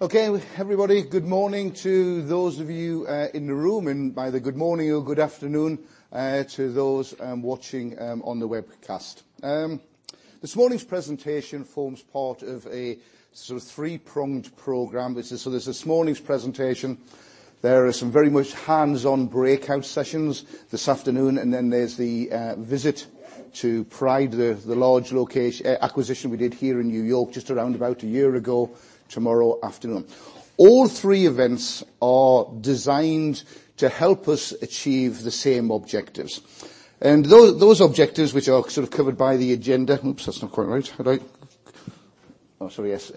Okay, everybody. Good morning to those of you in the room, and either good morning or good afternoon to those watching on the webcast. This morning's presentation forms part of a three-pronged program. There's this morning's presentation, there are some very much hands-on breakout sessions this afternoon, and then there's the visit to Pride, the large acquisition we did here in New York just around about a year ago, tomorrow afternoon. All three events are designed to help us achieve the same objectives. Those objectives, which are sort of covered by the agenda Oops, that's not quite right. Oh, sorry, yes.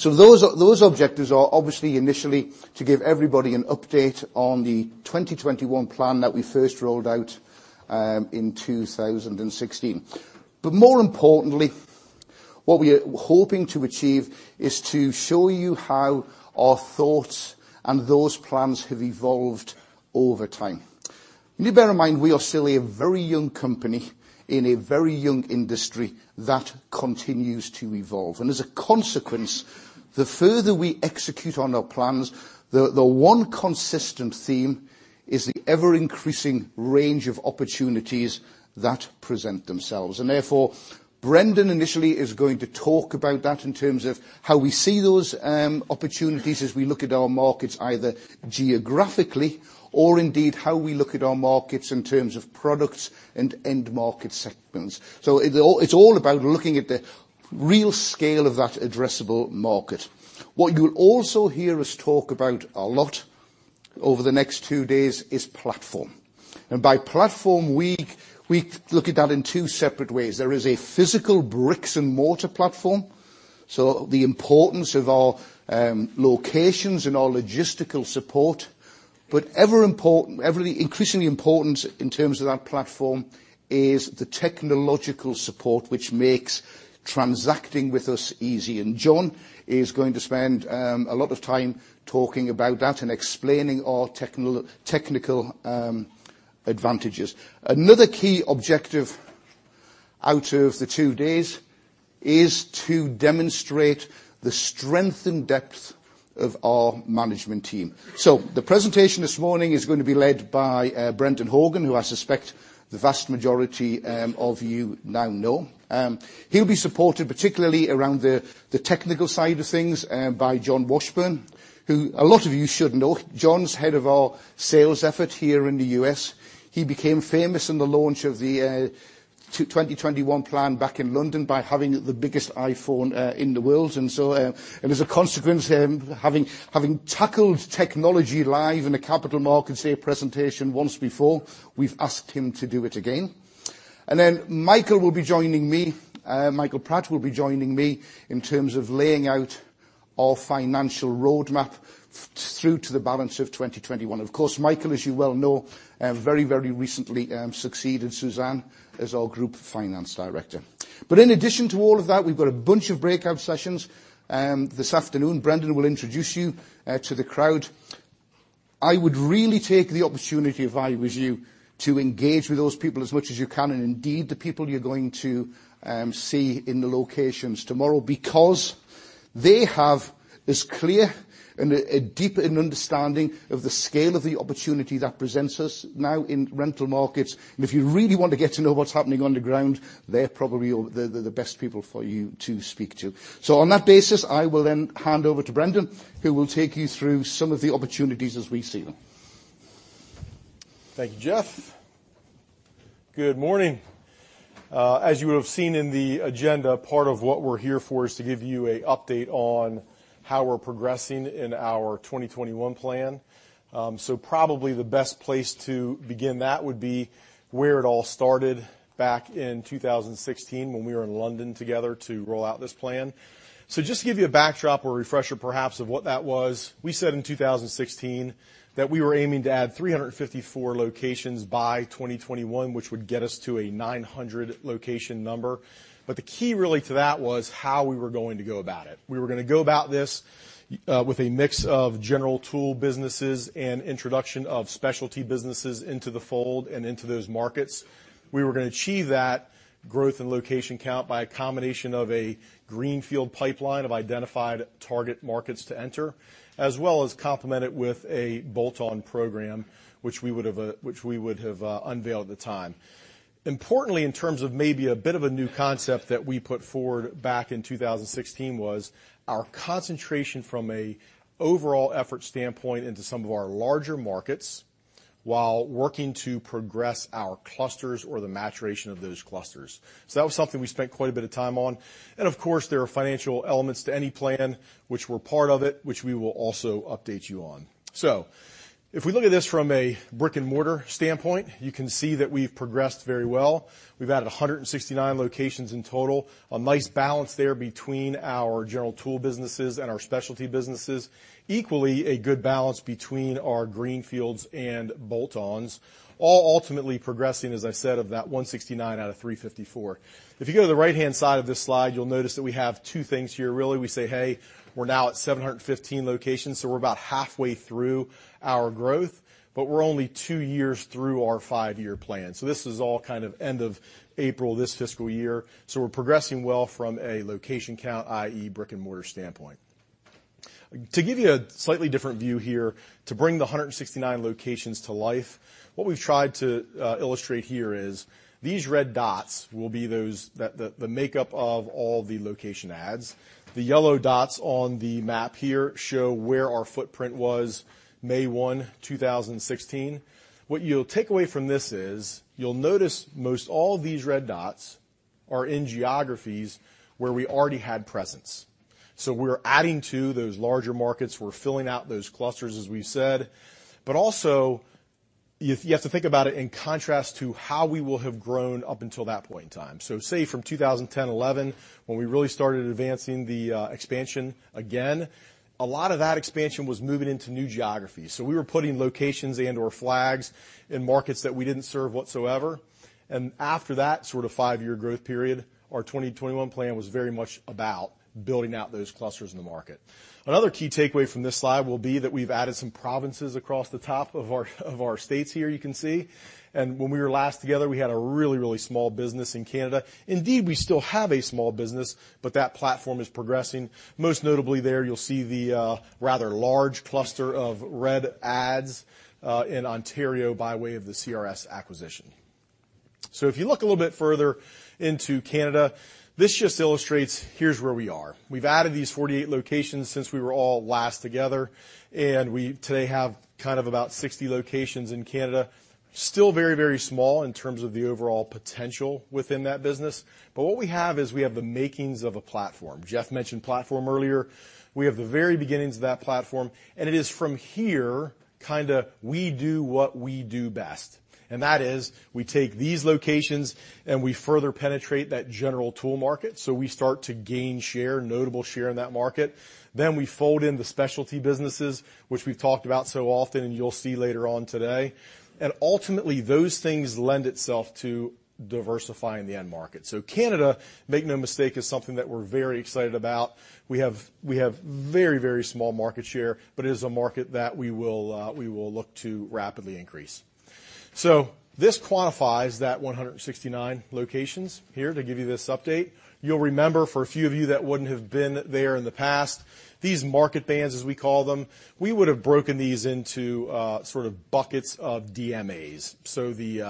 Those objectives are obviously initially to give everybody an update on the 2021 plan that we first rolled out in 2016. More importantly, what we're hoping to achieve is to show you how our thoughts and those plans have evolved over time. You bear in mind, we are still a very young company in a very young industry that continues to evolve. As a consequence, the further we execute on our plans, the one consistent theme is the ever-increasing range of opportunities that present themselves. Therefore, Brendan initially is going to talk about that in terms of how we see those opportunities as we look at our markets, either geographically or indeed how we look at our markets in terms of products and end market segments. It's all about looking at the real scale of that addressable market. What you'll also hear us talk about a lot over the next two days is platform. By platform, we look at that in two separate ways. There is a physical bricks and mortar platform, so the importance of our locations and our logistical support. Ever increasingly important in terms of that platform is the technological support which makes transacting with us easy. John is going to spend a lot of time talking about that and explaining our technical advantages. Another key objective out of the two days is to demonstrate the strength and depth of our management team. The presentation this morning is going to be led by Brendan Horgan, who I suspect the vast majority of you now know. He'll be supported, particularly around the technical side of things, by John Washburn, who a lot of you should know. John's head of our sales effort here in the U.S. He became famous in the launch of the 2021 plan back in London by having the biggest iPhone in the world. As a consequence, having tackled technology live in a capital market, say, a presentation once before, we've asked him to do it again. Michael will be joining me. Michael Pratt will be joining me in terms of laying out our financial roadmap through to the balance of 2021. Of course, Michael, as you well know, very recently succeeded Suzanne as our Group Finance Director. In addition to all of that, we've got a bunch of breakout sessions this afternoon. Brendan will introduce you to the crowd. I would really take the opportunity, if I was you, to engage with those people as much as you can, and indeed, the people you're going to see in the locations tomorrow, because they have this clear and a deeper understanding of the scale of the opportunity that presents us now in rental markets. If you really want to get to know what's happening on the ground, they're probably the best people for you to speak to. On that basis, I will then hand over to Brendan, who will take you through some of the opportunities as we see them. Thank you, Geoff. Good morning. As you have seen in the agenda, part of what we're here for is to give you an update on how we're progressing in our 2021 plan. Probably the best place to begin that would be where it all started back in 2016 when we were in London together to roll out this plan. Just to give you a backdrop or refresher, perhaps, of what that was, we said in 2016 that we were aiming to add 354 locations by 2021, which would get us to a 900 location number. The key really to that was how we were going to go about it. We were going to go about this with a mix of general tool businesses and introduction of specialty businesses into the fold and into those markets. We were going to achieve that growth and location count by a combination of a greenfield pipeline of identified target markets to enter, as well as complement it with a bolt-on program, which we would have unveiled at the time. Importantly, in terms of maybe a bit of a new concept that we put forward back in 2016, was our concentration from a overall effort standpoint into some of our larger markets while working to progress our clusters or the maturation of those clusters. That was something we spent quite a bit of time on. Of course, there are financial elements to any plan which were part of it, which we will also update you on. If we look at this from a brick-and-mortar standpoint, you can see that we've progressed very well. We've added 169 locations in total. A nice balance there between our general tool businesses and our specialty businesses. Equally a good balance between our greenfields and bolt-ons. All ultimately progressing, as I said, of that 169 out of 354. If you go to the right-hand side of this slide, you'll notice that we have two things here, really. We say, hey, we're now at 715 locations, so we're about halfway through our growth, but we're only two years through our five-year plan. This is all kind of end of April this fiscal year. We're progressing well from a location count, i.e., brick-and-mortar standpoint. To give you a slightly different view here, to bring the 169 locations to life, what we've tried to illustrate here is these red dots will be the makeup of all the location adds. The yellow dots on the map here show where our footprint was May 1, 2016. What you'll take away from this is, you'll notice most all these red dots are in geographies where we already had presence. We're adding to those larger markets. We're filling out those clusters, as we said. Also, you have to think about it in contrast to how we will have grown up until that point in time. Say, from 2010-2011, when we really started advancing the expansion again, a lot of that expansion was moving into new geographies. We were putting locations and/or flags in markets that we didn't serve whatsoever. After that sort of five-year growth period, our 2021 plan was very much about building out those clusters in the market. Another key takeaway from this slide will be that we've added some provinces across the top of our states here, you can see. When we were last together, we had a really small business in Canada. Indeed, we still have a small business, but that platform is progressing. Most notably there, you'll see the rather large cluster of red adds in Ontario by way of the CRS acquisition. If you look a little bit further into Canada, this just illustrates, here's where we are. We've added these 48 locations since we were all last together, and we today have about 60 locations in Canada. Still very small in terms of the overall potential within that business. What we have is we have the makings of a platform. Geoff mentioned platform earlier. We have the very beginnings of that platform, and it is from here, kind of, we do what we do best. That is we take these locations and we further penetrate that general tool market. We start to gain notable share in that market. We fold in the specialty businesses, which we've talked about so often and you'll see later on today. Ultimately, those things lend itself to diversifying the end market. Canada, make no mistake, is something that we're very excited about. We have very small market share, but it is a market that we will look to rapidly increase. This quantifies that 169 locations here to give you this update. You'll remember, for a few of you that wouldn't have been there in the past, these market bands, as we call them, we would have broken these into sort of buckets of DMAs. The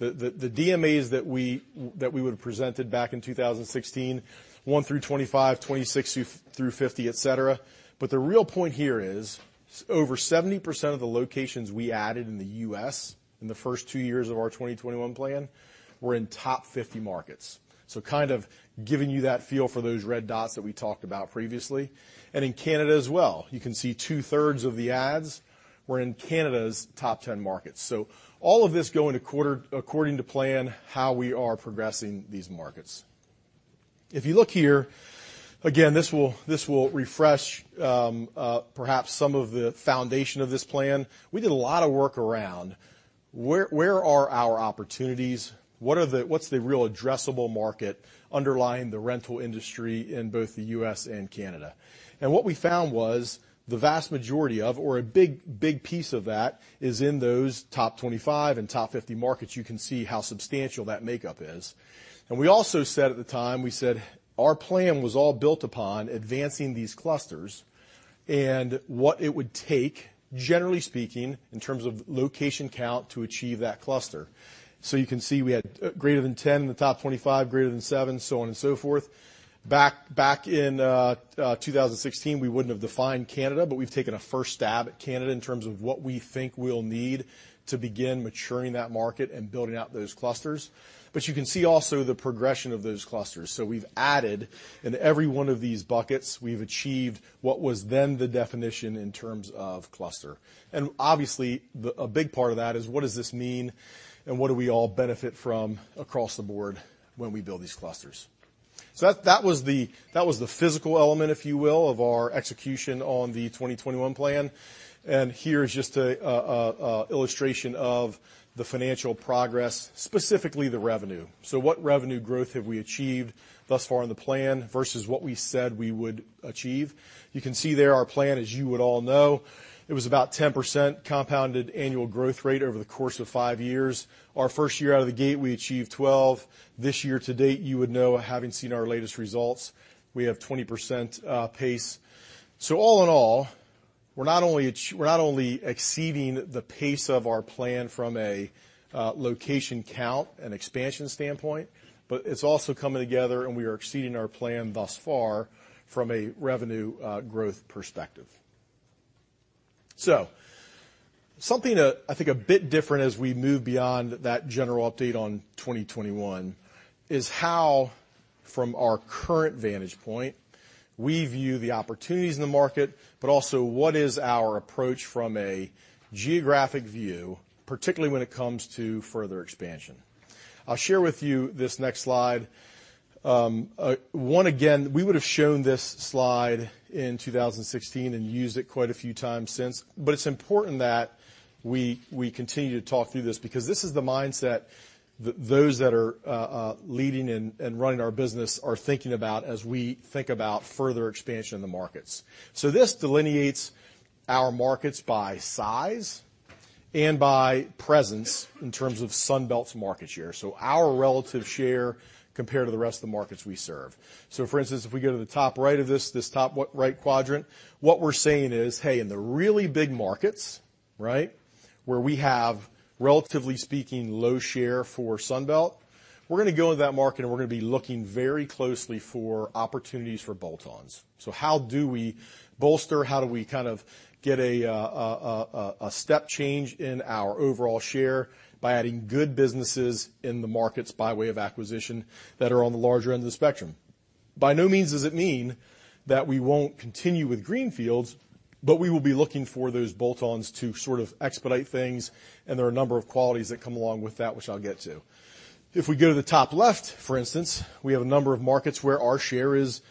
DMAs that we would have presented back in 2016, one through 25, 26 through 50, et cetera. The real point here is over 70% of the locations we added in the U.S. in the first two years of our 2021 plan were in top 50 markets. Kind of giving you that feel for those red dots that we talked about previously. In Canada as well. You can see two-thirds of the adds were in Canada's top 10 markets. All of this going according to plan, how we are progressing these markets. If you look here, again, this will refresh perhaps some of the foundation of this plan. We did a lot of work around where are our opportunities? What's the real addressable market underlying the rental industry in both the U.S. and Canada? What we found was the vast majority of, or a big piece of that is in those top 25 and top 50 markets. You can see how substantial that makeup is. We also said at the time, we said our plan was all built upon advancing these clusters and what it would take, generally speaking, in terms of location count to achieve that cluster. You can see we had greater than 10 in the top 25, greater than 7, so on and so forth. Back in 2016, we wouldn't have defined Canada, but we've taken a first stab at Canada in terms of what we think we'll need to begin maturing that market and building out those clusters. You can see also the progression of those clusters. We've added in every one of these buckets, we've achieved what was then the definition in terms of cluster. Obviously, a big part of that is what does this mean and what do we all benefit from across the board when we build these clusters? That was the physical element, if you will, of our execution on the 2021 plan, and here is just a illustration of the financial progress, specifically the revenue. What revenue growth have we achieved thus far in the plan versus what we said we would achieve? You can see there our plan, as you would all know, it was about 10% compounded annual growth rate over the course of five years. Our first year out of the gate, we achieved 12. This year to date, you would know, having seen our latest results, we have 20% pace. All in all, we're not only exceeding the pace of our plan from a location count and expansion standpoint, but it's also coming together and we are exceeding our plan thus far from a revenue growth perspective. Something I think a bit different as we move beyond that general update on 2021 is how, from our current vantage point, we view the opportunities in the market, but also what is our approach from a geographic view, particularly when it comes to further expansion. I'll share with you this next slide. One, again, we would've shown this slide in 2016 and used it quite a few times since, it's important that we continue to talk through this because this is the mindset those that are leading and running our business are thinking about as we think about further expansion in the markets. This delineates our markets by size by presence in terms of Sunbelt's market share, our relative share compared to the rest of the markets we serve. For instance, if we go to the top right of this top right quadrant, what we're saying is, hey, in the really big markets where we have, relatively speaking, low share for Sunbelt, we're going to go into that market, and we're going to be looking very closely for opportunities for bolt-ons. How do we bolster, how do we get a step change in our overall share by adding good businesses in the markets by way of acquisition that are on the larger end of the spectrum? By no means does it mean that we won't continue with greenfields, but we will be looking for those bolt-ons to expedite things, and there are a number of qualities that come along with that, which I'll get to. If we go to the top left, for instance, we have a number of markets where our share is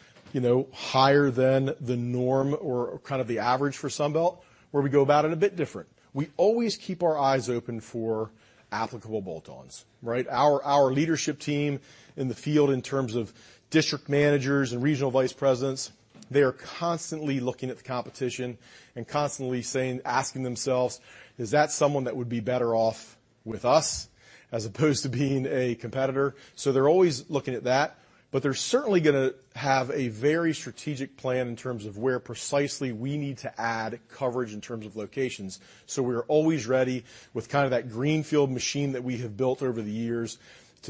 higher than the norm or the average for Sunbelt, where we go about it a bit different. We always keep our eyes open for applicable bolt-ons. Our leadership team in the field, in terms of district managers and regional vice presidents, they are constantly looking at the competition and constantly asking themselves, "Is that someone that would be better off with us as opposed to being a competitor?" They're always looking at that, but they're certainly going to have a very strategic plan in terms of where precisely we need to add coverage in terms of locations. We are always ready with that greenfield machine that we have built over the years to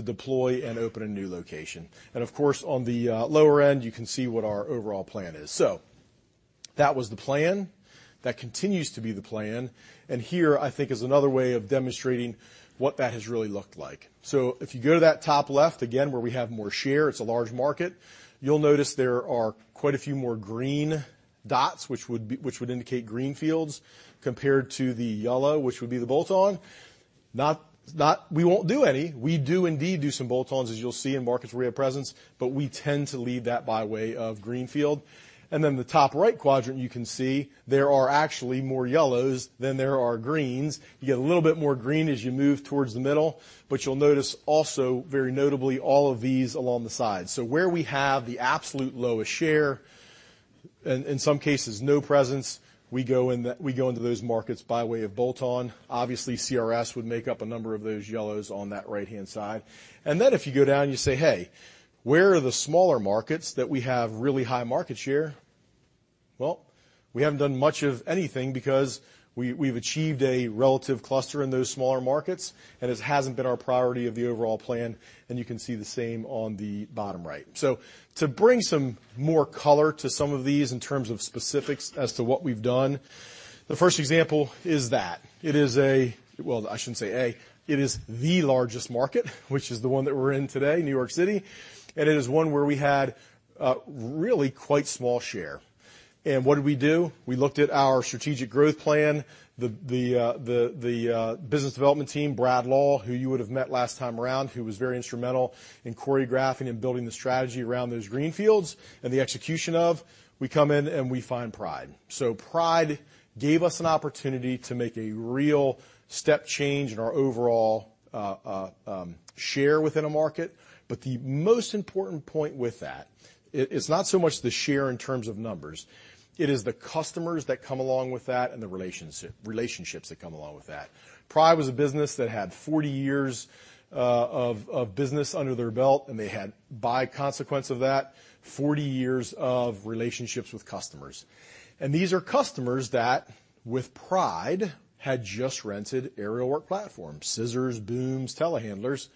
deploy and open a new location. Of course, on the lower end, you can see what our overall plan is. That was the plan. That continues to be the plan. Here, I think, is another way of demonstrating what that has really looked like. If you go to that top left, again, where we have more share, it's a large market. You'll notice there are quite a few more green dots, which would indicate greenfields, compared to the yellow, which would be the bolt-on. Not we won't do any. We do indeed do some bolt-ons, as you'll see, in markets where we have presence, but we tend to lead that by way of greenfield. The top right quadrant, you can see there are actually more yellows than there are greens. You get a little bit more green as you move towards the middle, but you'll notice also, very notably, all of these along the side. Where we have the absolute lowest share, in some cases, no presence, we go into those markets by way of bolt-on. Obviously, CRS would make up a number of those yellows on that right-hand side. If you go down, you say, "Hey, where are the smaller markets that we have really high market share?" Well, we haven't done much of anything because we've achieved a relative cluster in those smaller markets, and this hasn't been our priority of the overall plan, and you can see the same on the bottom right. To bring some more color to some of these in terms of specifics as to what we've done, the first example is that. It is a Well, I shouldn't say a. It is the largest market, which is the one that we're in today, New York City. It is one where we had really quite small share. What did we do? We looked at our strategic growth plan, the business development team, Brad Lull, who you would have met last time around, who was very instrumental in choreographing and building the strategy around those greenfields and the execution of. We come in and we find Pride. Pride gave us an opportunity to make a real step change in our overall share within a market. But the most important point with that, it's not so much the share in terms of numbers. It is the customers that come along with that and the relationships that come along with that. Pride was a business that had 40 years of business under their belt, and they had, by consequence of that, 40 years of relationships with customers. And these are customers that, with Pride, had just rented aerial work platforms, scissors, booms, telehandlers,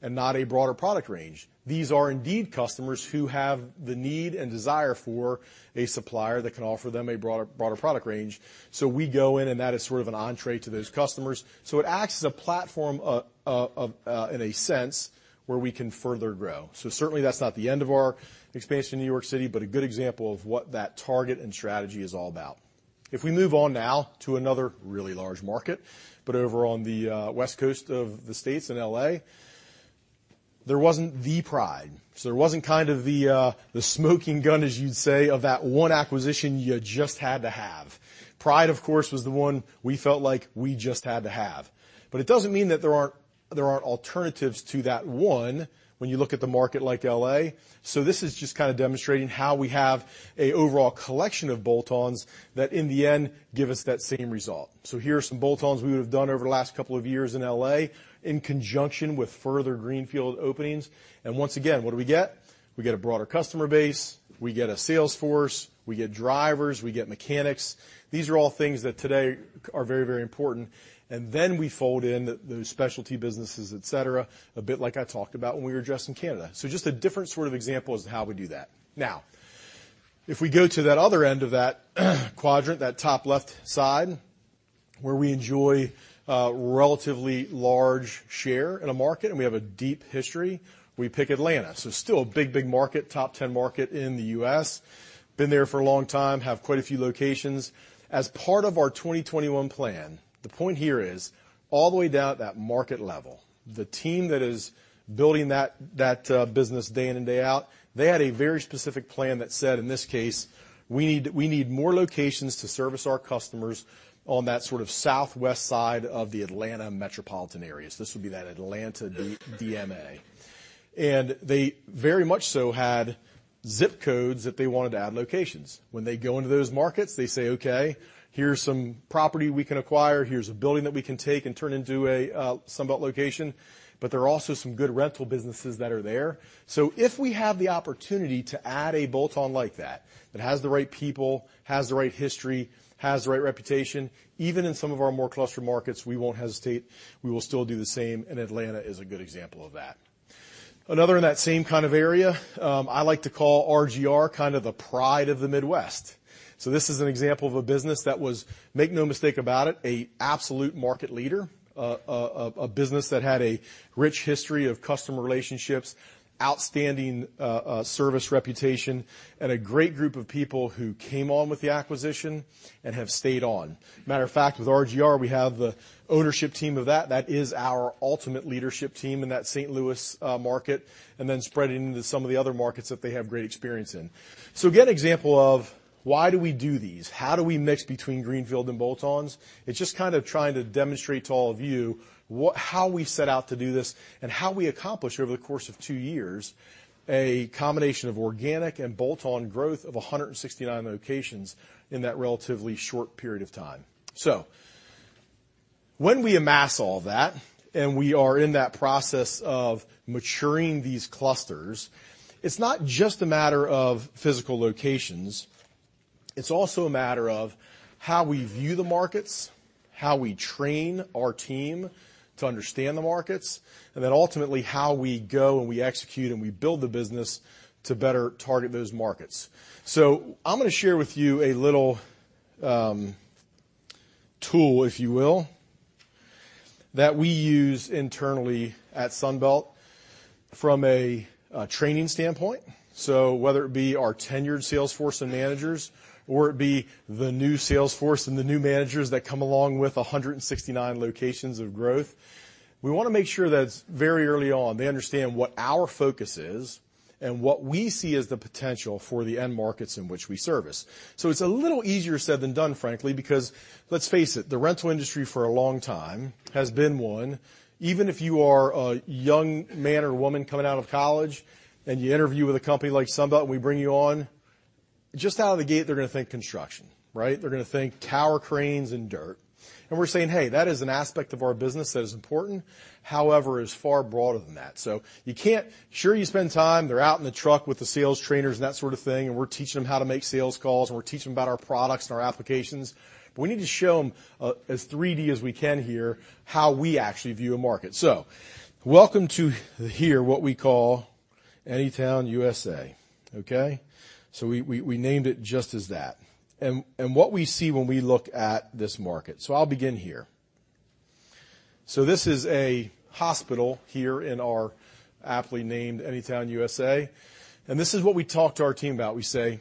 and not a broader product range. These are indeed customers who have the need and desire for a supplier that can offer them a broader product range. We go in, and that is sort of an entrée to those customers. It acts as a platform in a sense, where we can further grow. Certainly, that's not the end of our expansion in New York City, but a good example of what that target and strategy is all about. If we move on now to another really large market, but over on the West Coast of the U.S. in L.A., there wasn't the Pride. There wasn't the smoking gun, as you'd say, of that one acquisition you just had to have. Pride, of course, was the one we felt like we just had to have. It doesn't mean that there aren't alternatives to that one when you look at the market like L.A. This is just demonstrating how we have an overall collection of bolt-ons that in the end, give us that same result. Here are some bolt-ons we have done over the last couple of years in L.A. in conjunction with further greenfield openings. And once again, what do we get? We get a broader customer base, we get a sales force, we get drivers, we get mechanics. These are all things that today are very important. And then we fold in those specialty businesses, et cetera, a bit like I talked about when we were just in Canada. Just a different example of how we do that. If we go to that other end of that quadrant, that top left side, where we enjoy a relatively large share in a market and we have a deep history, we pick Atlanta. Still a big market, top 10 market in the U.S. Been there for a long time, have quite a few locations. As part of our 2021 plan, the point here is all the way down at that market level, the team that is building that business day in and day out, they had a very specific plan that said, in this case, we need more locations to service our customers on that sort of southwest side of the Atlanta metropolitan areas. This would be that Atlanta DMA. And they very much so had zip codes that they wanted to add locations. When they go into those markets, they say, "Okay, here's some property we can acquire. Here's a building that we can take and turn into a Sunbelt location." There are also some good rental businesses that are there. If we have the opportunity to add a bolt-on like that has the right people, has the right history, has the right reputation, even in some of our more cluster markets, we won't hesitate. We will still do the same, and Atlanta is a good example of that. Another in that same kind of area, I like to call RGR kind of the pride of the Midwest. This is an example of a business that was, make no mistake about it, a absolute market leader, a business that had a rich history of customer relationships, outstanding service reputation, and a great group of people who came on with the acquisition and have stayed on. Matter of fact, with RGR, we have the ownership team of that. That is our ultimate leadership team in that St. Louis market, and then spreading into some of the other markets that they have great experience in. Again, example of why do we do these? How do we mix between greenfield and bolt-ons? It's just kind of trying to demonstrate to all of you how we set out to do this and how we accomplished, over the course of two years, a combination of organic and bolt-on growth of 169 locations in that relatively short period of time. When we amass all that, we are in that process of maturing these clusters, it's not just a matter of physical locations. It's also a matter of how we view the markets, how we train our team to understand the markets, ultimately how we go and we execute and we build the business to better target those markets. I'm going to share with you a little tool, if you will, that we use internally at Sunbelt from a training standpoint. Whether it be our tenured sales force and managers or it be the new sales force and the new managers that come along with 169 locations of growth, we want to make sure that very early on, they understand what our focus is and what we see as the potential for the end markets in which we service. It's a little easier said than done, frankly, because let's face it, the rental industry for a long time has been one, even if you are a young man or woman coming out of college and you interview with a company like Sunbelt and we bring you on, just out of the gate, they're going to think construction. Right? They're going to think tower cranes and dirt. We're saying, "Hey, that is an aspect of our business that is important. However, it is far broader than that." Sure, you spend time, they're out in the truck with the sales trainers and that sort of thing, and we're teaching them how to make sales calls, and we're teaching them about our products and our applications. We need to show them as 3D as we can here how we actually view a market. Welcome to here, what we call Anytown, USA. Okay? We named it just as that. What we see when we look at this market. I'll begin here. This is a hospital here in our aptly named Anytown, USA, and this is what we talk to our team about. We say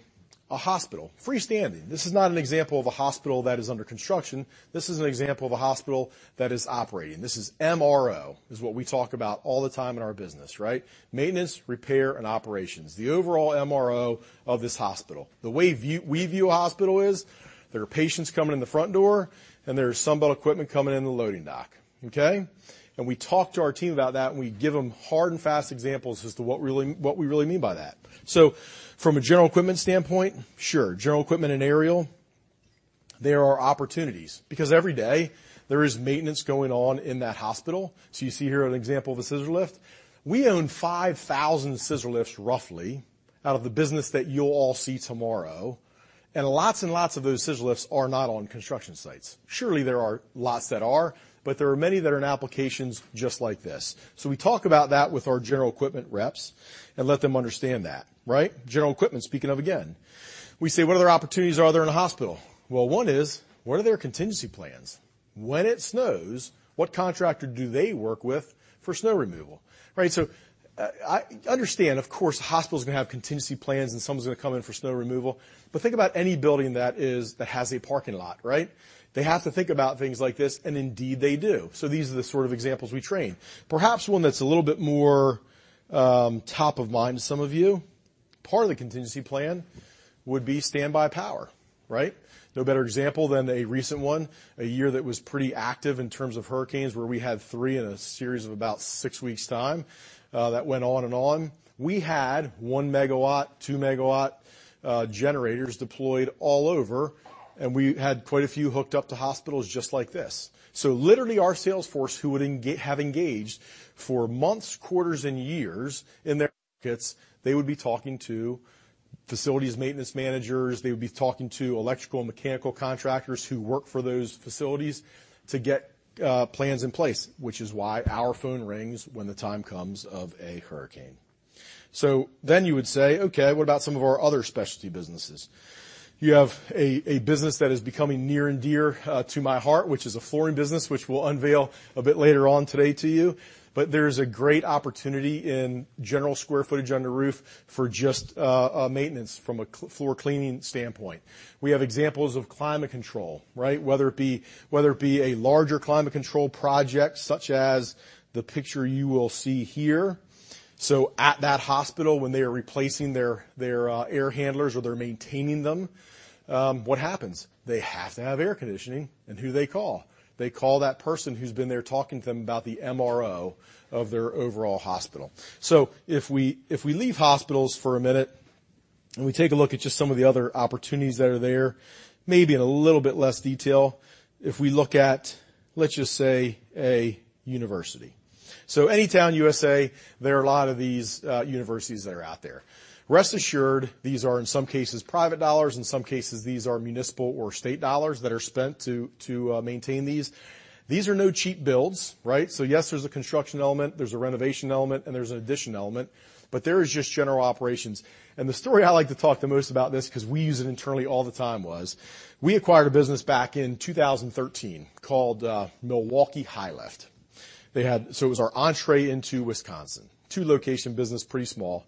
a hospital, freestanding. This is not an example of a hospital that is under construction. This is an example of a hospital that is operating. This is MRO, is what we talk about all the time in our business, right? Maintenance, repair, and operations, the overall MRO of this hospital. The way we view a hospital is there are patients coming in the front door, and there is Sunbelt equipment coming in the loading dock. Okay? We talk to our team about that, and we give them hard and fast examples as to what we really mean by that. From a general equipment standpoint, sure, general equipment and aerial, there are opportunities because every day there is maintenance going on in that hospital. You see here an example of a scissor lift. We own 5,000 scissor lifts roughly out of the business that you'll all see tomorrow, and lots and lots of those scissor lifts are not on construction sites. Surely there are lots that are, but there are many that are in applications just like this. We talk about that with our general equipment reps and let them understand that, right? General equipment, speaking of again. We say, what other opportunities are there in a hospital? Well, one is, what are their contingency plans? When it snows, what contractor do they work with for snow removal? Right. I understand, of course, hospitals are going to have contingency plans and someone's going to come in for snow removal. Think about any building that has a parking lot, right? They have to think about things like this, and indeed they do. These are the sort of examples we train. Perhaps one that's a little bit more top of mind to some of you, part of the contingency plan would be standby power, right? No better example than a recent one, a year that was pretty active in terms of hurricanes, where we had three in a series of about six weeks' time that went on and on. We had one megawatt, two megawatt generators deployed all over, and we had quite a few hooked up to hospitals just like this. Literally our sales force who would have engaged for months, quarters, and years in their markets, they would be talking to facilities maintenance managers. They would be talking to electrical and mechanical contractors who work for those facilities to get plans in place, which is why our phone rings when the time comes of a hurricane. You would say, "Okay, what about some of our other specialty businesses?" You have a business that is becoming near and dear to my heart, which is a flooring business, which we'll unveil a bit later on today to you. There's a great opportunity in general square footage under roof for just maintenance from a floor cleaning standpoint. We have examples of climate control, right? Whether it be a larger climate control project, such as the picture you will see here. At that hospital, when they are replacing their air handlers or they're maintaining them, what happens? They have to have air conditioning, and who do they call? They call that person who's been there talking to them about the MRO of their overall hospital. If we leave hospitals for a minute, we take a look at just some of the other opportunities that are there, maybe in a little bit less detail. If we look at, let's just say, a university. Anytown, USA, there are a lot of these universities that are out there. Rest assured, these are, in some cases, private dollars, in some cases, these are municipal or state dollars that are spent to maintain these. These are no cheap builds, right? Yes, there's a construction element, there's a renovation element, and there's an addition element, but there is just general operations. The story I like to talk the most about this, because we use it internally all the time, was we acquired a business back in 2013 called Milwaukee High Lift. It was our entrée into Wisconsin. Two-location business, pretty small.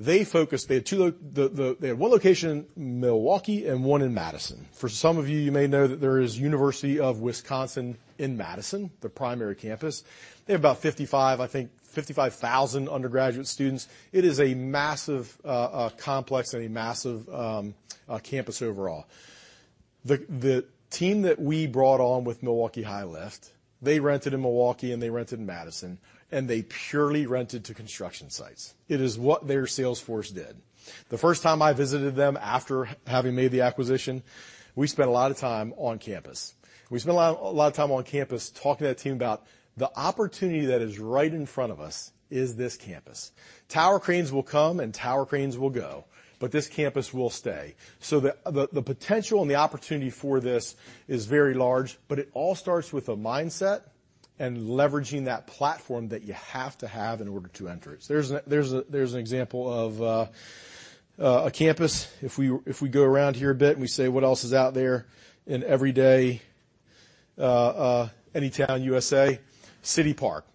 They had one location in Milwaukee and one in Madison. For some of you may know that there is University of Wisconsin–Madison, the primary campus. They have about 55, I think 55,000 undergraduate students. It is a massive complex and a massive campus overall. The team that we brought on with Milwaukee High Lift, they rented in Milwaukee and they rented in Madison, and they purely rented to construction sites. It is what their sales force did. The first time I visited them after having made the acquisition, we spent a lot of time on campus. We spent a lot of time on campus talking to that team about the opportunity that is right in front of us is this campus. Tower cranes will come and tower cranes will go, but this campus will stay. The potential and the opportunity for this is very large, but it all starts with a mindset and leveraging that platform that you have to have in order to enter it. There's an example of a campus. If we go around here a bit and we say what else is out there in every day, Anytown, USA, city park.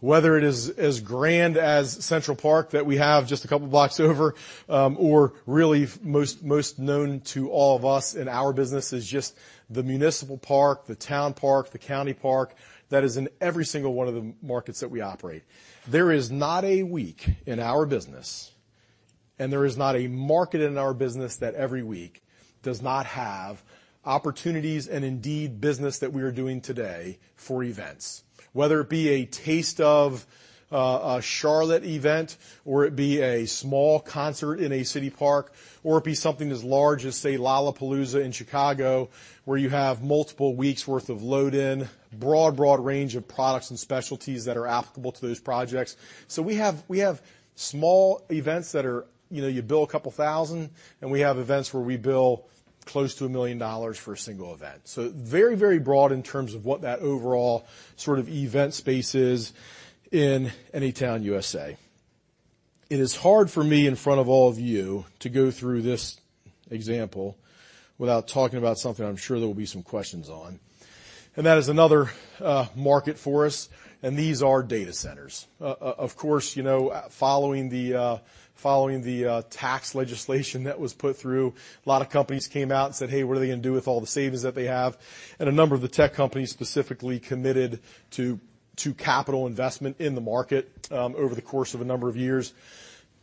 Whether it is as grand as Central Park that we have just a couple of blocks over, or really most known to all of us in our business is just the municipal park, the town park, the county park, that is in every single one of the markets that we operate. There is not a week in our business, and there is not a market in our business that every week does not have opportunities and indeed business that we are doing today for events. Whether it be a taste of a Charlotte event, or it be a small concert in a city park, or it be something as large as, say, Lollapalooza in Chicago, where you have multiple weeks worth of load-in, broad range of products and specialties that are applicable to those projects. We have small events that you bill a couple thousand, and we have events where we bill close to GBP 1 million for a single event. Very broad in terms of what that overall sort of event space is in Anytown, USA. It is hard for me in front of all of you to go through this example without talking about something I'm sure there will be some questions on, and that is another market for us, and these are data centers. Of course, following the tax legislation that was put through, a lot of companies came out and said, hey, what are they going to do with all the savings that they have? A number of the tech companies specifically committed to capital investment in the market over the course of a number of years.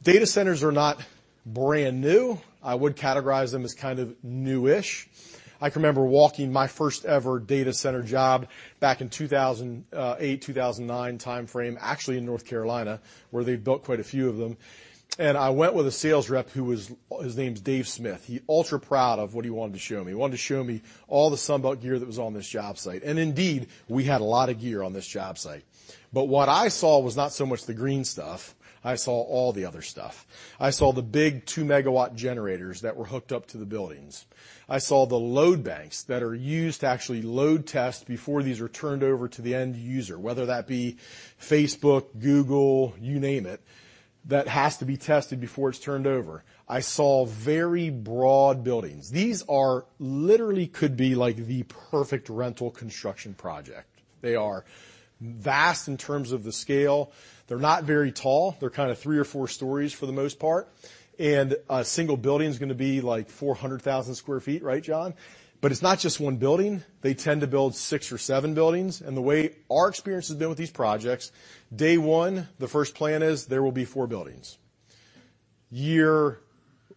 Data centers are not brand new. I would categorize them as kind of new-ish. I can remember walking my first ever data center job back in 2008, 2009 timeframe, actually in North Carolina, where they've built quite a few of them. I went with a sales rep. His name's Dave Smith. He's ultra proud of what he wanted to show me. He wanted to show me all the Sunbelt gear that was on this job site, and indeed, we had a lot of gear on this job site. What I saw was not so much the green stuff, I saw all the other stuff. I saw the big 2-megawatt generators that were hooked up to the buildings. I saw the load banks that are used to actually load test before these are turned over to the end user, whether that be Facebook, Google, you name it, that has to be tested before it's turned over. I saw very broad buildings. These are literally could be like the perfect rental construction project. They are vast in terms of the scale. They're not very tall. They're kind of three or four stories for the most part, and a single building is going to be like 400,000 sq ft, right John? It's not just one building. They tend to build six or seven buildings. The way our experience has been with these projects, day one, the first plan is there will be four buildings. Year,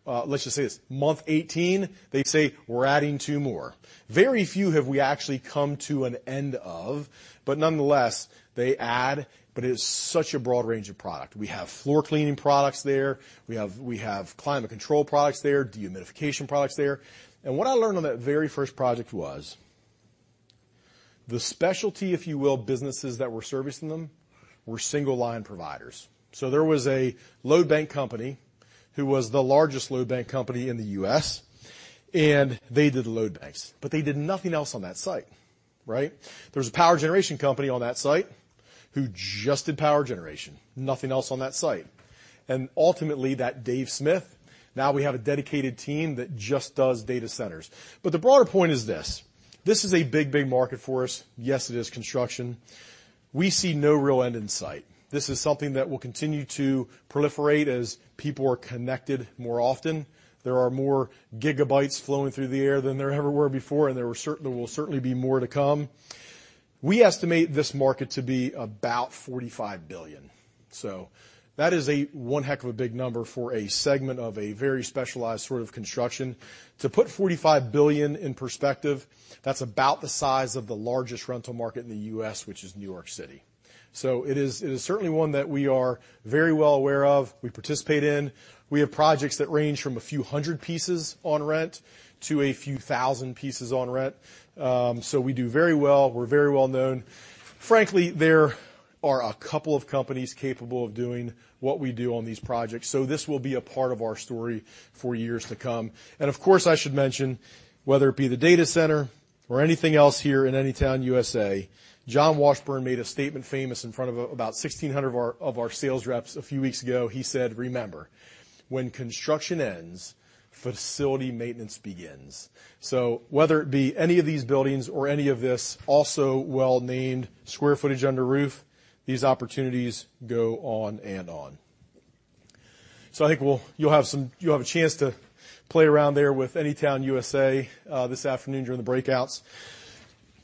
let's just say it's month 18, they say we're adding two more. Very few have we actually come to an end of. Nonetheless, they add, but it is such a broad range of product. We have floor cleaning products there, we have climate control products there, dehumidification products there. What I learned on that very first project was the specialty, if you will, businesses that were servicing them were single-line providers. There was a load bank company who was the largest load bank company in the U.S. They did load banks. They did nothing else on that site, right? There was a power generation company on that site who just did power generation, nothing else on that site. Ultimately, that Dave Smith, now we have a dedicated team that just does data centers. The broader point is this: This is a big market for us. Yes, it is construction. We see no real end in sight. This is something that will continue to proliferate as people are connected more often. There are more gigabytes flowing through the air than there ever were before, and there will certainly be more to come. We estimate this market to be about $45 billion. That is one heck of a big number for a segment of a very specialized sort of construction. To put $45 billion in perspective, that's about the size of the largest rental market in the U.S., which is New York City. It is certainly one that we are very well aware of, we participate in. We have projects that range from a few hundred pieces on rent to a few thousand pieces on rent. We do very well. We're very well-known. Frankly, there are a couple of companies capable of doing what we do on these projects. This will be a part of our story for years to come. Of course, I should mention, whether it be the data center or anything else here in Anytown, USA, John Washburn made a statement famous in front of about 1,600 of our sales reps a few weeks ago. He said, "Remember, when construction ends, facility maintenance begins." Whether it be any of these buildings or any of this also well-named square footage under roof, these opportunities go on and on. I think you'll have a chance to play around there with Anytown, USA this afternoon during the breakouts.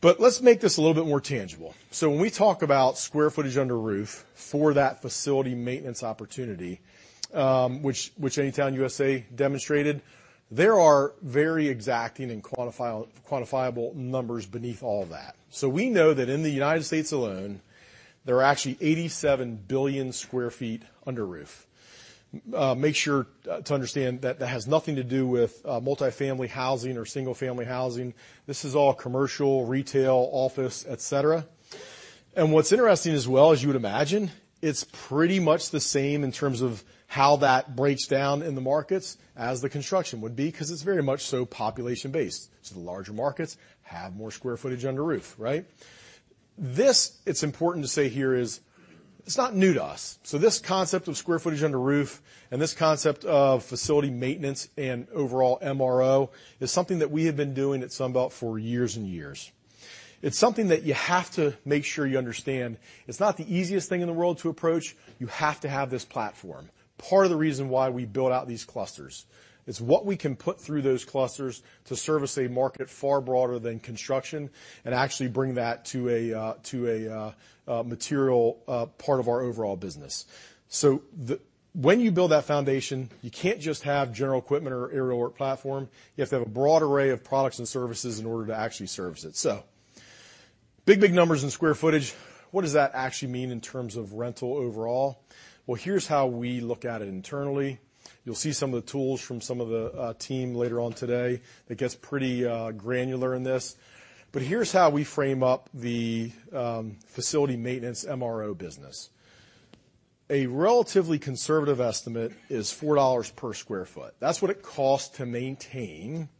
Let's make this a little bit more tangible. When we talk about square footage under roof for that facility maintenance opportunity, which Anytown, USA demonstrated, there are very exacting and quantifiable numbers beneath all that. We know that in the U.S. alone, there are actually 87 billion square feet under roof. Make sure to understand that has nothing to do with multi-family housing or single-family housing. This is all commercial, retail, office, et cetera. What's interesting as well, as you would imagine, it's pretty much the same in terms of how that breaks down in the markets as the construction would be, because it's very much so population-based. The larger markets have more square footage under roof, right? This, it's important to say here, is not new to us. This concept of square footage under roof and this concept of facility maintenance and overall MRO is something that we have been doing at Sunbelt Rentals for years and years. It's something that you have to make sure you understand. It's not the easiest thing in the world to approach. You have to have this platform. Part of the reason why we build out these clusters is what we can put through those clusters to service a market far broader than construction and actually bring that to a material part of our overall business. When you build that foundation, you can't just have general equipment or aerial work platforms. You have to have a broad array of products and services in order to actually service it. Big, big numbers in square footage. What does that actually mean in terms of rental overall? Well, here's how we look at it internally. You'll see some of the tools from some of the team later on today. It gets pretty granular in this. Here's how we frame up the facility maintenance MRO business. A relatively conservative estimate is $4 per square foot. That's what it costs to maintain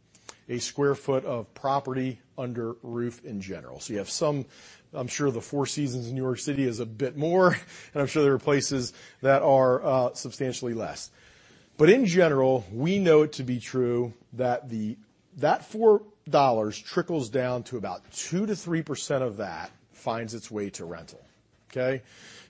a square foot of property under roof in general. You have some, I'm sure the Four Seasons in New York City is a bit more, and I'm sure there are places that are substantially less. In general, we know it to be true that that $4 trickles down to about 2%-3% of that finds its way to rental. Okay?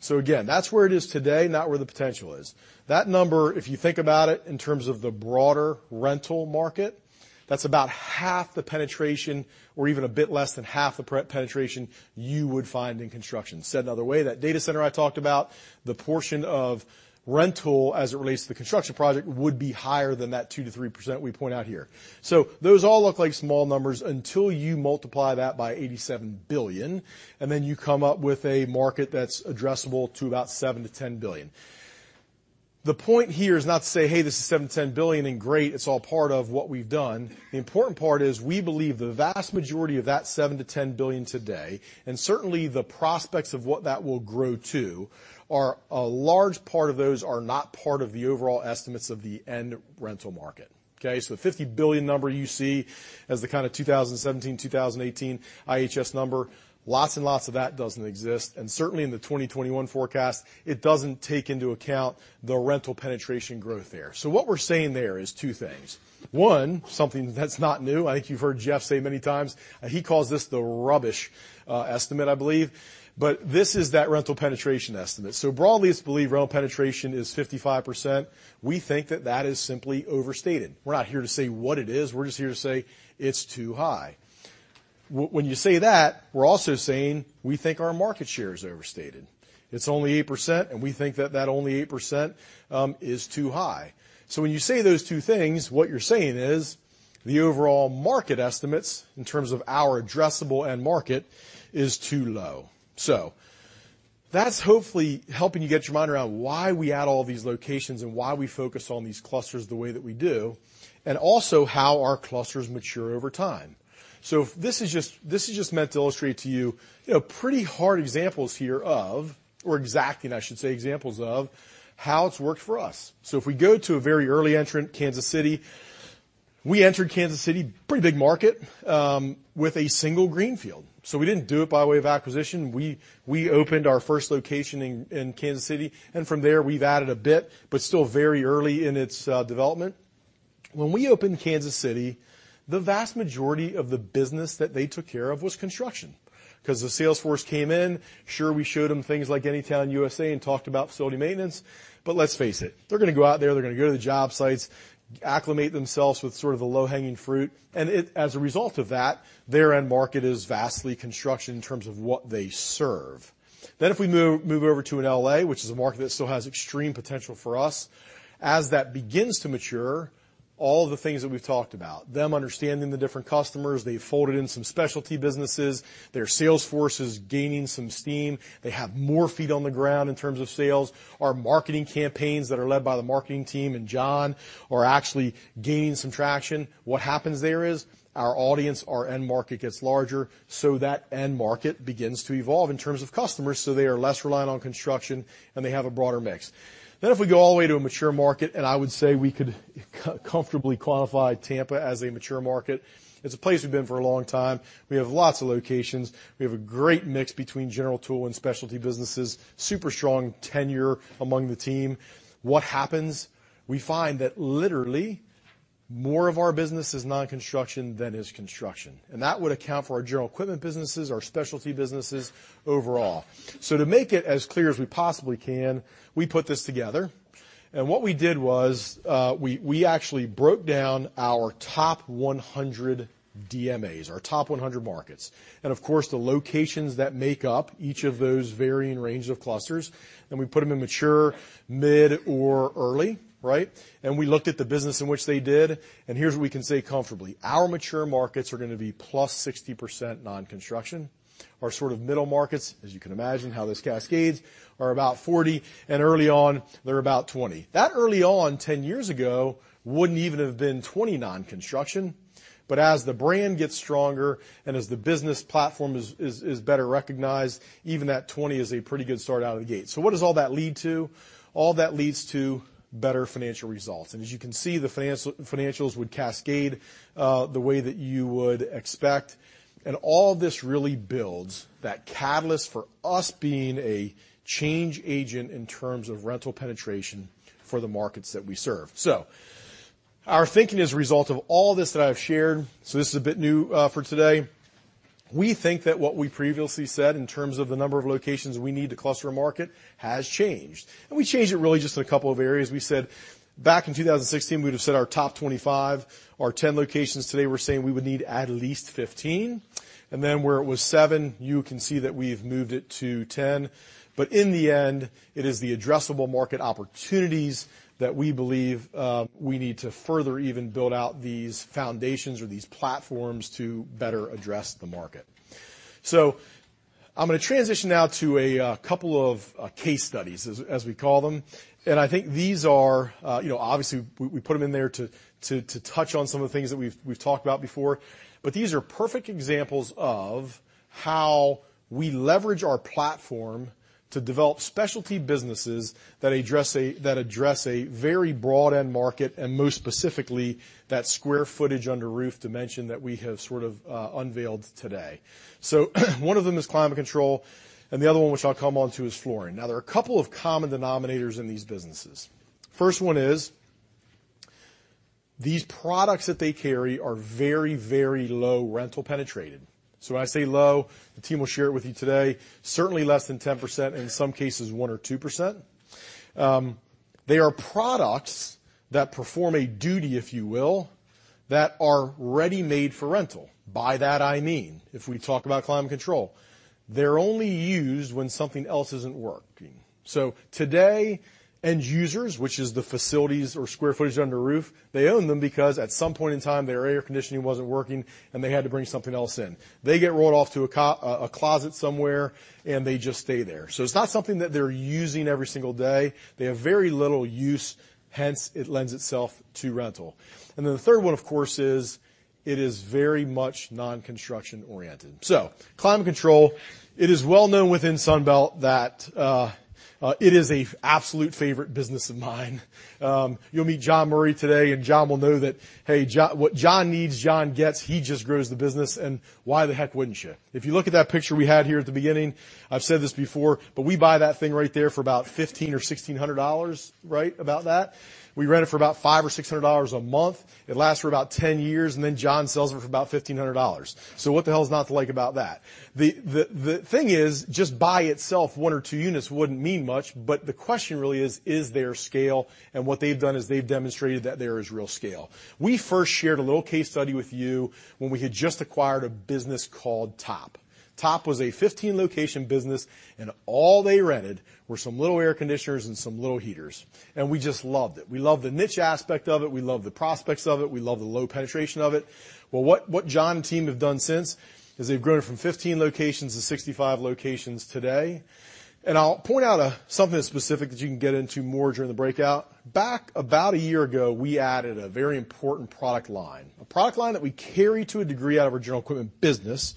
Again, that's where it is today, not where the potential is. That number, if you think about it in terms of the broader rental market, that's about half the penetration or even a bit less than half the penetration you would find in construction. Said another way, that data center I talked about, the portion of rental as it relates to the construction project would be higher than that 2%-3% we point out here. Those all look like small numbers until you multiply that by $87 billion, and then you come up with a market that's addressable to about $7 billion-$10 billion. The point here is not to say, "Hey, this is $7 billion-$10 billion and great, it's all part of what we've done." The important part is we believe the vast majority of that $7 billion-$10 billion today, and certainly the prospects of what that will grow to, a large part of those are not part of the overall estimates of the end rental market. Okay? The $50 billion number you see as the kind of 2017, 2018 IHS number, lots and lots of that doesn't exist. Certainly in the 2021 forecast, it doesn't take into account the rental penetration growth there. What we're saying there is two things. One, something that's not new, I think you've heard Geoff say many times, he calls this the rubbish estimate, I believe. This is that rental penetration estimate. Broadly, it's believed rental penetration is 55%. We think that that is simply overstated. We're not here to say what it is. We're just here to say it's too high. When you say that, we're also saying we think our market share is overstated. It's only 8%, we think that that only 8% is too high. When you say those two things, what you're saying is the overall market estimates in terms of our addressable end market is too low. That's hopefully helping you get your mind around why we add all these locations and why we focus on these clusters the way that we do, and also how our clusters mature over time. This is just meant to illustrate to you pretty hard examples here of, or exacting, I should say, examples of how it's worked for us. If we go to a very early entrant, Kansas City, we entered Kansas City, pretty big market, with a single greenfield. We didn't do it by way of acquisition. We opened our first location in Kansas City, from there, we've added a bit, but still very early in its development. When we opened Kansas City, the vast majority of the business that they took care of was construction. The sales force came in, sure, we showed them things like Anytown, USA and talked about facility maintenance. Let's face it, they're going to go out there, they're going to go to the job sites, acclimate themselves with sort of the low-hanging fruit, as a result of that, their end market is vastly construction in terms of what they serve. If we move over to an L.A., which is a market that still has extreme potential for us, as that begins to mature, all the things that we've talked about, them understanding the different customers, they've folded in some specialty businesses, their sales force is gaining some steam. They have more feet on the ground in terms of sales. Our marketing campaigns that are led by the marketing team and John are actually gaining some traction. What happens there is our audience, our end market, gets larger, so that end market begins to evolve in terms of customers, so they are less reliant on construction and they have a broader mix. If we go all the way to a mature market, I would say we could comfortably qualify Tampa as a mature market. It's a place we've been for a long time. We have lots of locations. We have a great mix between general tool and specialty businesses. Super strong tenure among the team. What happens? We find that literally more of our business is non-construction than is construction, that would account for our general equipment businesses, our specialty businesses overall. To make it as clear as we possibly can, we put this together, what we did was we actually broke down our top 100 DMAs, our top 100 markets, of course, the locations that make up each of those varying ranges of clusters, we put them in mature, mid, or early. Right? We looked at the business in which they did, here's what we can say comfortably. Our mature markets are going to be plus 60% non-construction. Our sort of middle markets, as you can imagine how this cascades, are about 40%, early on they're about 20%. That early on, 10 years ago, wouldn't even have been 20 non-construction. As the brand gets stronger as the business platform is better recognized, even that 20 is a pretty good start out of the gate. What does all that lead to? All that leads to better financial results. As you can see, the financials would cascade the way that you would expect. All this really builds that catalyst for us being a change agent in terms of rental penetration for the markets that we serve. Our thinking as a result of all this that I've shared, this is a bit new for today. We think that what we previously said in terms of the number of locations we need to cluster a market has changed, we changed it really just in a couple of areas. We said back in 2016, we'd have said our top 25. Our 10 locations today, we're saying we would need at least 15. Where it was seven, you can see that we've moved it to 10. In the end, it is the addressable market opportunities that we believe we need to further even build out these foundations or these platforms to better address the market. I'm going to transition now to a couple of case studies, as we call them. Obviously, we put them in there to touch on some of the things that we've talked about before, but these are perfect examples of how we leverage our platform to develop specialty businesses that address a very broad end market and most specifically, that square footage under roof dimension that we have sort of unveiled today. One of them is climate control, and the other one, which I'll come onto, is flooring. There are a couple of common denominators in these businesses. First one is, these products that they carry are very low rental penetrated. When I say low, the team will share it with you today, certainly less than 10%, in some cases 1% or 2%. They are products that perform a duty, if you will, that are ready-made for rental. By that, I mean, if we talk about climate control, they're only used when something else isn't working. Today, end users, which is the facilities or square footage under roof, they own them because at some point in time, their air conditioning wasn't working and they had to bring something else in. They get rolled off to a closet somewhere, and they just stay there. It's not something that they're using every single day. They have very little use, hence it lends itself to rental. The third one, of course, is it is very much non-construction oriented. Climate control, it is well known within Sunbelt that it is a absolute favorite business of mine. You'll meet John Murray today, and John will know that, hey, what John needs, John gets. He just grows the business, and why the heck wouldn't you? If you look at that picture we had here at the beginning, I've said this before, but we buy that thing right there for about 15 or $1,600, right about that. We rent it for about five or $600 a month. It lasts for about 10 years, and then John sells it for about $1,500. What the hell's not to like about that? The thing is, just by itself, one or two units wouldn't mean much. The question really is there scale? What they've done is they've demonstrated that there is real scale. We first shared a little case study with you when we had just acquired a business called Topp. Topp was a 15-location business, and all they rented were some little air conditioners and some little heaters, and we just loved it. We loved the niche aspect of it. We loved the prospects of it. We loved the low penetration of it. Well, what John and team have done since is they've grown it from 15 locations to 65 locations today. I'll point out something that's specific that you can get into more during the breakout. Back about a year ago, we added a very important product line, a product line that we carry to a degree out of our general equipment business,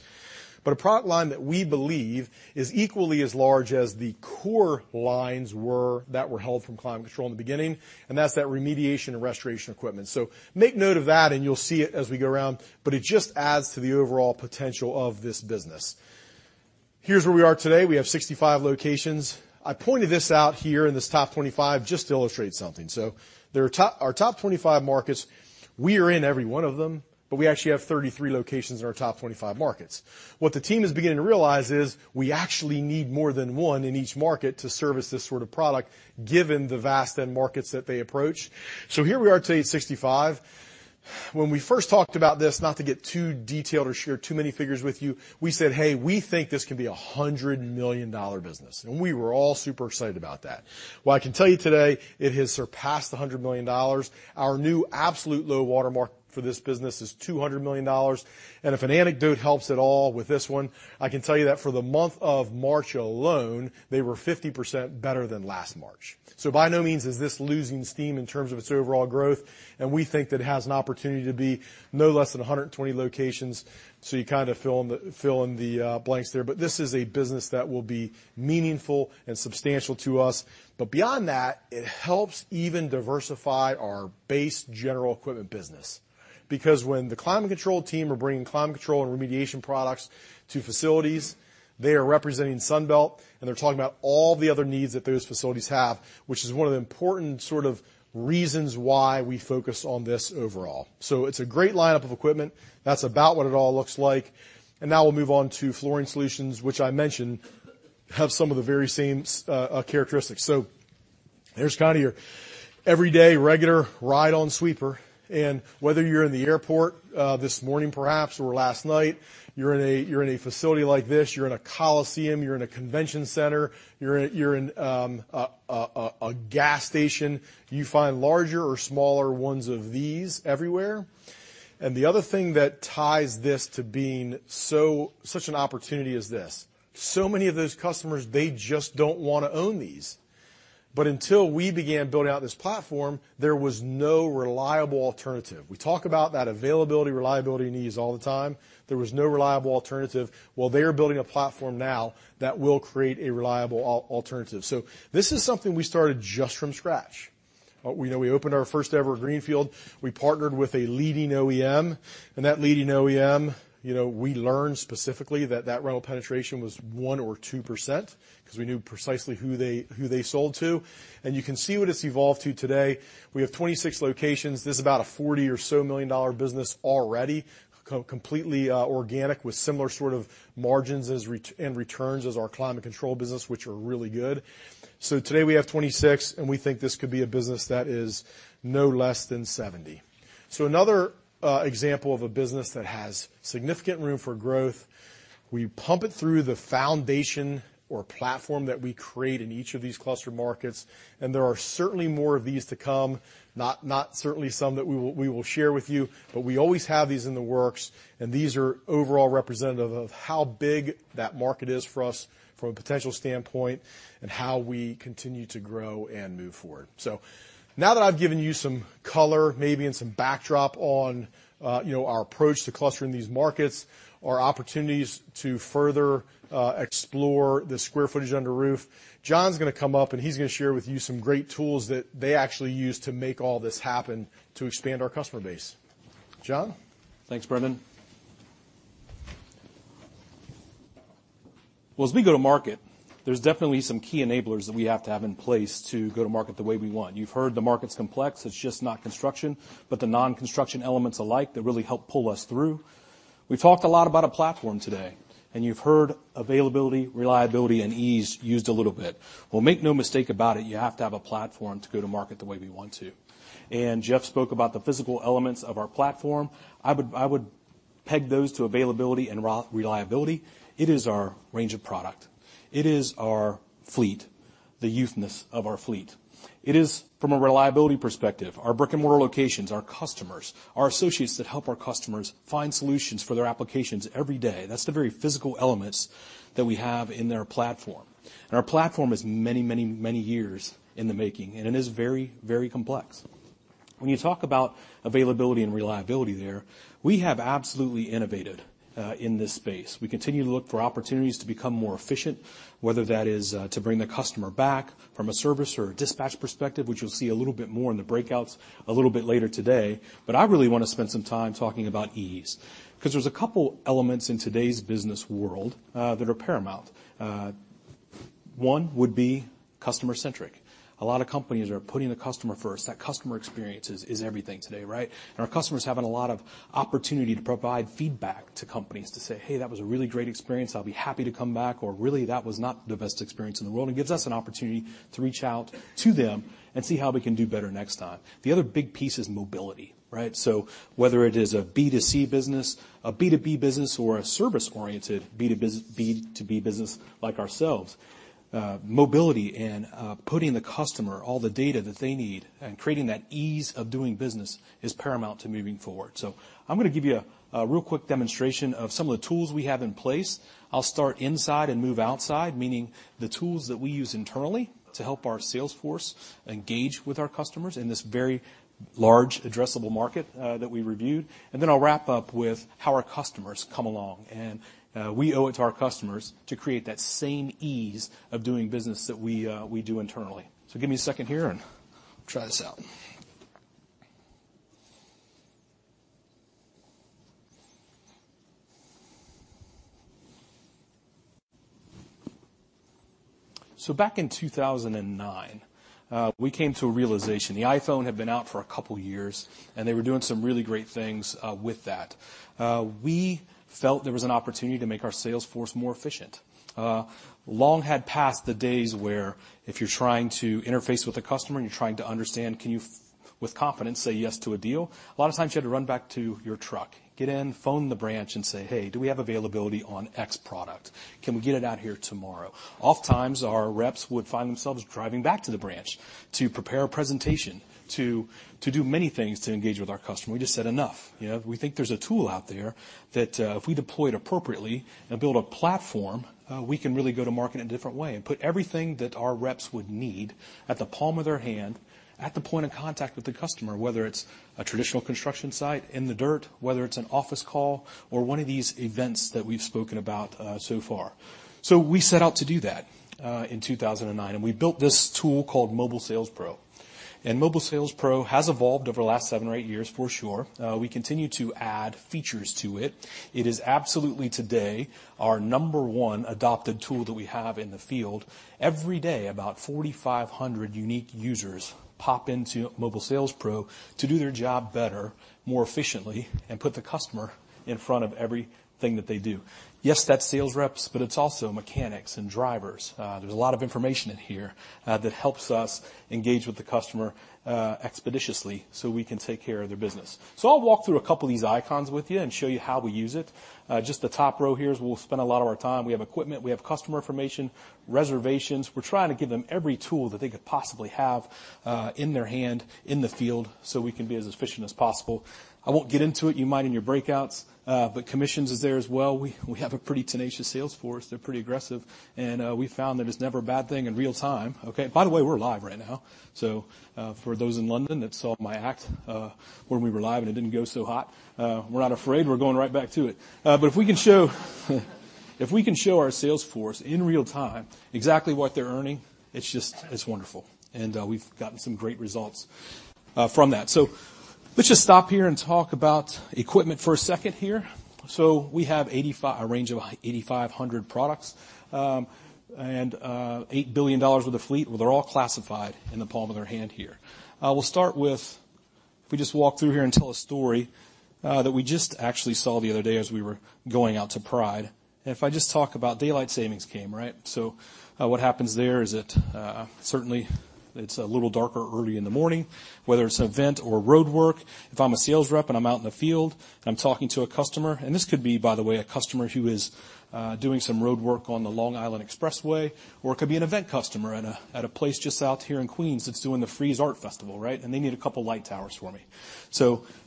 but a product line that we believe is equally as large as the core lines were that were held from climate control in the beginning, and that's that remediation and restoration equipment. Make note of that, and you'll see it as we go around, but it just adds to the overall potential of this business. Here's where we are today. We have 65 locations. I pointed this out here in this top 25 just to illustrate something. Our top 25 markets, we are in every one of them, but we actually have 33 locations in our top 25 markets. What the team is beginning to realize is we actually need more than one in each market to service this sort of product, given the vast end markets that they approach. Here we are today at 65. When we first talked about this, not to get too detailed or share too many figures with you, we said, "Hey, we think this can be a $100 million business." We were all super excited about that. I can tell you today, it has surpassed $100 million. Our new absolute low watermark for this business is $200 million. If an anecdote helps at all with this one, I can tell you that for the month of March alone, they were 50% better than last March. By no means is this losing steam in terms of its overall growth, and we think that it has an opportunity to be no less than 120 locations. You kind of fill in the blanks there. This is a business that will be meaningful and substantial to us. Beyond that, it helps even diversify our base general equipment business. When the climate control team are bringing climate control and remediation products to facilities, they are representing Sunbelt, and they're talking about all the other needs that those facilities have, which is one of the important sort of reasons why we focus on this overall. It's a great lineup of equipment. That's about what it all looks like. Now we'll move on to flooring solutions, which I mentioned have some of the very same characteristics. There's kind of your everyday regular ride-on sweeper. Whether you're in the airport, this morning perhaps, or last night, you're in a facility like this, you're in a coliseum, you're in a convention center, you're in a gas station, you find larger or smaller ones of these everywhere. The other thing that ties this to being such an opportunity is this. Many of those customers, they just don't want to own these. Until we began building out this platform, there was no reliable alternative. We talk about that availability, reliability, and ease all the time. There was no reliable alternative. They are building a platform now that will create a reliable alternative. This is something we started just from scratch. We opened our first ever greenfield. We partnered with a leading OEM. That leading OEM, we learned specifically that that rental penetration was 1% or 2%, because we knew precisely who they sold to. You can see what it's evolved to today. We have 26 locations. This is about a GBP 40 million business already. Completely organic with similar sort of margins and returns as our climate control business, which are really good. Today we have 26, and we think this could be a business that is no less than 70. Another example of a business that has significant room for growth. We pump it through the foundation or platform that we create in each of these cluster markets, and there are certainly more of these to come. Not certainly some that we will share with you, we always have these in the works, and these are overall representative of how big that market is for us from a potential standpoint and how we continue to grow and move forward. Now that I've given you some color maybe and some backdrop on our approach to clustering these markets or opportunities to further explore the square footage under roof, John's going to come up and he's going to share with you some great tools that they actually use to make all this happen to expand our customer base. John? Thanks, Brendan. As we go to market, there's definitely some key enablers that we have to have in place to go to market the way we want. You've heard the market's complex. It's just not construction, the non-construction elements alike that really help pull us through. We've talked a lot about a platform today, you've heard availability, reliability, and ease used a little bit. Make no mistake about it, you have to have a platform to go to market the way we want to. Geoff spoke about the physical elements of our platform. I would peg those to availability and reliability. It is our range of product. It is our fleet, the youthness of our fleet. It is from a reliability perspective, our brick-and-mortar locations, our customers, our associates that help our customers find solutions for their applications every day. That's the very physical elements that we have in their platform. Our platform is many, many, many years in the making, it is very, very complex. When you talk about availability and reliability there, we have absolutely innovated in this space. We continue to look for opportunities to become more efficient, whether that is to bring the customer back from a service or a dispatch perspective, which you'll see a little bit more in the breakouts a little bit later today. I really want to spend some time talking about ease, because there's a couple elements in today's business world that are paramount. One would be customer-centric. A lot of companies are putting the customer first. That customer experience is everything today, right? Our customers having a lot of opportunity to provide feedback to companies to say, "Hey, that was a really great experience. I'll be happy to come back," or, "Really, that was not the best experience in the world," and gives us an opportunity to reach out to them and see how we can do better next time. The other big piece is mobility, right? Whether it is a B2C business, a B2B business, or a service-oriented B2B business like ourselves, mobility and putting the customer all the data that they need and creating that ease of doing business is paramount to moving forward. I'm going to give you a real quick demonstration of some of the tools we have in place. I'll start inside and move outside, meaning the tools that we use internally to help our sales force engage with our customers in this very large addressable market that we reviewed. I'll wrap up with how our customers come along, and we owe it to our customers to create that same ease of doing business that we do internally. Give me a second here, and we'll try this out. Back in 2009, we came to a realization. The iPhone had been out for a couple of years, and they were doing some really great things with that. We felt there was an opportunity to make our sales force more efficient. Long had passed the days where if you're trying to interface with a customer, and you're trying to understand, can you, with confidence, say yes to a deal? A lot of times you had to run back to your truck, get in, phone the branch, and say, "Hey, do we have availability on X product? Can we get it out here tomorrow?" Oftentimes, our reps would find themselves driving back to the branch to prepare a presentation, to do many things to engage with our customer. We just said, "Enough." We think there's a tool out there that, if we deploy it appropriately and build a platform, we can really go to market in a different way and put everything that our reps would need at the palm of their hand, at the point of contact with the customer, whether it's a traditional construction site in the dirt, whether it's an office call or one of these events that we've spoken about so far. We set out to do that in 2009, and we built this tool called Mobile SalesPro. Mobile SalesPro has evolved over the last seven or eight years for sure. We continue to add features to it. It is absolutely, today, our number one adopted tool that we have in the field. Every day, about 4,500 unique users pop into Mobile SalesPro to do their job better, more efficiently, and put the customer in front of everything that they do. Yes, that's sales reps, but it's also mechanics and drivers. There's a lot of information in here that helps us engage with the customer expeditiously so we can take care of their business. I'll walk through a couple of these icons with you and show you how we use it. Just the top row here is we'll spend a lot of our time. We have equipment, we have customer information, reservations. We're trying to give them every tool that they could possibly have in their hand in the field so we can be as efficient as possible. I won't get into it. You might in your breakouts. Commissions is there as well. We have a pretty tenacious sales force. They're pretty aggressive, and we've found that it's never a bad thing in real time. Okay, by the way, we're live right now. For those in London that saw my act, when we were live, and it didn't go so hot, we're not afraid. We're going right back to it. If we can show our sales force in real time exactly what they're earning, it's just, it's wonderful. We've gotten some great results from that. Let's just stop here and talk about equipment for a second here. We have a range of 8,500 products, and $8 billion worth of fleet. They're all classified in the palm of their hand here. We'll start with, if we just walk through here and tell a story that we just actually saw the other day as we were going out to Pride, and if I just talk about daylight savings came, right? What happens there is that certainly it's a little darker early in the morning, whether it's an event or roadwork. If I'm a sales rep and I'm out in the field and I'm talking to a customer, and this could be, by the way, a customer who is doing some roadwork on the Long Island Expressway, or it could be an event customer at a place just out here in Queens that's doing the Frieze New York, right? They need a couple of light towers from me.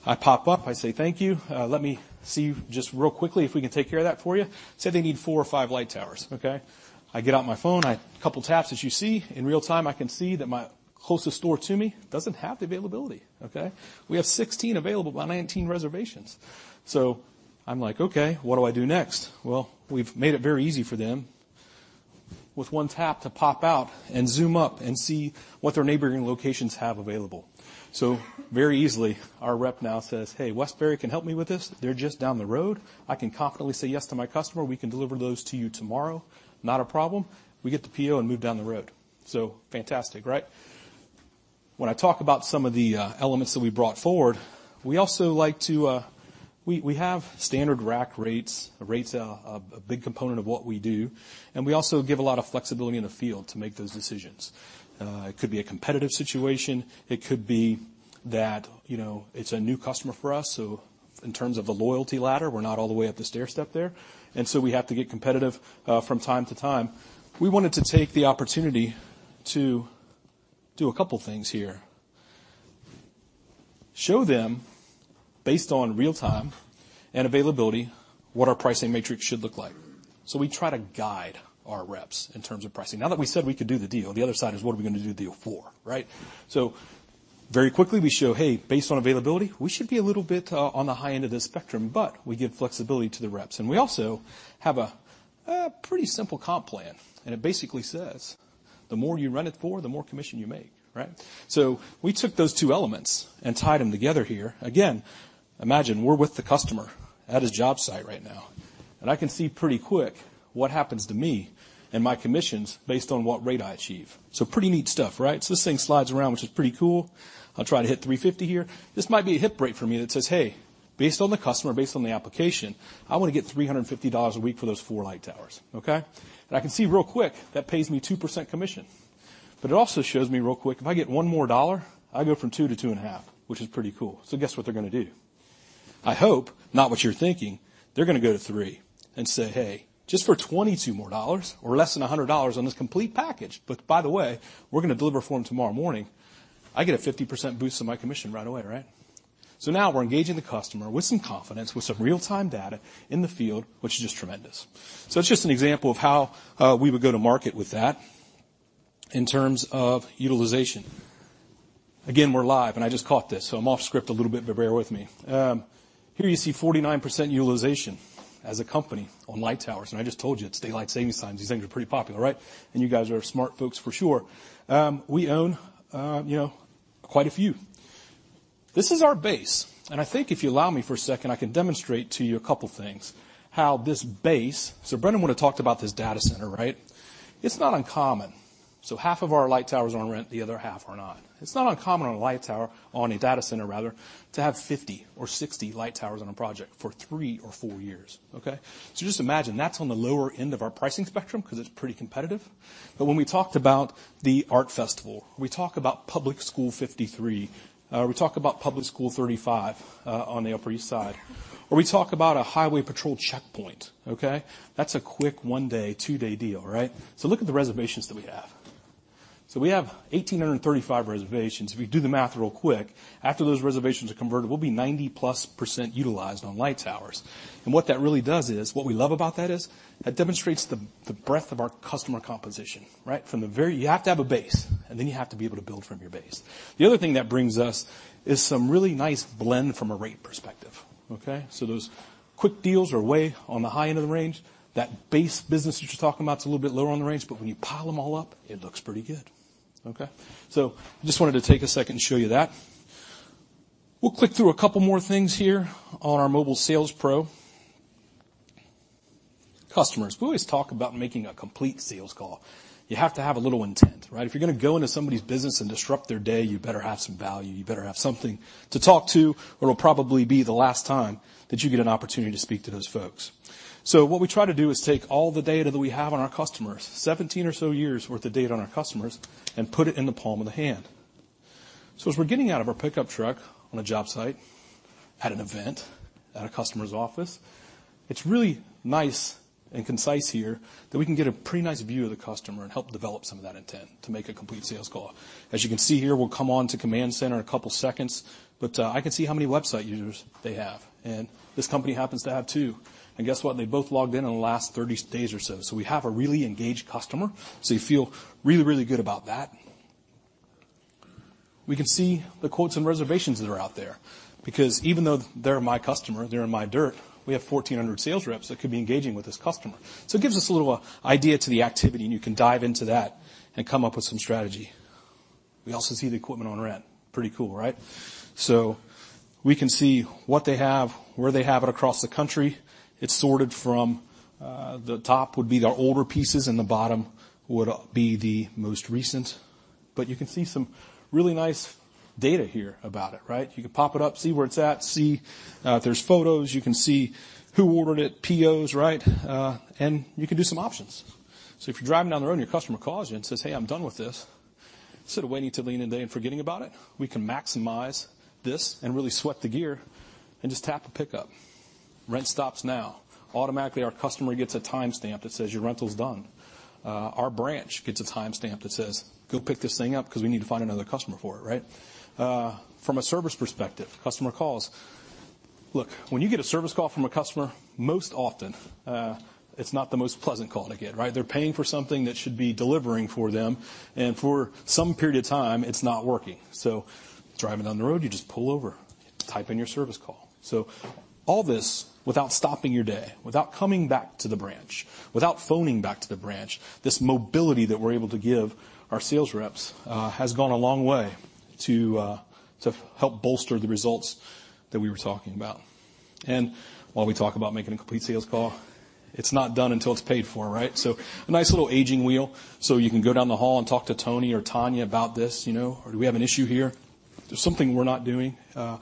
I pop up, I say, "Thank you. Let me see just real quickly if we can take care of that for you." Say they need four or five light towers, okay? I get out my phone, a couple of taps as you see. In real time, I can see that my closest store to me doesn't have the availability, okay? We have 16 available but 19 reservations. I'm like, "Okay, what do I do next?" We've made it very easy for them with one tap to pop out and zoom up and see what their neighboring locations have available. Very easily, our rep now says, "Hey, Westbury can help me with this. They're just down the road. I can confidently say yes to my customer. We can deliver those to you tomorrow. Not a problem." We get the PO and move down the road. Fantastic, right? When I talk about some of the elements that we brought forward, We have standard rack rates. Rates are a big component of what we do, we also give a lot of flexibility in the field to make those decisions. It could be a competitive situation. It could be that it's a new customer for us, in terms of the loyalty ladder, we're not all the way up the stairstep there, we have to get competitive from time to time. We wanted to take the opportunity to do a couple of things here. Show them, based on real-time and availability, what our pricing matrix should look like. We try to guide our reps in terms of pricing. Now that we said we could do the deal, the other side is, what are we going to do the deal for, right? Very quickly, we show, hey, based on availability, we should be a little bit on the high end of the spectrum, but we give flexibility to the reps. We also have a pretty simple comp plan, and it basically says, the more you rent it for, the more commission you make, right? We took those two elements and tied them together here. Again, imagine we're with the customer at his job site right now, and I can see pretty quick what happens to me and my commissions based on what rate I achieve. Pretty neat stuff, right? This thing slides around, which is pretty cool. I'll try to hit $350 here. This might be a hip break for me that says, hey, based on the customer, based on the application, I want to get $350 a week for those four light towers, okay? I can see real quick that pays me 2% commission. It also shows me real quick, if I get one more dollar, I go from two to two and a half, which is pretty cool. Guess what they're going to do? I hope not what you're thinking. They're going to go to three and say, "Hey, just for $22 more or less than $100 on this complete package, but by the way, we're going to deliver for them tomorrow morning, I get a 50% boost on my commission right away, right?" Now we're engaging the customer with some confidence, with some real-time data in the field, which is just tremendous. It's just an example of how we would go to market with that in terms of utilization. Again, we're live, and I just caught this, so I'm off script a little bit, but bear with me. Here you see 49% utilization. As a company on light towers, and I just told you, it's daylight savings time. These things are pretty popular, right? You guys are smart folks for sure. We own quite a few. This is our base, and I think if you allow me for a second, I can demonstrate to you a couple of things, how this base. Brendan would've talked about this data center, right? It's not uncommon. Half of our light towers are on rent, the other half are not. It's not uncommon on a light tower, on a data center rather, to have 50 or 60 light towers on a project for three or four years. Okay? Just imagine, that's on the lower end of our pricing spectrum because it's pretty competitive. When we talked about the art festival, we talk about Public School 53, we talk about Public School 35 on the Upper East Side, or we talk about a highway patrol checkpoint. Okay? That's a quick one-day, two-day deal, right? Look at the reservations that we have. We have 1,835 reservations. If you do the math real quick, after those reservations are converted, we'll be 90-plus % utilized on light towers. What that really does is, what we love about that is, that demonstrates the breadth of our customer composition. Right? You have to have a base, and then you have to be able to build from your base. The other thing that brings us is some really nice blend from a rate perspective. Okay? Those quick deals are way on the high end of the range. That base business, which we're talking about, is a little bit lower on the range, when you pile them all up, it looks pretty good. Okay. Just wanted to take a second and show you that. We'll click through a couple more things here on our Mobile SalesPro. Customers. We always talk about making a complete sales call. You have to have a little intent, right? If you're going to go into somebody's business and disrupt their day, you better have some value. You better have something to talk to, or it'll probably be the last time that you get an opportunity to speak to those folks. What we try to do is take all the data that we have on our customers, 17 or so years' worth of data on our customers, and put it in the palm of the hand. As we're getting out of our pickup truck on a job site, at an event, at a customer's office, it's really nice and concise here that we can get a pretty nice view of the customer and help develop some of that intent to make a complete sales call. As you can see here, we'll come on to Command Center in a couple seconds, I can see how many website users they have. This company happens to have two. Guess what? They both logged in in the last 30 days or so. We have a really engaged customer, so you feel really good about that. We can see the quotes and reservations that are out there because even though they're my customer, they're in my dirt, we have 1,400 sales reps that could be engaging with this customer. It gives us a little idea to the activity, and you can dive into that and come up with some strategy. We also see the equipment on rent. Pretty cool, right. We can see what they have, where they have it across the country. It's sorted from the top would be their older pieces, the bottom would be the most recent. You can see some really nice data here about it, right. You can pop it up, see where it's at, see if there's photos, you can see who ordered it, POs, right. You can do some options. If you're driving down the road and your customer calls you and says, "Hey, I'm done with this." Instead of waiting till the end of the day and forgetting about it, we can maximize this and really sweat the gear and just tap a pickup. Rent stops now. Automatically, our customer gets a timestamp that says, "Your rental's done." Our branch gets a timestamp that says, "Go pick this thing up because we need to find another customer for it." Right. From a service perspective, customer calls. Look, when you get a service call from a customer, most often it's not the most pleasant call to get, right. They're paying for something that should be delivering for them, and for some period of time, it's not working. Driving down the road, you just pull over, type in your service call. All this without stopping your day, without coming back to the branch, without phoning back to the branch. This mobility that we're able to give our sales reps has gone a long way to help bolster the results that we were talking about. While we talk about making a complete sales call, it's not done until it's paid for, right? A nice little aging wheel so you can go down the hall and talk to Tony or Tanya about this or, "Do we have an issue here? There's something we're not doing. Are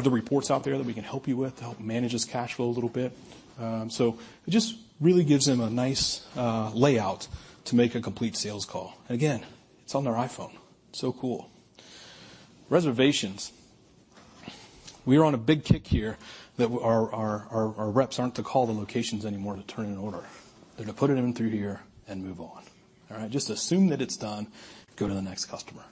there reports out there that we can help you with to help manage this cash flow a little bit?" It just really gives them a nice layout to make a complete sales call. Again, it's on their iPhone. Cool. Reservations. We are on a big kick here that our reps aren't to call the locations anymore to turn in an order. They're to put it in through here and move on. All right? Just assume that it's done, go to the next customer.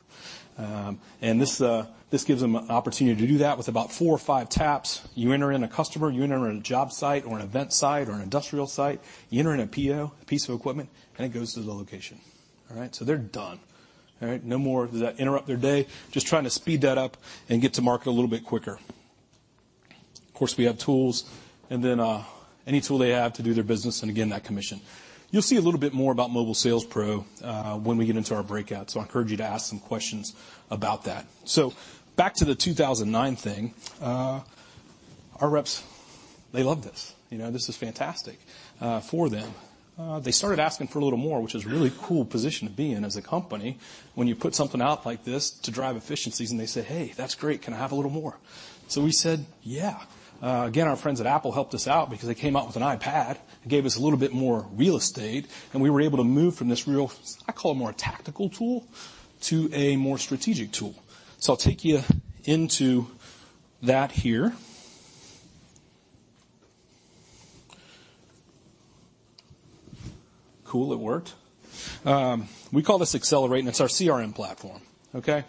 This gives them an opportunity to do that with about four or five taps. You enter in a customer, you enter in a job site or an event site or an industrial site. You enter in a PO, a piece of equipment, and it goes to the location. All right? They're done. All right? No more does that interrupt their day. Just trying to speed that up and get to market a little bit quicker. Of course, we have tools and then any tool they have to do their business, and again, that commission. You'll see a little bit more about Mobile SalesPro when we get into our breakout, I encourage you to ask some questions about that. Back to the 2009 thing. Our reps, they love this. This is fantastic for them. They started asking for a little more, which is a really cool position to be in as a company when you put something out like this to drive efficiencies, and they say, "Hey, that's great. Can I have a little more?" We said, "Yeah." Again, our friends at Apple helped us out because they came out with an iPad and gave us a little bit more real estate, we were able to move from this real, I call it more a tactical tool, to a more strategic tool. I'll take you into that here. Cool. It worked. We call this Accelerate, it's our CRM platform. Okay?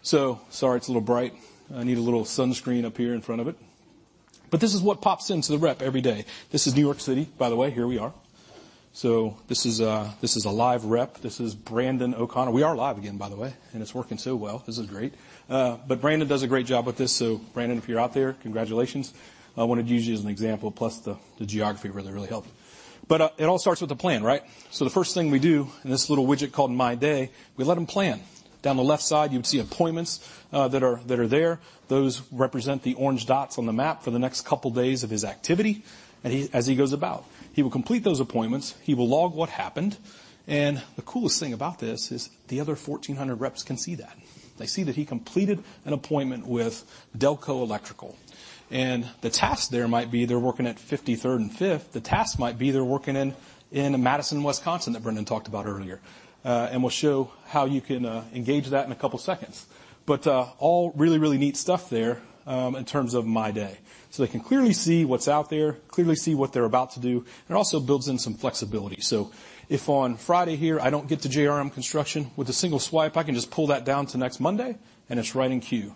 Sorry it's a little bright. I need a little sunscreen up here in front of it. This is what pops into the rep every day. This is New York City, by the way. Here we are. This is a live rep. This is Brandon O'Connor. We are live again, by the way, it's working so well. This is great. Brandon does a great job with this. Brandon, if you're out there, congratulations. I wanted to use you as an example, plus the geography really helped. It all starts with a plan, right? The first thing we do in this little widget called My Day, we let him plan. Down the left side, you would see appointments that are there. Those represent the orange dots on the map for the next couple days of his activity as he goes about. He will complete those appointments. He will log what happened, and the coolest thing about this is the other 1,400 reps can see that. They see that he completed an appointment with Delco Electrical, and the task there might be they're working at 53rd and Fifth. The task might be they're working in Madison, Wisconsin, that Brendan talked about earlier. We'll show how you can engage that in a couple seconds. All really neat stuff there, in terms of My Day. They can clearly see what's out there, clearly see what they're about to do, and it also builds in some flexibility. If on Friday here I don't get to JRM Construction, with a single swipe, I can just pull that down to next Monday, and it's right in queue.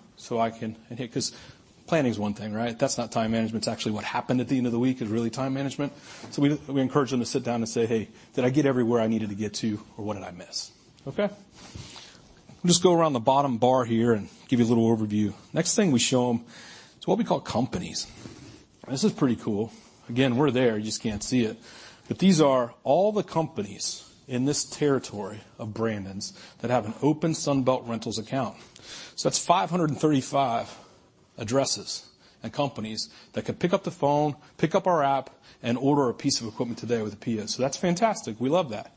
Planning's one thing, right? That's not time management. It's actually what happened at the end of the week is really time management. We encourage them to sit down and say, "Hey, did I get everywhere I needed to get to, or what did I miss?" Okay. We'll just go around the bottom bar here and give you a little overview. Next thing we show them is what we call Companies. This is pretty cool. Again, we're there, you just can't see it. These are all the companies in this territory of Brandon's that have an open Sunbelt Rentals account. That's 535 addresses and companies that could pick up the phone, pick up our app and order a piece of equipment today with a PO. That's fantastic. We love that.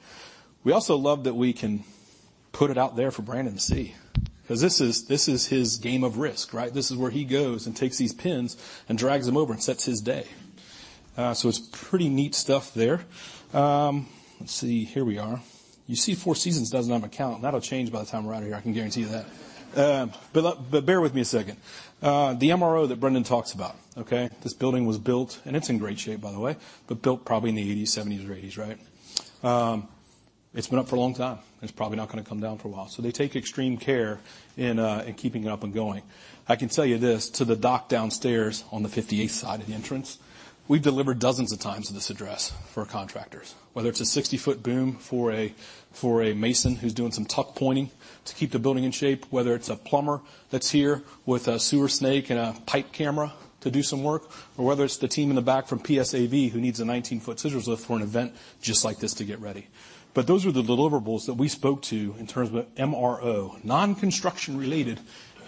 We also love that we can put it out there for Brandon to see, because this is his game of Risk, right? This is where he goes and takes these pins and drags them over and sets his day. It's pretty neat stuff there. Let's see. Here we are. You see Four Seasons doesn't have an account. That'll change by the time we're out of here, I can guarantee you that. Bear with me a second. The MRO that Brendan talks about, okay. This building was built, and it's in great shape, by the way, but built probably in the 1980s, 1970s or 1980s, right? It's been up for a long time, and it's probably not going to come down for a while. They take extreme care in keeping it up and going. I can tell you this, to the dock downstairs on the 58th side of the entrance, we've delivered dozens of times to this address for contractors. Whether it's a 60-foot boom for a mason who's doing some tuckpointing to keep the building in shape, whether it's a plumber that's here with a sewer snake and a pipe camera to do some work, or whether it's the team in the back from PSAV, who needs a 19-foot scissor lift for an event just like this to get ready. Those are the deliverables that we spoke to in terms of MRO, non-construction related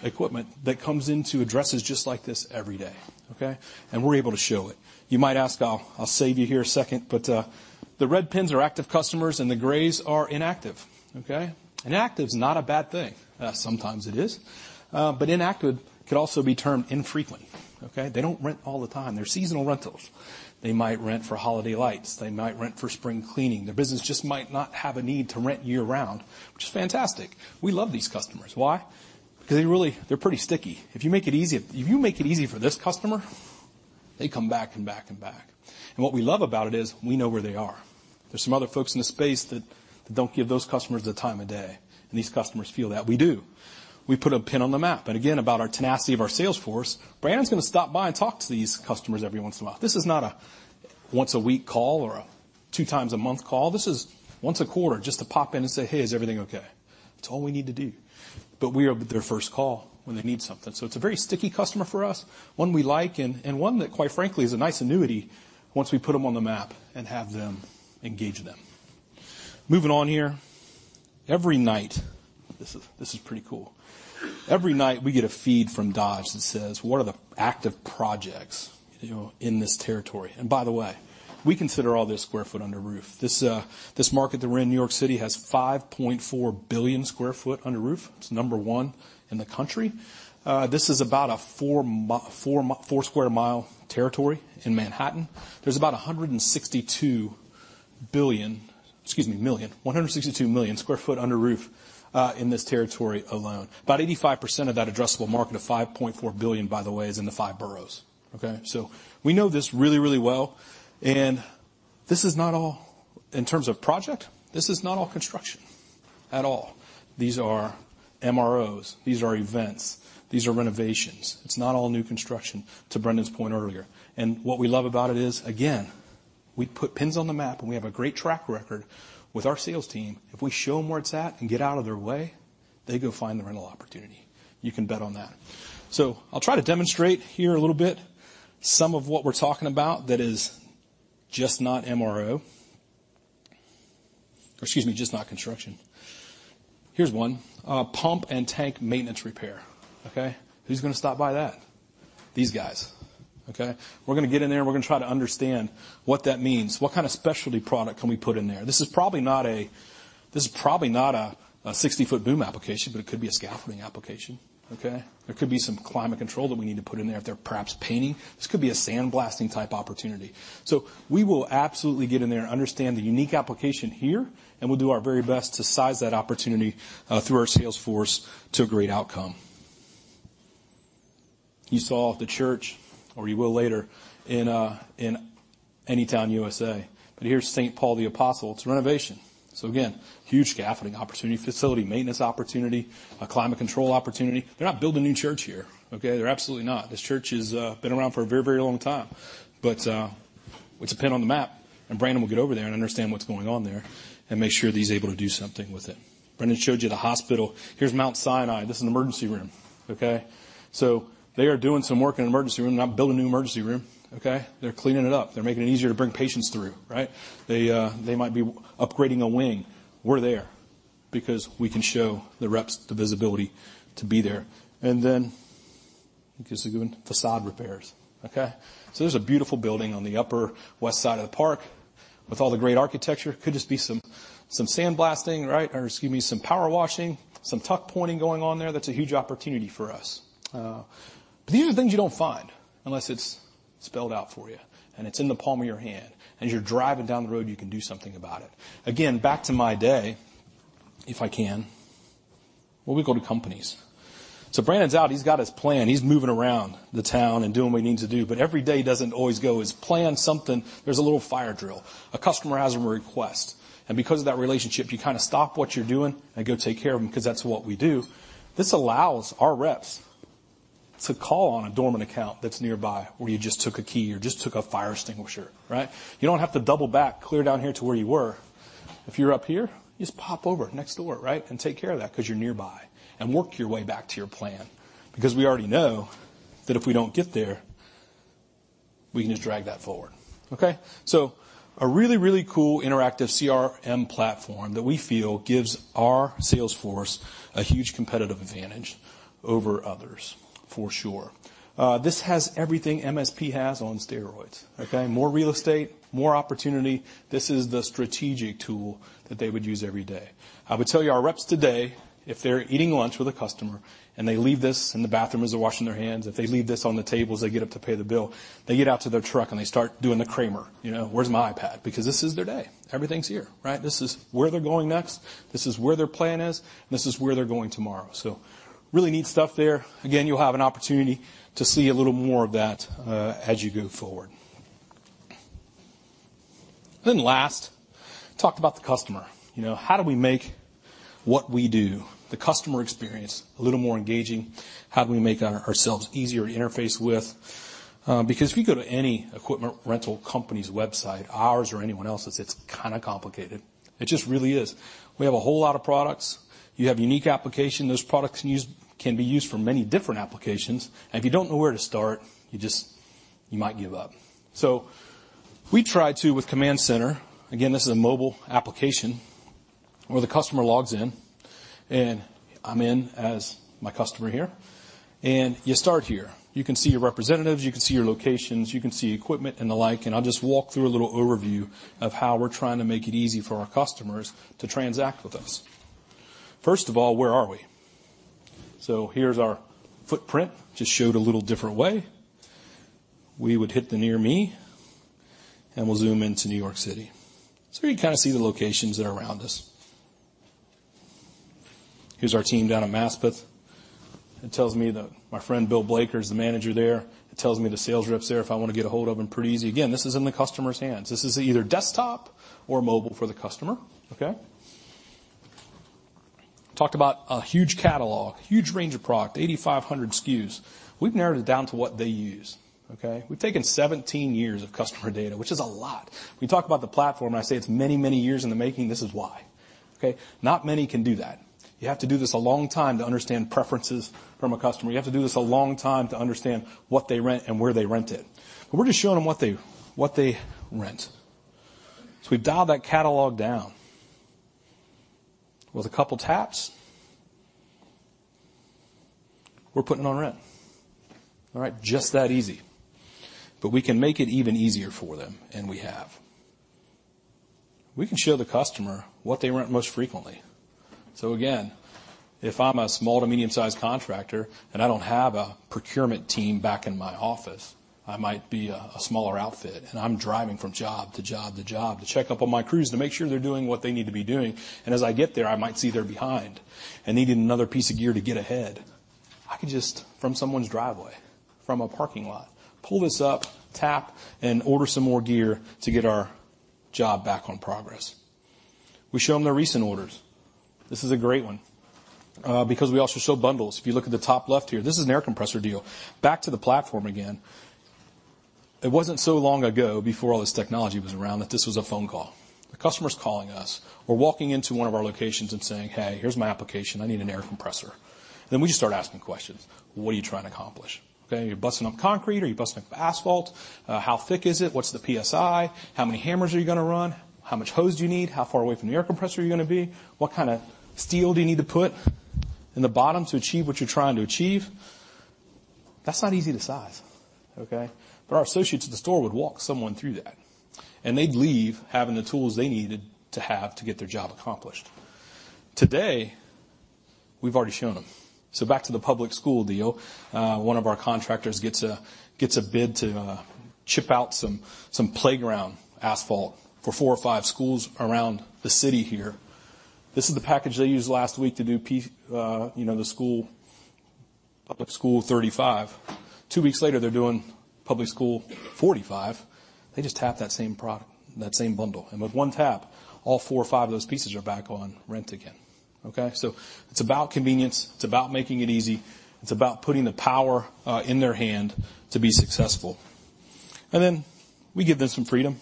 equipment that comes into addresses just like this every day, okay, and we're able to show it. You might ask, I'll save you here a second, the red pins are active customers, and the grays are inactive, okay? Inactive's not a bad thing. Sometimes it is. Inactive could also be termed infrequent, okay? They don't rent all the time. They're seasonal rentals. They might rent for holiday lights. They might rent for spring cleaning. Their business just might not have a need to rent year-round, which is fantastic. We love these customers. Why? Because they're pretty sticky. If you make it easy for this customer, they come back and back and back. What we love about it is we know where they are. There's some other folks in the space that don't give those customers the time of day, and these customers feel that. We do. We put a pin on the map. Again, about our tenacity of our sales force, Brandon's going to stop by and talk to these customers every once in a while. This is not a once-a-week call or a two-times-a-month call. This is once a quarter just to pop in and say, "Hey, is everything okay?" That's all we need to do. We are their first call when they need something. It's a very sticky customer for us, one we like, and one that, quite frankly, is a nice annuity once we put them on the map and have them engage them. Moving on here. Every night, this is pretty cool. Every night, we get a feed from Dodge that says, what are the active projects in this territory? By the way, we consider all this square foot under roof. This market that we're in, New York City, has 5.4 billion sq ft under roof. It's number 1 in the country. This is about a four square mile territory in Manhattan. There's about 162 million sq ft under roof, in this territory alone. About 85% of that addressable market of 5.4 billion, by the way, is in the five boroughs. Okay? We know this really well, and this is not all, in terms of project, this is not all construction at all. These are MROs, these are events, these are renovations. It's not all new construction, to Brendan's point earlier. What we love about it is, again, we put pins on the map, we have a great track record with our sales team. If we show them where it's at and get out of their way, they go find the rental opportunity. You can bet on that. I'll try to demonstrate here a little bit some of what we're talking about that is just not MRO. Excuse me, just not construction. Here's one, pump and tank maintenance repair, okay? Who's going to stop by that? These guys, okay? We're going to get in there, and we're going to try to understand what that means. What kind of specialty product can we put in there? This is probably not a 60-foot boom application, but it could be a scaffolding application, okay? There could be some climate control that we need to put in there if they're perhaps painting. This could be a sandblasting type opportunity. We will absolutely get in there and understand the unique application here, we'll do our very best to size that opportunity, through our sales force to a great outcome. You saw the church, or you will later, in Anytown, USA. Here's St. Paul the Apostle. It's a renovation. Again, huge scaffolding opportunity, facility maintenance opportunity, a climate control opportunity. They're not building a new church here, okay? They're absolutely not. This church has been around for a very long time. It's a pin on the map, and Brandon will get over there and understand what's going on there and make sure that he's able to do something with it. Brandon showed you the hospital. Here's Mount Sinai. This is an emergency room. They are doing some work in the emergency room, not building a new emergency room. They're cleaning it up. They're making it easier to bring patients through. They might be upgrading a wing. We're there because we can show the reps the visibility to be there. And then, facade repairs. There's a beautiful building on the Upper West Side of the park with all the great architecture. Could just be some sand blasting, or excuse me, some power washing, some tuck pointing going on there. That's a huge opportunity for us. These are the things you don't find unless it's spelled out for you, and it's in the palm of your hand. As you're driving down the road, you can do something about it. Back to my day, if I can. When we go to companies. Brandon's out, he's got his plan. He's moving around the town and doing what he needs to do. But every day doesn't always go as planned. Something, there's a little fire drill. A customer has a request, and because of that relationship, you kind of stop what you're doing and go take care of them, because that's what we do. This allows our reps to call on a dormant account that's nearby, where you just took a key or just took a fire extinguisher. You don't have to double back clear down here to where you were. If you're up here, you just pop over next door, and take care of that because you're nearby. Work your way back to your plan. We already know that if we don't get there, we can just drag that forward. A really, really cool interactive CRM platform that we feel gives our sales force a huge competitive advantage over others, for sure. This has everything MSP has on steroids. More real estate, more opportunity. This is the strategic tool that they would use every day. I would tell you, our reps today, if they're eating lunch with a customer, and they leave this in the bathroom as they're washing their hands. If they leave this on the table as they get up to pay the bill, they get out to their truck, and they start doing the Kramer. Where's my iPad? Because this is their day. Everything's here. This is where they're going next. This is where their plan is, and this is where they're going tomorrow. Really neat stuff there. You'll have an opportunity to see a little more of that, as you go forward. Last, talk about the customer. How do we make what we do, the customer experience, a little more engaging? How do we make ourselves easier to interface with? If you go to any equipment rental company's website, ours or anyone else's, it's kind of complicated. It just really is. We have a whole lot of products. You have unique application. Those products can be used for many different applications, and if you don't know where to start, you might give up. We try to with Command Center, again, this is a mobile application where the customer logs in, and I'm in as my customer here, and you start here. You can see your representatives, you can see your locations, you can see equipment and the like, and I'll just walk through a little overview of how we're trying to make it easy for our customers to transact with us. First of all, where are we? Here's our footprint, just showed a little different way. We would hit the Near Me, and we'll zoom into New York City. Here you kind of see the locations that are around us. Here's our team down in Maspeth. It tells me that my friend Bill Blaker is the manager there. It tells me the sales reps there, if I want to get a hold of them, pretty easy. Again, this is in the customer's hands. This is either desktop or mobile for the customer. Talked about a huge catalog, huge range of product, 8,500 SKUs. We've narrowed it down to what they use. We've taken 17 years of customer data, which is a lot. We talk about the platform, and I say it's many, many years in the making. This is why. Not many can do that. You have to do this a long time to understand preferences from a customer. You have to do this a long time to understand what they rent and where they rent it. We're just showing them what they rent. We've dialed that catalog down. With a couple taps, we're putting it on rent. Just that easy. We can make it even easier for them, and we have. We can show the customer what they rent most frequently. Again, if I'm a small to medium-sized contractor and I don't have a procurement team back in my office, I might be a smaller outfit, and I'm driving from job to job, to check up on my crews to make sure they're doing what they need to be doing. As I get there, I might see they're behind and needing another piece of gear to get ahead. I could just, from someone's driveway, from a parking lot, pull this up, tap, and order some more gear to get our job back on progress. We show them their recent orders. This is a great one, because we also show bundles. If you look at the top left here, this is an air compressor deal. Back to the platform again. It wasn't so long ago before all this technology was around that this was a phone call. The customer's calling us or walking into one of our locations and saying, "Hey, here's my application. I need an air compressor." We just start asking questions. What are you trying to accomplish? You're busting up concrete or you're busting up asphalt. How thick is it? What's the PSI? How many hammers are you going to run? How much hose do you need? How far away from the air compressor are you going to be? What kind of steel do you need to put in the bottom to achieve what you're trying to achieve? That's not easy to size. Our associates at the store would walk someone through that, and they'd leave having the tools they needed to have to get their job accomplished. Today, we've already shown them. Back to the public school deal. One of our contractors gets a bid to chip out some playground asphalt for four or five schools around the city here. This is the package they used last week to do the Public School 35. Two weeks later, they're doing Public School 45. They just tap that same bundle, and with one tap, all four or five of those pieces are back on rent again. Okay. It's about convenience, it's about making it easy. It's about putting the power in their hand to be successful. We give them some freedom.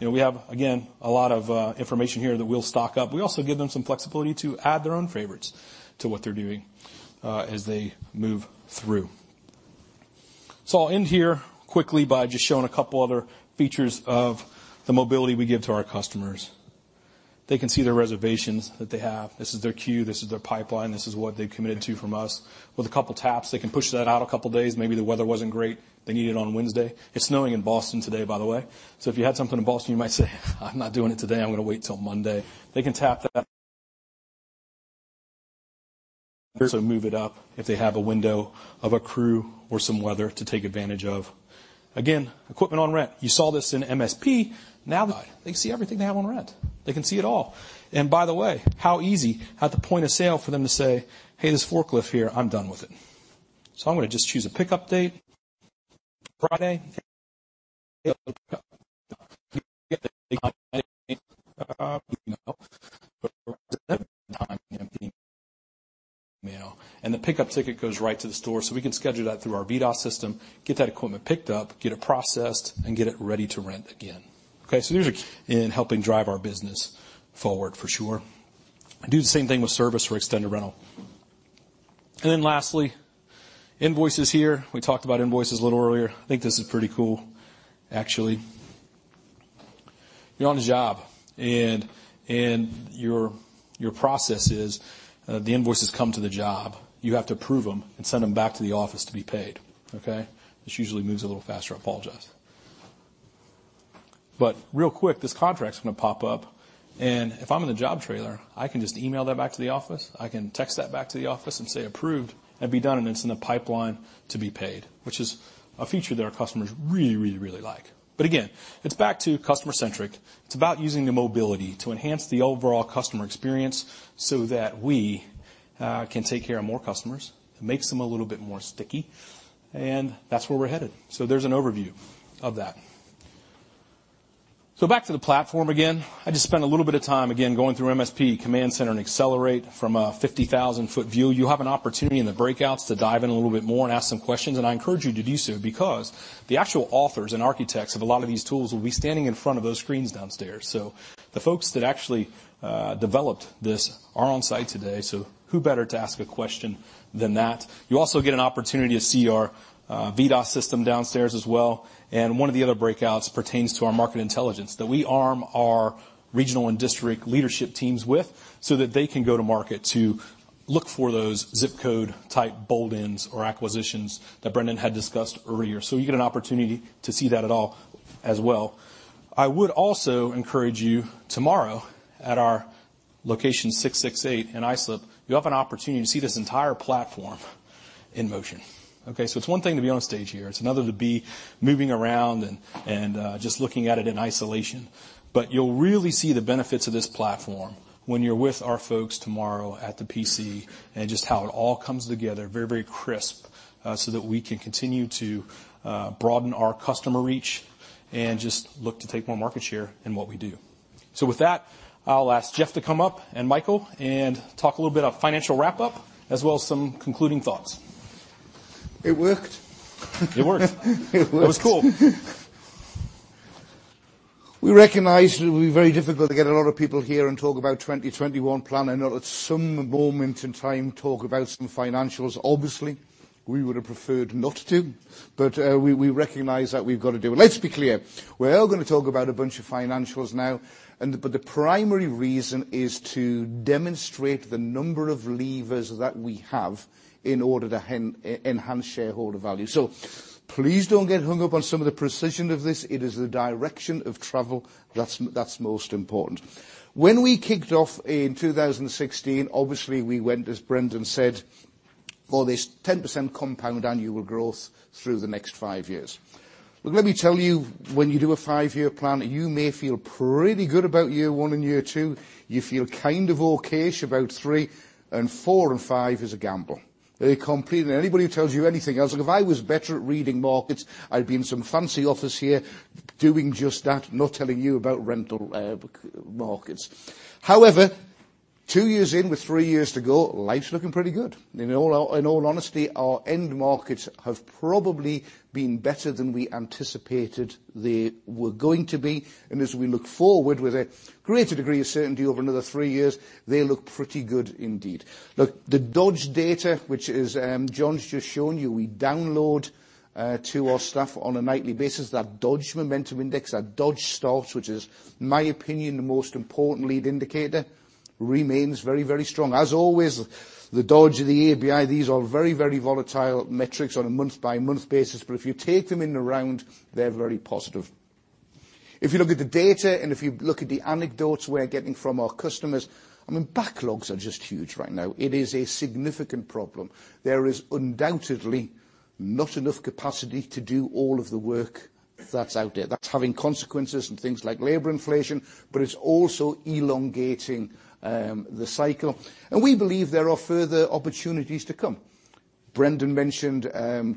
We have, again, a lot of information here that we'll stock up. We also give them some flexibility to add their own favorites to what they're doing as they move through. I'll end here quickly by just showing a couple other features of the mobility we give to our customers. They can see their reservations that they have. This is their queue, this is their pipeline. This is what they've committed to from us. With a couple taps, they can push that out a couple days. Maybe the weather wasn't great. They need it on Wednesday. It's snowing in Boston today, by the way. If you had something in Boston, you might say, "I'm not doing it today. I'm going to wait till Monday." They can tap that. Also move it up if they have a window of a crew or some weather to take advantage of. Again, equipment on rent. You saw this in MSP. They see everything they have on rent. They can see it all. By the way, how easy at the point of sale for them to say, "Hey, this forklift here, I'm done with it." I'm going to just choose a pickup date, Friday. The pickup ticket goes right to the store, so we can schedule that through our VDOS system, get that equipment picked up, get it processed, and get it ready to rent again. In helping drive our business forward for sure. Do the same thing with service for extended rental. Lastly, invoices here. We talked about invoices a little earlier. I think this is pretty cool, actually. You're on the job, and your process is the invoices come to the job. You have to approve them and send them back to the office to be paid. Okay. This usually moves a little faster. I apologize. Real quick, this contract's going to pop up, and if I'm in the job trailer, I can just email that back to the office. I can text that back to the office and say approved and be done, and it's in the pipeline to be paid, which is a feature that our customers really, really, really like. Again, it's back to customer-centric. It's about using the mobility to enhance the overall customer experience so that we can take care of more customers. It makes them a little bit more sticky, and that's where we're headed. There's an overview of that. Back to the platform again. I just spent a little bit of time again going through MSP Command Center and Accelerate from a 50,000-foot view. You'll have an opportunity in the breakouts to dive in a little bit more and ask some questions, and I encourage you to do so, because the actual authors and architects of a lot of these tools will be standing in front of those screens downstairs. The folks that actually developed this are on site today, so who better to ask a question than that? You also get an opportunity to see our VDOS system downstairs as well. One of the other breakouts pertains to our market intelligence that we arm our regional and district leadership teams with so that they can go to market to look for those zip code type bolt-ons or acquisitions that Brendan had discussed earlier. You get an opportunity to see that at all as well. I would also encourage you tomorrow at our location 668 in Islip. You have an opportunity to see this entire platform in motion. Okay. It's one thing to be on stage here. It's another to be moving around and just looking at it in isolation. You'll really see the benefits of this platform when you're with our folks tomorrow at the PC and just how it all comes together very, very crisp so that we can continue to broaden our customer reach and just look to take more market share in what we do. With that, I'll ask Geoff to come up, and Michael, and talk a little bit of financial wrap-up as well as some concluding thoughts. It worked. It worked. It worked. It was cool. We recognize it will be very difficult to get a lot of people here and talk about 2021 plan. I know at some moment in time talk about some financials. Obviously, we would have preferred not to, but we recognize that we've got to do. Let's be clear. We're going to talk about a bunch of financials now, but the primary reason is to demonstrate the number of levers that we have in order to enhance shareholder value. Please don't get hung up on some of the precision of this. It is the direction of travel that's most important. When we kicked off in 2016, obviously, we went, as Brendan said, for this 10% compound annual growth through the next five years. Look, let me tell you, when you do a five-year plan, you may feel pretty good about year one and year two. You feel kind of okay-ish about three, and four and five is a gamble. Look, if I was better at reading markets, I'd be in some fancy office here doing just that, not telling you about rental markets. However, two years in with three years to go, life's looking pretty good. In all honesty, our end markets have probably been better than we anticipated they were going to be. As we look forward with a greater degree of certainty over another three years, they look pretty good indeed. Look, the Dodge data, which is John's just shown you, we download to our staff on a nightly basis. That Dodge Momentum Index, that Dodge starts, which is my opinion the most important lead indicator, remains very, very strong. As always, the Dodge or the ABI, these are very, very volatile metrics on a month-by-month basis, if you take them in the round, they're very positive. If you look at the data and if you look at the anecdotes we're getting from our customers, I mean, backlogs are just huge right now. It is a significant problem. There is undoubtedly not enough capacity to do all of the work that's out there. That's having consequences in things like labor inflation, but it's also elongating the cycle. We believe there are further opportunities to come. Brendan mentioned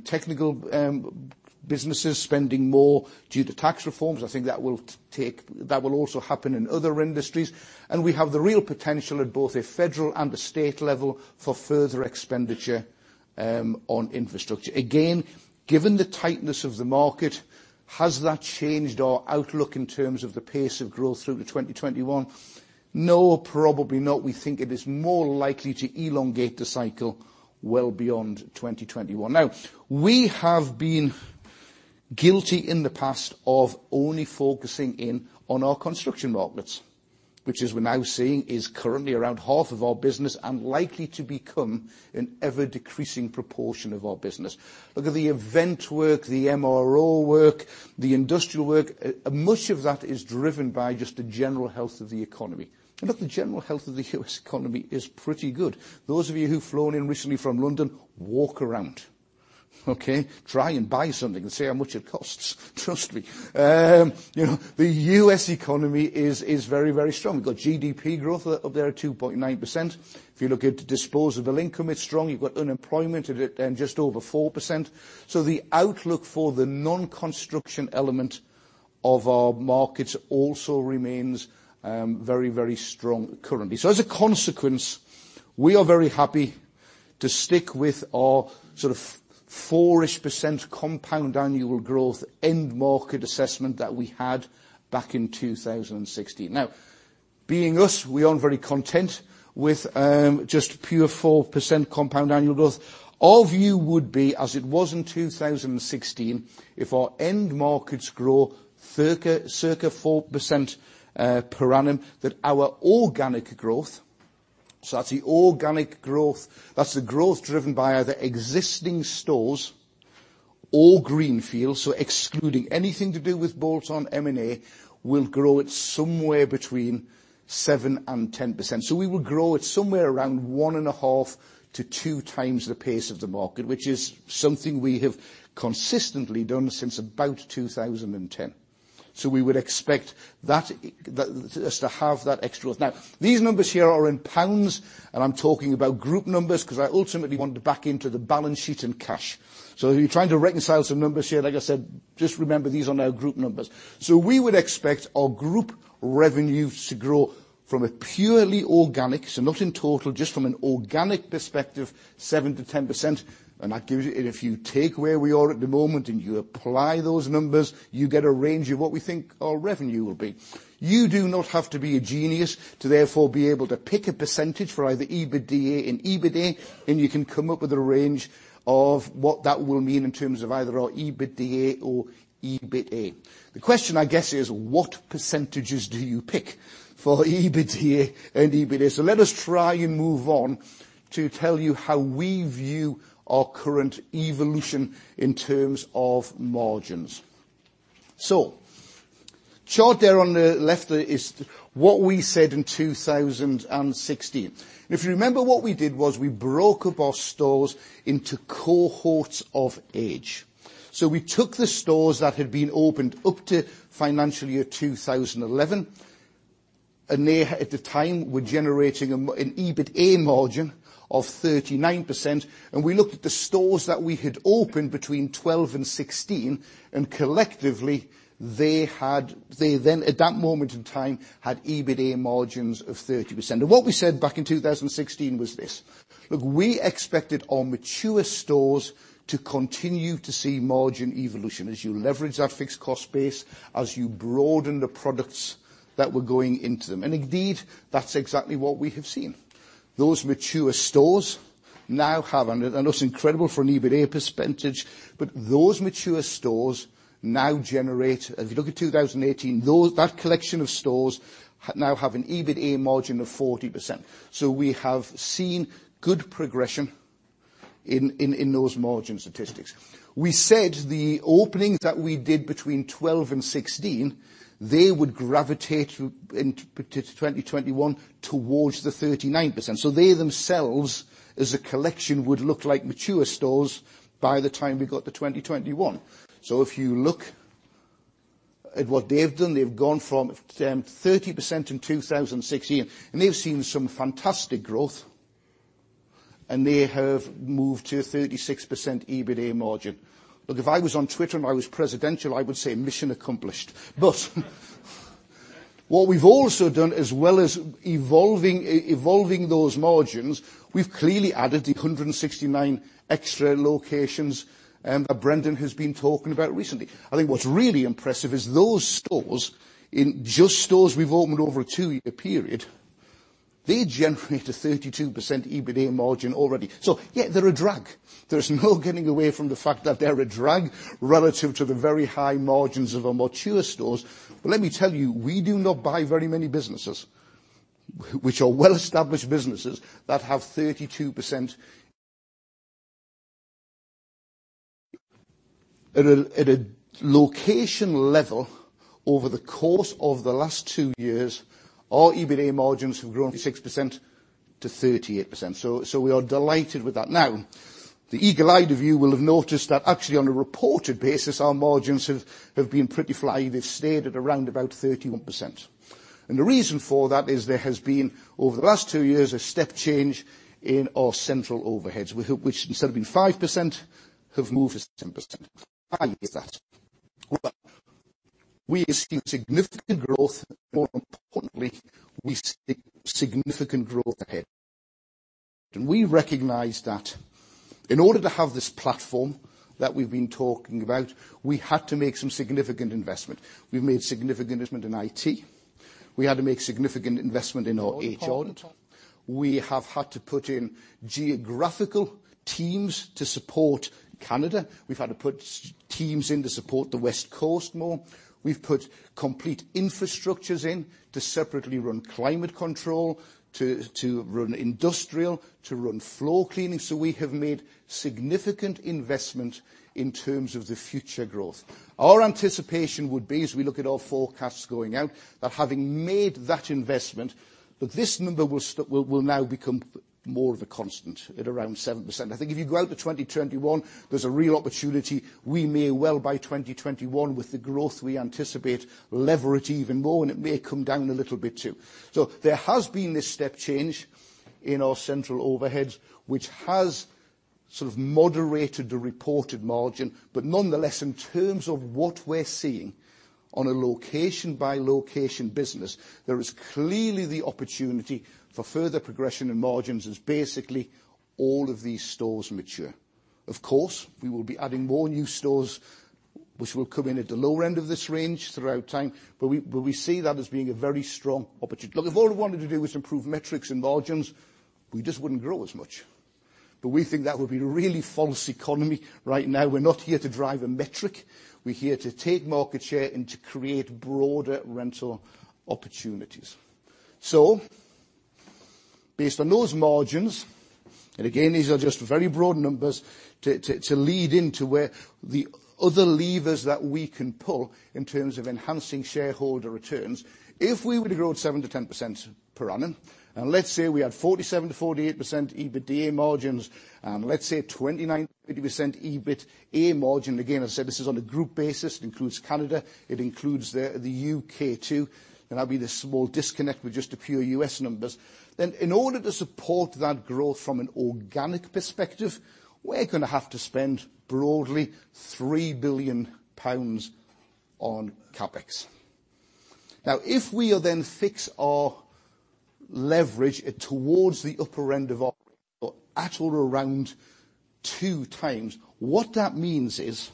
technical businesses spending more due to tax reforms. I think that will also happen in other industries. We have the real potential at both a federal and a state level for further expenditure on infrastructure. Again, given the tightness of the market, has that changed our outlook in terms of the pace of growth through to 2021? No, probably not. We think it is more likely to elongate the cycle well beyond 2021. We have been guilty in the past of only focusing in on our construction markets, which as we're now seeing, is currently around half of our business and likely to become an ever-decreasing proportion of our business. Look at the event work, the MRO work, the industrial work, much of that is driven by just the general health of the economy. The general health of the U.S. economy is pretty good. Those of you who've flown in recently from London, walk around. Okay? Try and buy something and see how much it costs. Trust me. The U.S. economy is very, very strong. We've got GDP growth up there at 2.9%. If you look at disposable income, it's strong. You've got unemployment at just over 4%. The outlook for the non-construction element of our markets also remains very, very strong currently. As a consequence, we are very happy to stick with our 4%-ish compound annual growth end market assessment that we had back in 2016. Being us, we aren't very content with just pure 4% compound annual growth. Our view would be, as it was in 2016, if our end markets grow circa 4% per annum, that our organic growth, so that's the organic growth, that's the growth driven by either existing stores or greenfield, so excluding anything to do with bolt-on M&A, will grow at somewhere between 7% and 10%. We will grow at somewhere around one and a half to two times the pace of the market, which is something we have consistently done since about 2010. We would expect us to have that extra growth. These numbers here are in GBP, and I'm talking about group numbers because I ultimately want to back into the balance sheet and cash. If you're trying to reconcile some numbers here, like I said, just remember these are now group numbers. We would expect our group revenues to grow from a purely organic, so not in total, just from an organic perspective, 7%-10%. If you take where we are at the moment and you apply those numbers, you get a range of what we think our revenue will be. You do not have to be a genius to therefore be able to pick a % for either EBITDA and EBITA, and you can come up with a range of what that will mean in terms of either our EBITDA or EBITA. The question, I guess, is what % do you pick for EBITDA and EBITA? Let us try and move on to tell you how we view our current evolution in terms of margins. The chart there on the left is what we said in 2016. If you remember, what we did was we broke up our stores into cohorts of age. We took the stores that had been opened up to financial year 2011, they, at the time, were generating an EBITA margin of 39%, and we looked at the stores that we had opened between 2012 and 2016, collectively they then, at that moment in time, had EBITA margins of 30%. What we said back in 2016 was this. Look, we expected our mature stores to continue to see margin evolution as you leverage that fixed cost base, as you broaden the products that were going into them. Indeed, that's exactly what we have seen. Those mature stores now have, and it looks incredible for an EBITA %, but those mature stores now generate, if you look at 2018, that collection of stores now have an EBITA margin of 40%. We have seen good progression in those margin statistics. We said the openings that we did between 2012 and 2016, they would gravitate, in 2021, towards the 39%. They themselves, as a collection, would look like mature stores by the time we got to 2021. If you look at what they've done, they've gone from 30% in 2016, and they've seen some fantastic growth, and they have moved to a 36% EBITA margin. Look, if I was on Twitter and I was presidential, I would say mission accomplished. What we've also done, as well as evolving those margins, we've clearly added the 169 extra locations that Brendan has been talking about recently. I think what's really impressive is those stores, in just stores we've opened over a two-year period, they generate a 32% EBITA margin already. Yeah, they're a drag. There's no getting away from the fact that they're a drag relative to the very high margins of our mature stores. Let me tell you, we do not buy very many businesses which are well-established businesses that have 32%. At a location level over the course of the last two years, our EBITA margins have grown from 6% to 38%. We are delighted with that. The eagle-eyed of you will have noticed that actually on a reported basis, our margins have been pretty flat. They've stayed at around about 31%. The reason for that is there has been, over the last two years, a step change in our central overheads, which instead of being 5%, have moved to 7%. Why is that? We have seen significant growth. More importantly, we see significant growth ahead. We recognize that in order to have this platform that we've been talking about, we had to make some significant investment. We've made significant investment in IT. We had to make significant investment in our HR. We have had to put in geographical teams to support Canada. We've had to put teams in to support the West Coast more. We've put complete infrastructures in to separately run climate control, to run industrial, to run floor cleaning. We have made significant investment in terms of the future growth. Our anticipation would be, as we look at our forecasts going out, that having made that investment, that this number will now become more of a constant at around 7%. I think if you go out to 2021, there's a real opportunity, we may well, by 2021, with the growth we anticipate, lever it even more, and it may come down a little bit too. There has been this step change in our central overheads, which has sort of moderated the reported margin. Nonetheless, in terms of what we're seeing on a location-by-location business, there is clearly the opportunity for further progression in margins as basically all of these stores mature. Of course, we will be adding more new stores, which will come in at the lower end of this range throughout time. We see that as being a very strong opportunity. Look, if all we wanted to do was improve metrics and margins, we just wouldn't grow as much. We think that would be really false economy right now. We're not here to drive a metric. We're here to take market share and to create broader rental opportunities. Based on those margins, and again, these are just very broad numbers to lead into where the other levers that we can pull in terms of enhancing shareholder returns. If we were to grow at 7%-10% per annum, and let's say we had 47%-48% EBITDA margins, and let's say 29%-30% EBITA margin, again, as I said, this is on a group basis. It includes Canada. It includes the U.K. too, and that'll be the small disconnect with just the pure U.S. numbers. In order to support that growth from an organic perspective, we're going to have to spend broadly 3 billion pounds on CapEx. If we will then fix our leverage towards the upper end of our range or at or around two times, what that means is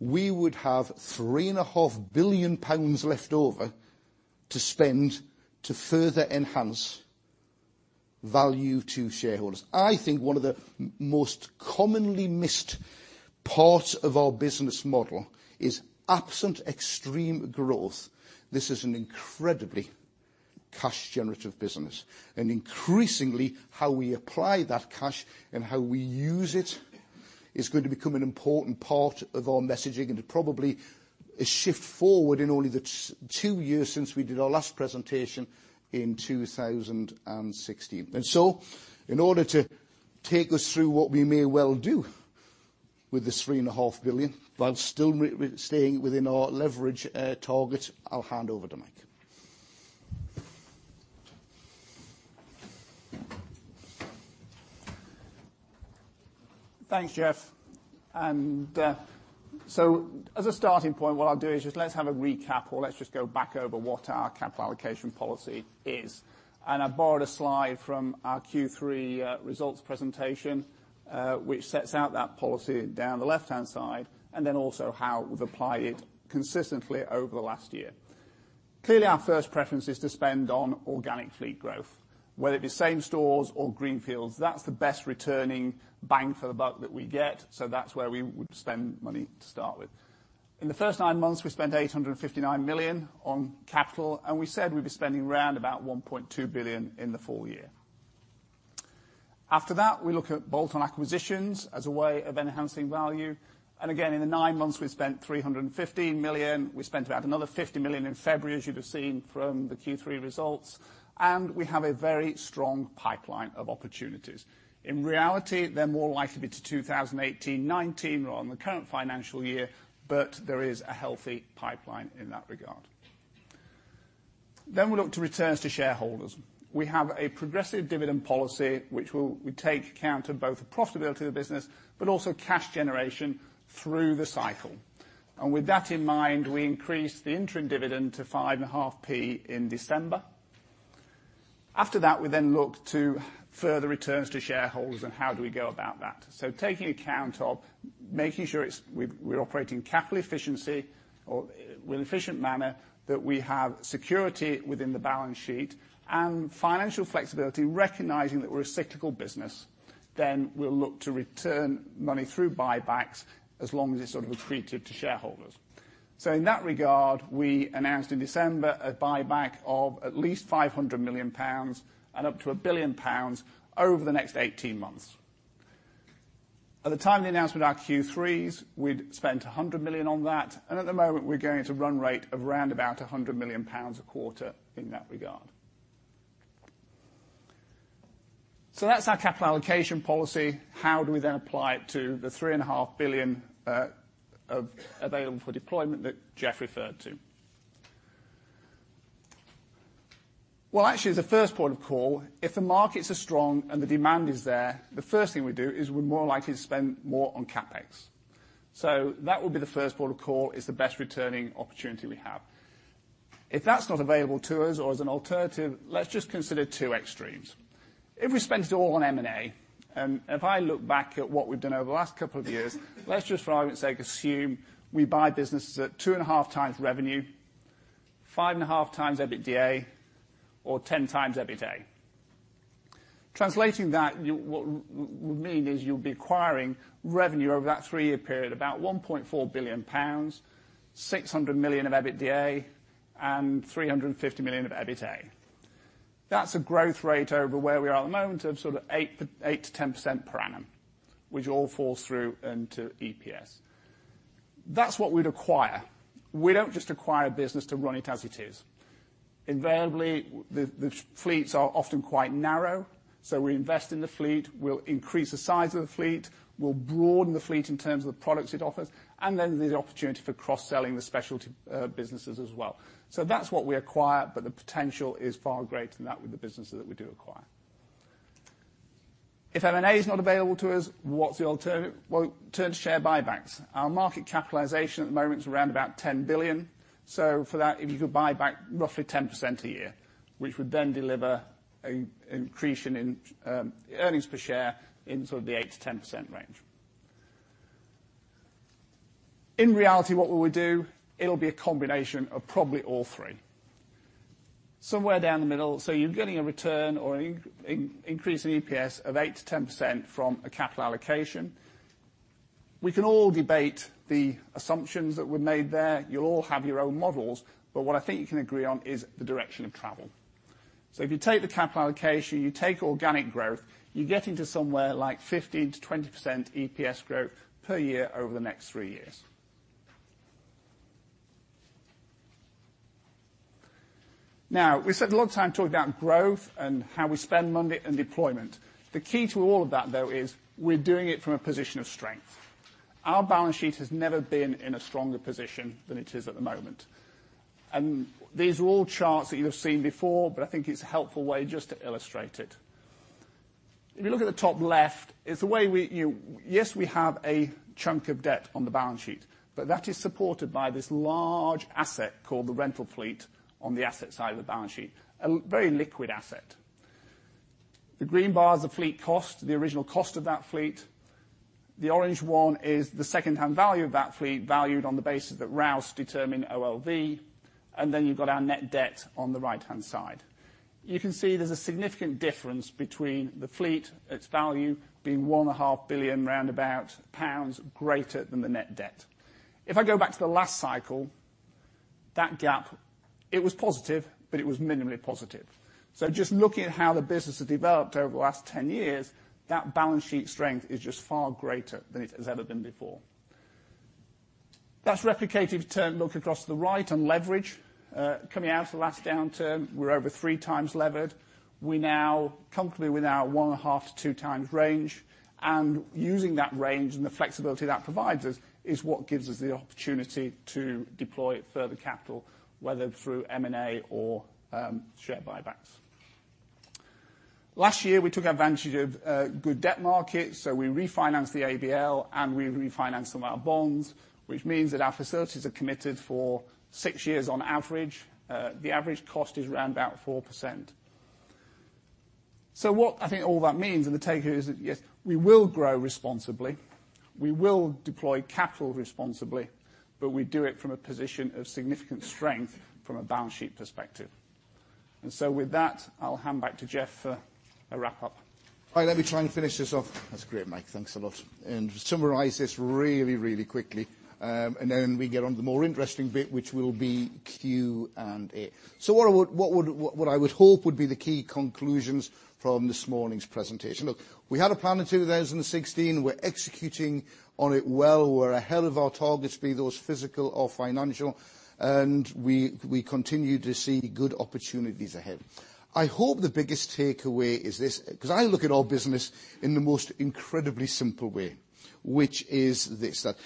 we would have 3.5 billion pounds left over to spend to further enhance value to shareholders. I think one of the most commonly missed parts of our business model is absent extreme growth. This is an incredibly cash-generative business, and increasingly how we apply that cash and how we use it is going to become an important part of our messaging and probably a shift forward in only the two years since we did our last presentation in 2016. In order to take us through what we may well do with the 3.5 billion while still staying within our leverage target, I'll hand over to Mike. Thanks, Geoff. As a starting point, what I'll do is just let's have a recap or let's just go back over what our capital allocation policy is. I borrowed a slide from our Q3 results presentation, which sets out that policy down the left-hand side, also how we've applied it consistently over the last year. Clearly, our first preference is to spend on organic fleet growth, whether it be same stores or greenfields. That's the best returning bang for the buck that we get, so that's where we would spend money to start with. In the first nine months, we spent 859 million on capital, and we said we'd be spending around about 1.2 billion in the full year. After that, we look at bolt-on acquisitions as a way of enhancing value. Again, in the nine months we spent 315 million. We spent about another 50 million in February, as you'd have seen from the Q3 results. We have a very strong pipeline of opportunities. In reality, they're more likely to be to 2018, 2019 or on the current financial year, but there is a healthy pipeline in that regard. We look to returns to shareholders. We have a progressive dividend policy, which will take account of both the profitability of the business, but also cash generation through the cycle. With that in mind, we increased the interim dividend to 0.055 in December. After that, we then look to further returns to shareholders and how do we go about that. Taking account of making sure we're operating capital efficiency or with efficient manner, that we have security within the balance sheet and financial flexibility, recognizing that we're a cyclical business, then we'll look to return money through buybacks as long as it's sort of accretive to shareholders. In that regard, we announced in December a buyback of at least 500 million pounds and up to 1 billion pounds over the next 18 months. At the time of the announcement of our Q3s, we'd spent 100 million on that, and at the moment, we're going at a run rate of around about 100 million pounds a quarter in that regard. That's our capital allocation policy. How do we then apply it to the 3.5 billion available for deployment that Geoff referred to? Actually, as a first port of call, if the markets are strong and the demand is there, the first thing we do is we're more likely to spend more on CapEx. That would be the first port of call as the best returning opportunity we have. If that's not available to us or as an alternative, let's just consider two extremes. If we spent it all on M&A, if I look back at what we've done over the last couple of years, let's just for argument's sake assume we buy businesses at 2.5x revenue, 5.5x EBITDA, or 10x EBITA. Translating that, what we mean is you'll be acquiring revenue over that 3-year period about 1.4 billion pounds, 600 million of EBITDA, and 350 million of EBITA. That's a growth rate over where we are at the moment of sort of 8%-10% per annum, which all falls through into EPS. That's what we'd acquire. We don't just acquire business to run it as it is. Invariably, the fleets are often quite narrow, so we invest in the fleet. We'll increase the size of the fleet, we'll broaden the fleet in terms of the products it offers, and then there's the opportunity for cross-selling the specialty businesses as well. That's what we acquire, but the potential is far greater than that with the businesses that we do acquire. If M&A is not available to us, what's the alternative? Well, turn to share buybacks. Our market capitalization at the moment is around about 10 billion. For that, if you could buy back roughly 10% a year, which would then deliver an increase in earnings per share in sort of the 8%-10% range. In reality, what will we do? It'll be a combination of probably all three. Somewhere down the middle, you're getting a return or increase in EPS of 8%-10% from a capital allocation. We can all debate the assumptions that were made there. You'll all have your own models, but what I think you can agree on is the direction of travel. If you take the capital allocation, you take organic growth, you're getting to somewhere like 15%-20% EPS growth per year over the next three years. We've spent a lot of time talking about growth and how we spend money and deployment. The key to all of that, though, is we're doing it from a position of strength. Our balance sheet has never been in a stronger position than it is at the moment. These are all charts that you've seen before, but I think it's a helpful way just to illustrate it. If you look at the top left, yes, we have a chunk of debt on the balance sheet, but that is supported by this large asset called the rental fleet on the asset side of the balance sheet, a very liquid asset. The green bar is the fleet cost, the original cost of that fleet. The orange one is the secondhand value of that fleet, valued on the basis that Rouse determined OLV. Then you've got our net debt on the right-hand side. You can see there's a significant difference between the fleet, its value, being 1.5 billion pounds round about greater than the net debt. If I go back to the last cycle, that gap, it was positive, but it was minimally positive. Just looking at how the business has developed over the last 10 years, that balance sheet strength is just far greater than it has ever been before. That's replicated if you turn and look across to the right on leverage. Coming out of the last downturn, we're over three times levered. We're now comfortably within our 1.5-2 times range, and using that range and the flexibility that provides us is what gives us the opportunity to deploy further capital, whether through M&A or share buybacks. Last year, we took advantage of good debt markets, we refinanced the ABL and we refinanced some of our bonds, which means that our facilities are committed for six years on average. The average cost is around about 4%. What I think all that means, and the take is that, yes, we will grow responsibly, we will deploy capital responsibly, but we do it from a position of significant strength from a balance sheet perspective. With that, I'll hand back to Geoff for a wrap-up. All right. Let me try and finish this off. That's great, Mike. Thanks a lot. Summarize this really, really quickly, then we get on to the more interesting bit, which will be Q&A. What I would hope would be the key conclusions from this morning's presentation. Look, we had a plan in 2016. We're executing on it well. We're ahead of our targets, be those physical or financial, and we continue to see good opportunities ahead. I hope the biggest takeaway is this, because I look at our business in the most incredibly simple way, which is this: that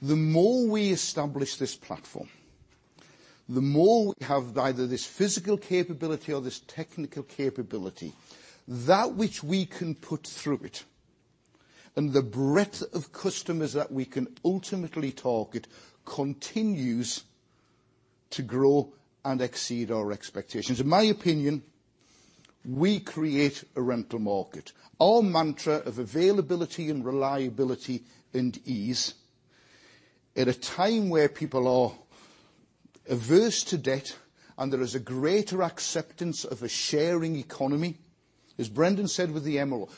the more we establish this platform, the more we have either this physical capability or this technical capability, that which we can put through it, and the breadth of customers that we can ultimately target continues to grow and exceed our expectations. In my opinion, we create a rental market. Our mantra of availability and reliability and ease at a time where people are averse to debt and there is a greater acceptance of a sharing economy, as Brendan said with the Emerald,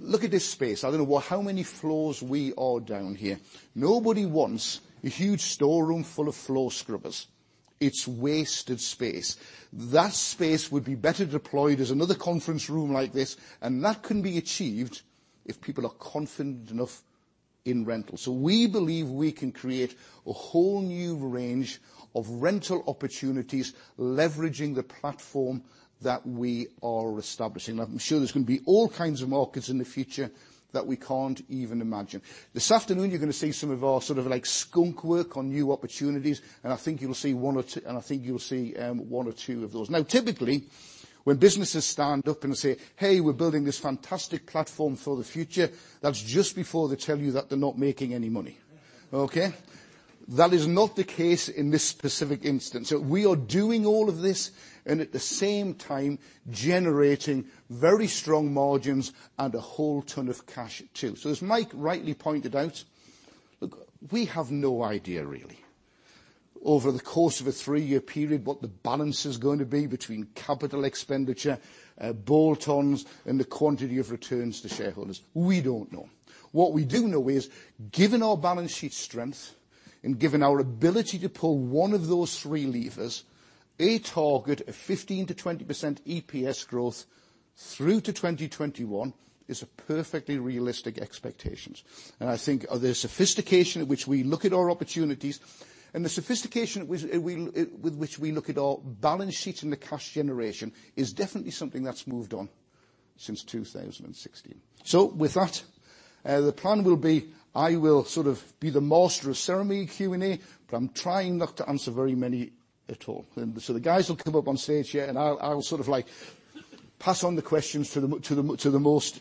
look at this space. I don't know how many floors we are down here. Nobody wants a huge storeroom full of floor scrubbers. It's wasted space. That space would be better deployed as another conference room like this, and that can be achieved if people are confident enough in rental. We believe we can create a whole new range of rental opportunities leveraging the platform that we are establishing. I'm sure there's going to be all kinds of markets in the future that we can't even imagine. This afternoon, you're going to see some of our skunk work on new opportunities, and I think you'll see one or two of those. Now, typically, when businesses stand up and say, "Hey, we're building this fantastic platform for the future," that's just before they tell you that they're not making any money. Okay. That is not the case in this specific instance. We are doing all of this and at the same time generating very strong margins and a whole ton of cash, too. As Mike rightly pointed out, look, we have no idea, really, over the course of a three-year period, what the balance is going to be between capital expenditure, bolt-ons, and the quantity of returns to shareholders. We don't know. What we do know is, given our balance sheet strength and given our ability to pull one of those three levers, a target of 15%-20% EPS growth through to 2021 is a perfectly realistic expectations. I think the sophistication at which we look at our opportunities and the sophistication with which we look at our balance sheet and the cash generation is definitely something that's moved on since 2016. With that, the plan will be, I will be the master of ceremony Q&A, but I'm trying not to answer very many at all. The guys will come up on stage here, and I'll pass on the questions to the most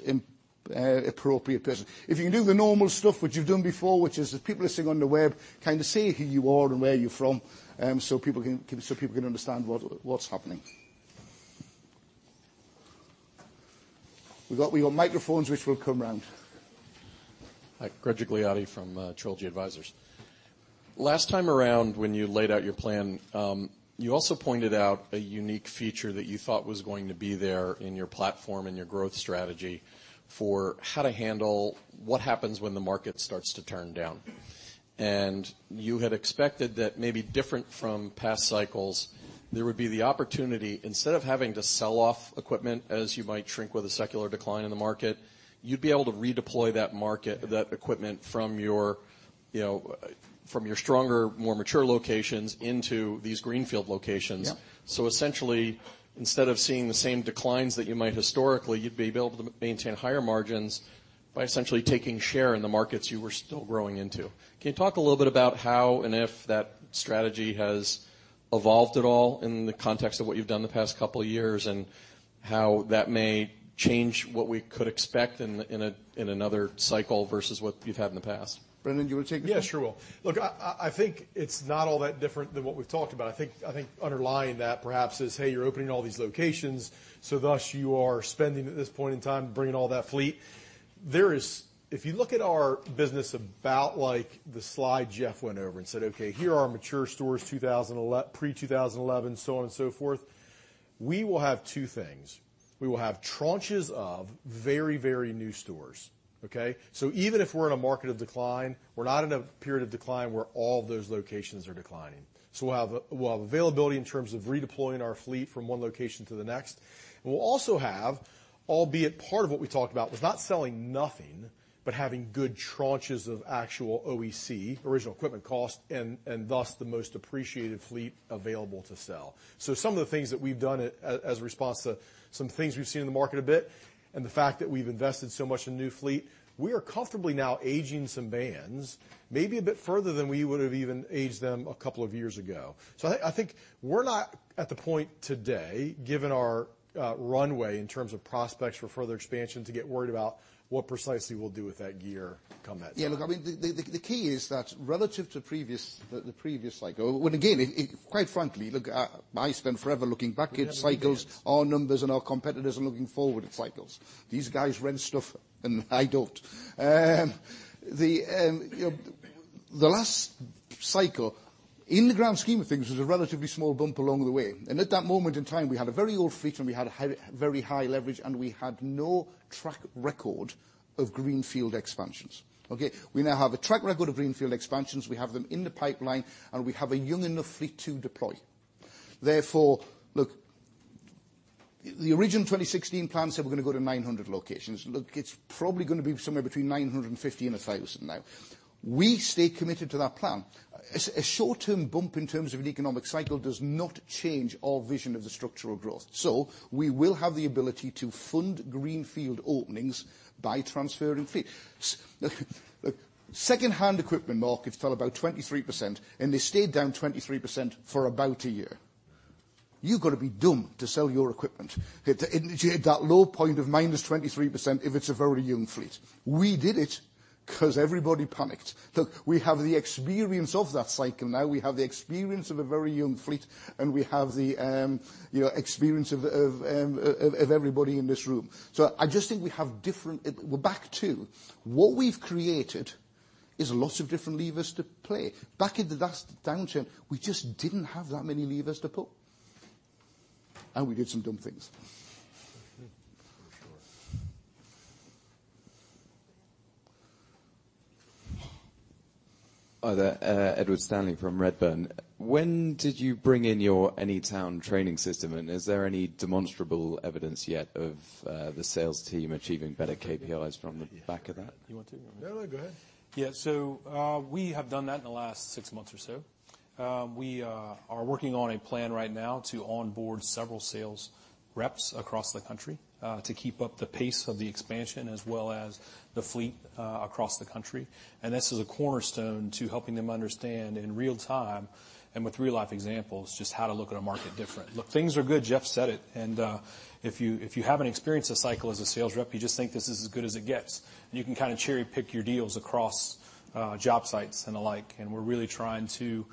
appropriate person. If you can do the normal stuff which you've done before, which is if people are listening on the web, say who you are and where you're from so people can understand what's happening. We've got microphones which will come around. Hi, Greg Gigliotti from Xtellus Advisors. Last time around, when you laid out your plan, you also pointed out a unique feature that you thought was going to be there in your platform and your growth strategy for how to handle what happens when the market starts to turn down. You had expected that maybe different from past cycles, there would be the opportunity, instead of having to sell off equipment as you might shrink with a secular decline in the market, you'd be able to redeploy that equipment from your stronger, more mature locations into these greenfield locations. Yep. Essentially, instead of seeing the same declines that you might historically, you'd be able to maintain higher margins by essentially taking share in the markets you were still growing into. Can you talk a little bit about how and if that strategy has evolved at all in the context of what you've done the past couple of years and how that may change what we could expect in another cycle versus what you've had in the past? Brendan, do you want to take this? Yeah, sure will. Look, I think it's not all that different than what we've talked about. I think underlying that, perhaps, is, hey, you're opening all these locations, thus you are spending at this point in time bringing all that fleet. If you look at our business about like the slide Geoff went over and said, "Okay, here are our mature stores pre-2011," so on and so forth, we will have two things. We will have tranches of very, very new stores, okay? Even if we're in a market of decline, we're not in a period of decline where all of those locations are declining. We'll have availability in terms of redeploying our fleet from one location to the next. We'll also have, albeit part of what we talked about was not selling nothing, but having good tranches of actual OEC, original equipment cost, and thus the most appreciated fleet available to sell. Some of the things that we've done as a response to some things we've seen in the market a bit, and the fact that we've invested so much in new fleet, we are comfortably now aging some vans maybe a bit further than we would have even aged them a couple of years ago. I think we're not at the point today, given our runway in terms of prospects for further expansion, to get worried about what precisely we'll do with that gear come that time. Yeah, look, the key is that relative to the previous cycle, when again, quite frankly, look, I spend forever looking back at cycles, our numbers and our competitors and looking forward at cycles. These guys rent stuff, and I don't. The last cycle, in the grand scheme of things, was a relatively small bump along the way. At that moment in time, we had a very old fleet, and we had very high leverage, and we had no track record of greenfield expansions. Okay? We now have a track record of greenfield expansions. We have them in the pipeline, and we have a young enough fleet to deploy. Look, the original 2016 plan said we're going to go to 900 locations. Look, it's probably going to be somewhere between 950 and 1,000 now. We stay committed to that plan. A short-term bump in terms of an economic cycle does not change our vision of the structural growth. We will have the ability to fund greenfield openings by transferring fleet. Look, secondhand equipment markets fell about 23%, and they stayed down 23% for about a year. You've got to be dumb to sell your equipment at that low point of minus 23% if it's a very young fleet. We did it because everybody panicked. Look, we have the experience of that cycle now. We have the experience of a very young fleet, and we have the experience of everybody in this room. We're back to what we've created is lots of different levers to play. Back in the last downturn, we just didn't have that many levers to pull, and we did some dumb things. For sure. Hi there. Edward Stanley from Redburn. When did you bring in your Anytown training system, and is there any demonstrable evidence yet of the sales team achieving better KPIs from the back of that? You want to? No, go ahead. Yeah. We have done that in the last six months or so. We are working on a plan right now to onboard several sales reps across the country to keep up the pace of the expansion as well as the fleet across the country. This is a cornerstone to helping them understand in real time, and with real-life examples, just how to look at a market different. Look, things are good. Geoff said it. If you haven't experienced a cycle as a sales rep, you just think this is as good as it gets, and you can kind of cherry-pick your deals across job sites and the like. We're really trying to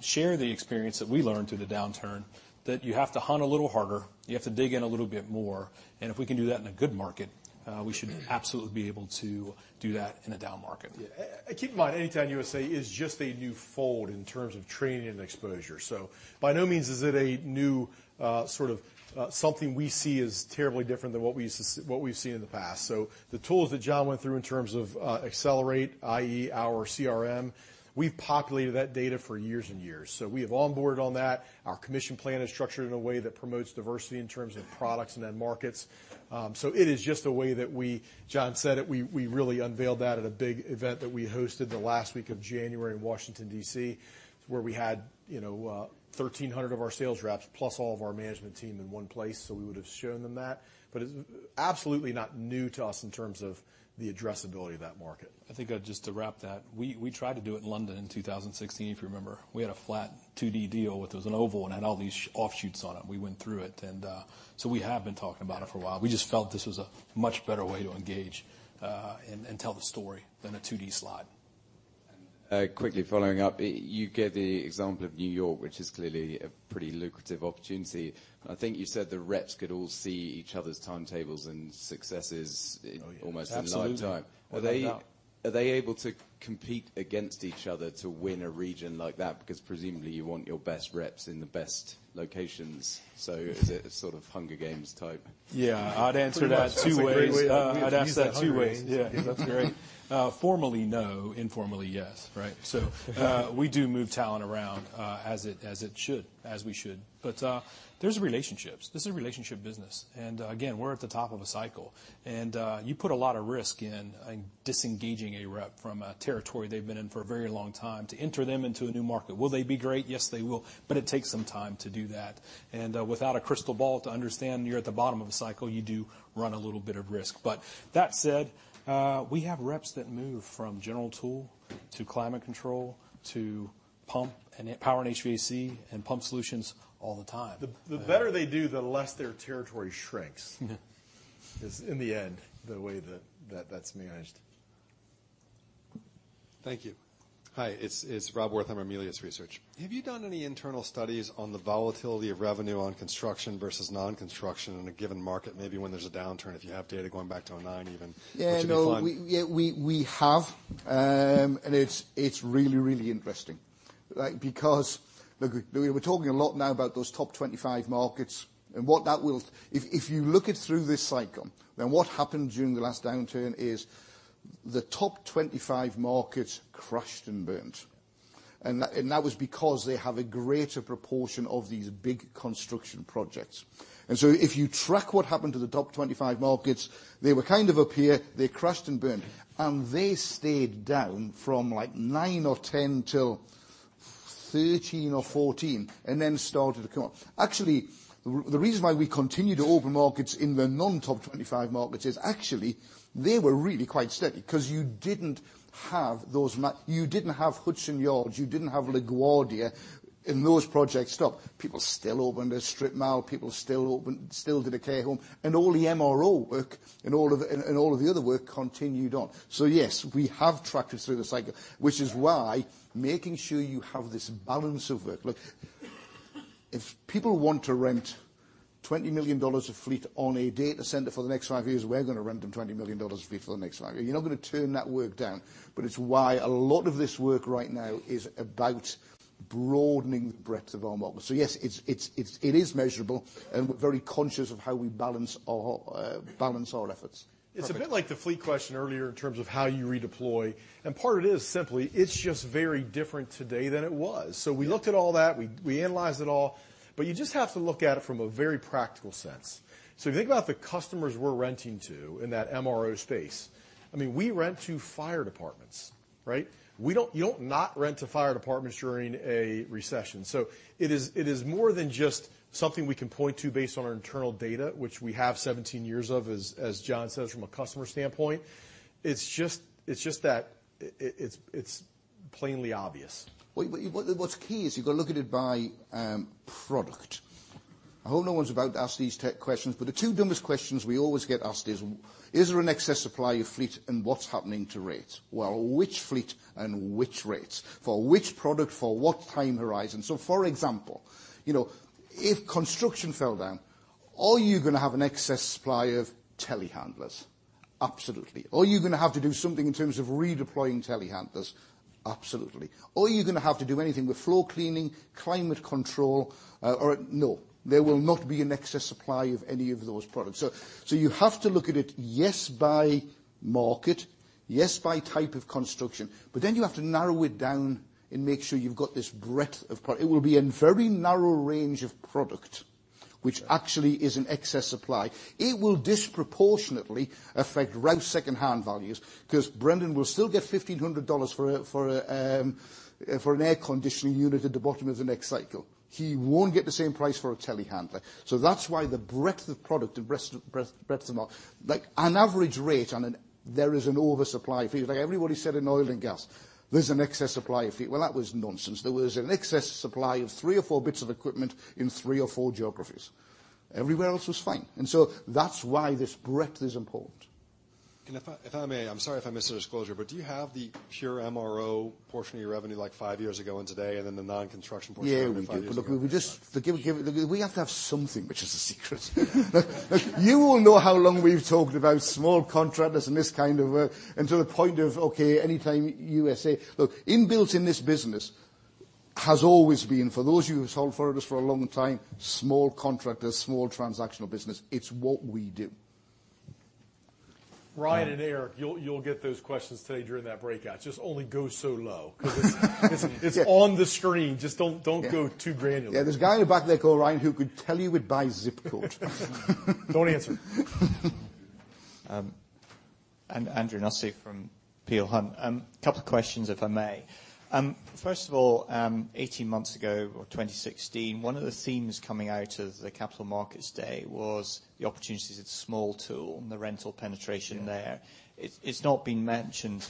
share the experience that we learned through the downturn, that you have to hunt a little harder, you have to dig in a little bit more. If we can do that in a good market, we should absolutely be able to do that in a down market. Yeah. Keep in mind, Anytown, USA is just a new fold in terms of training and exposure. By no means is it a new sort of something we see as terribly different than what we've seen in the past. The tools that John went through in terms of Accelerate, i.e. our CRM, we've populated that data for years and years. We have onboarded on that. Our commission plan is structured in a way that promotes diversity in terms of products and end markets. It is just a way that we, John said it, we really unveiled that at a big event that we hosted the last week of January in Washington, D.C., where we had 1,300 of our sales reps plus all of our management team in one place, so we would've shown them that. It's absolutely not new to us in terms of the addressability of that market. I think just to wrap that, we tried to do it in London in 2016, if you remember. We had a flat 2D deal. It was an oval, and it had all these offshoots on it. We went through it. We have been talking about it for a while. We just felt this was a much better way to engage and tell the story than a 2D slide. Quickly following up. You gave the example of New York, which is clearly a pretty lucrative opportunity. I think you said the reps could all see each other's timetables and successes. Oh, yeah. almost in live time. Absolutely. Without a doubt. Are they able to compete against each other to win a region like that? Presumably you want your best reps in the best locations. Is it a sort of Hunger Games type? Yeah. I'd answer that two ways. Pretty much. That's a great way. We could use that Hunger Games. I'd answer that two ways. Yeah. That's great. Formally, no. Informally, yes. Right? We do move talent around as we should. These are relationships. This is a relationship business. Again, we're at the top of a cycle. You put a lot of risk in disengaging a rep from a territory they've been in for a very long time to enter them into a new market. Will they be great? Yes, they will. It takes some time to do that. Without a crystal ball to understand you're at the bottom of a cycle, you do run a little bit of risk. That said, we have reps that move from general tool to climate control to pump and power and HVAC and pump solutions all the time. The better they do, the less their territory shrinks is in the end, the way that that's managed. Thank you. Hi. It's Rob Wortham, Aurelius Research. Have you done any internal studies on the volatility of revenue on construction versus non-construction in a given market? Maybe when there's a downturn, if you have data going back to 2009 even, which would be fine. No. We have, it's really interesting. We're talking a lot now about those top 25 markets. If you look it through this cycle, what happened during the last downturn is the top 25 markets crushed and burned. That was because they have a greater proportion of these big construction projects. If you track what happened to the top 25 markets, they were kind of up here, they crushed and burned, they stayed down from like 2009 or 2010 till 2013 or 2014, started to come up. Actually, the reason why we continue to open markets in the non-top 25 markets is actually, they were really quite steady, because you didn't have Hudson Yards, you didn't have LaGuardia, those projects stop. People still opened a strip mall, people still did a care home. All the MRO work and all of the other work continued on. Yes, we have tracked it through the cycle, which is why making sure you have this balance of work. Look, if people want to rent GBP 20 million of fleet on a data center for the next 5 years, we're going to rent them GBP 20 million of fleet for the next 5 years. You're not going to turn that work down, it's why a lot of this work right now is about broadening the breadth of our market. Yes, it is measurable, and we're very conscious of how we balance our efforts. It's a bit like the fleet question earlier in terms of how you redeploy, part of it is simply, it's just very different today than it was. We looked at all that. We analyzed it all. You just have to look at it from a very practical sense. If you think about the customers we're renting to in that MRO space, I mean, we rent to fire departments, right? You don't not rent to fire departments during a recession. It is more than just something we can point to based on our internal data, which we have 17 years of, as John says, from a customer standpoint. It's just that it's plainly obvious. What's key is you've got to look at it by product. I hope no one's about to ask these tech questions, the two dumbest questions we always get asked is there an excess supply of fleet, and what's happening to rates? Which fleet and which rates? For which product, for what time horizon? For example, if construction fell down, are you going to have an excess supply of telehandlers? Absolutely. Are you going to have to do something in terms of redeploying telehandlers? Absolutely. Are you going to have to do anything with floor cleaning, climate control? No. There will not be an excess supply of any of those products. You have to look at it, yes, by market. Yes, by type of construction. You have to narrow it down and make sure you've got this breadth of product. It will be in very narrow range of product, which actually is in excess supply. It will disproportionately affect rough secondhand values, because Brendan will still get $1,500 for an air conditioning unit at the bottom of the next cycle. He won't get the same price for a telehandler. That's why the breadth of product and breadth of mark. Like an average rate, there is an oversupply fee. Like everybody said in oil and gas, there is an excess supply of fee. That was nonsense. There was an excess supply of three or four bits of equipment in three or four geographies. Everywhere else was fine. That's why this breadth is important. If I may, I'm sorry if I missed the disclosure, do you have the pure MRO portion of your revenue, like five years ago and today, and then the non-construction portion revenue five years ago and today? Yes, we do. Look, we have to have something which is a secret. You all know how long we've talked about small contractors. Inbuilt in this business has always been, for those of you who have followed us for a long time, small contractors, small transactional business. It's what we do. Ryan and Eric, you'll get those questions today during that breakout. Just only go so low because it's on the screen. Just don't go too granular. Yeah. There's a guy in the back there called Ryan who could tell you we'd buy zip code. Don't answer. I'm Andrew Nussey from Peel Hunt. A couple of questions, if I may. First of all, 18 months ago, or 2016, one of the themes coming out of the capital markets day was the opportunities with small tool and the rental penetration there. Yeah. It's not been mentioned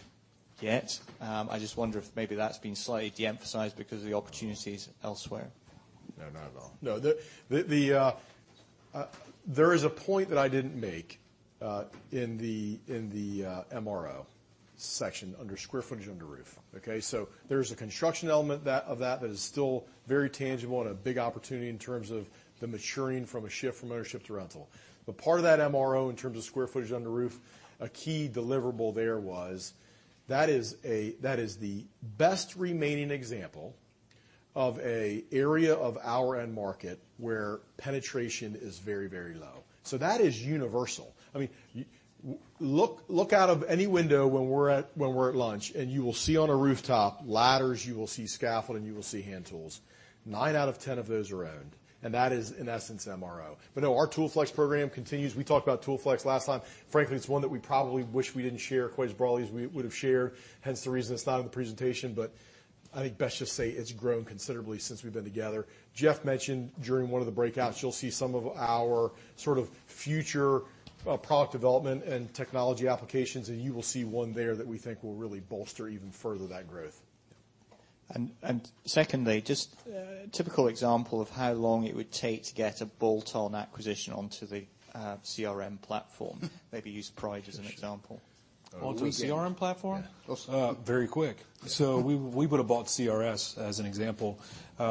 yet. I just wonder if maybe that's been slightly de-emphasized because of the opportunities elsewhere. No, not at all. No. There is a point that I didn't make in the MRO section under square footage under roof. Okay. There's a construction element of that that is still very tangible and a big opportunity in terms of the maturing from a shift from ownership to rental. Part of that MRO, in terms of square footage under roof, a key deliverable there was, that is the best remaining example of an area of our end market where penetration is very low. That is universal. Look out of any window when we're at lunch, and you will see on a rooftop ladders, you will see scaffolding, you will see hand tools. Nine out of 10 of those are owned, and that is in essence, MRO. No, our ToolFlex program continues. We talked about ToolFlex last time. Frankly, it's one that we probably wish we didn't share quite as broadly as we would've shared, hence the reason it's not in the presentation. I think best just say it's grown considerably since we've been together. Geoff mentioned during one of the breakouts, you'll see some of our sort of future product development and technology applications, and you will see one there that we think will really bolster even further that growth. Secondly, just a typical example of how long it would take to get a bolt-on acquisition onto the CRM platform. Maybe use Pride as an example. Onto a CRM platform? Yeah. Very quick. We would've bought CRS as an example.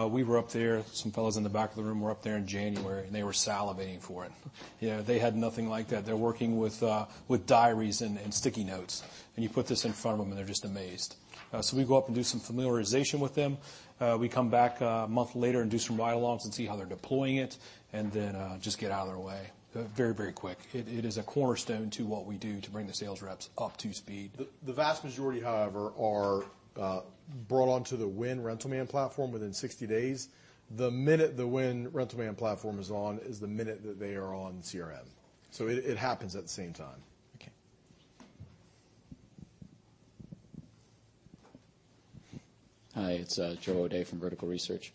We were up there, some fellows in the back of the room were up there in January, and they were salivating for it. They had nothing like that. They're working with diaries and sticky notes. You put this in front of them, and they're just amazed. We go up and do some familiarization with them. We come back a month later and do some ride-alongs and see how they're deploying it, and then just get out of their way very quick. It is a cornerstone to what we do to bring the sales reps up to speed. The vast majority, however, are brought onto the Wynne RentalMan platform within 60 days. The minute the Wynne RentalMan platform is on is the minute that they are on CRM. It happens at the same time. Okay. Hi, it's Joe O'Dea from Vertical Research.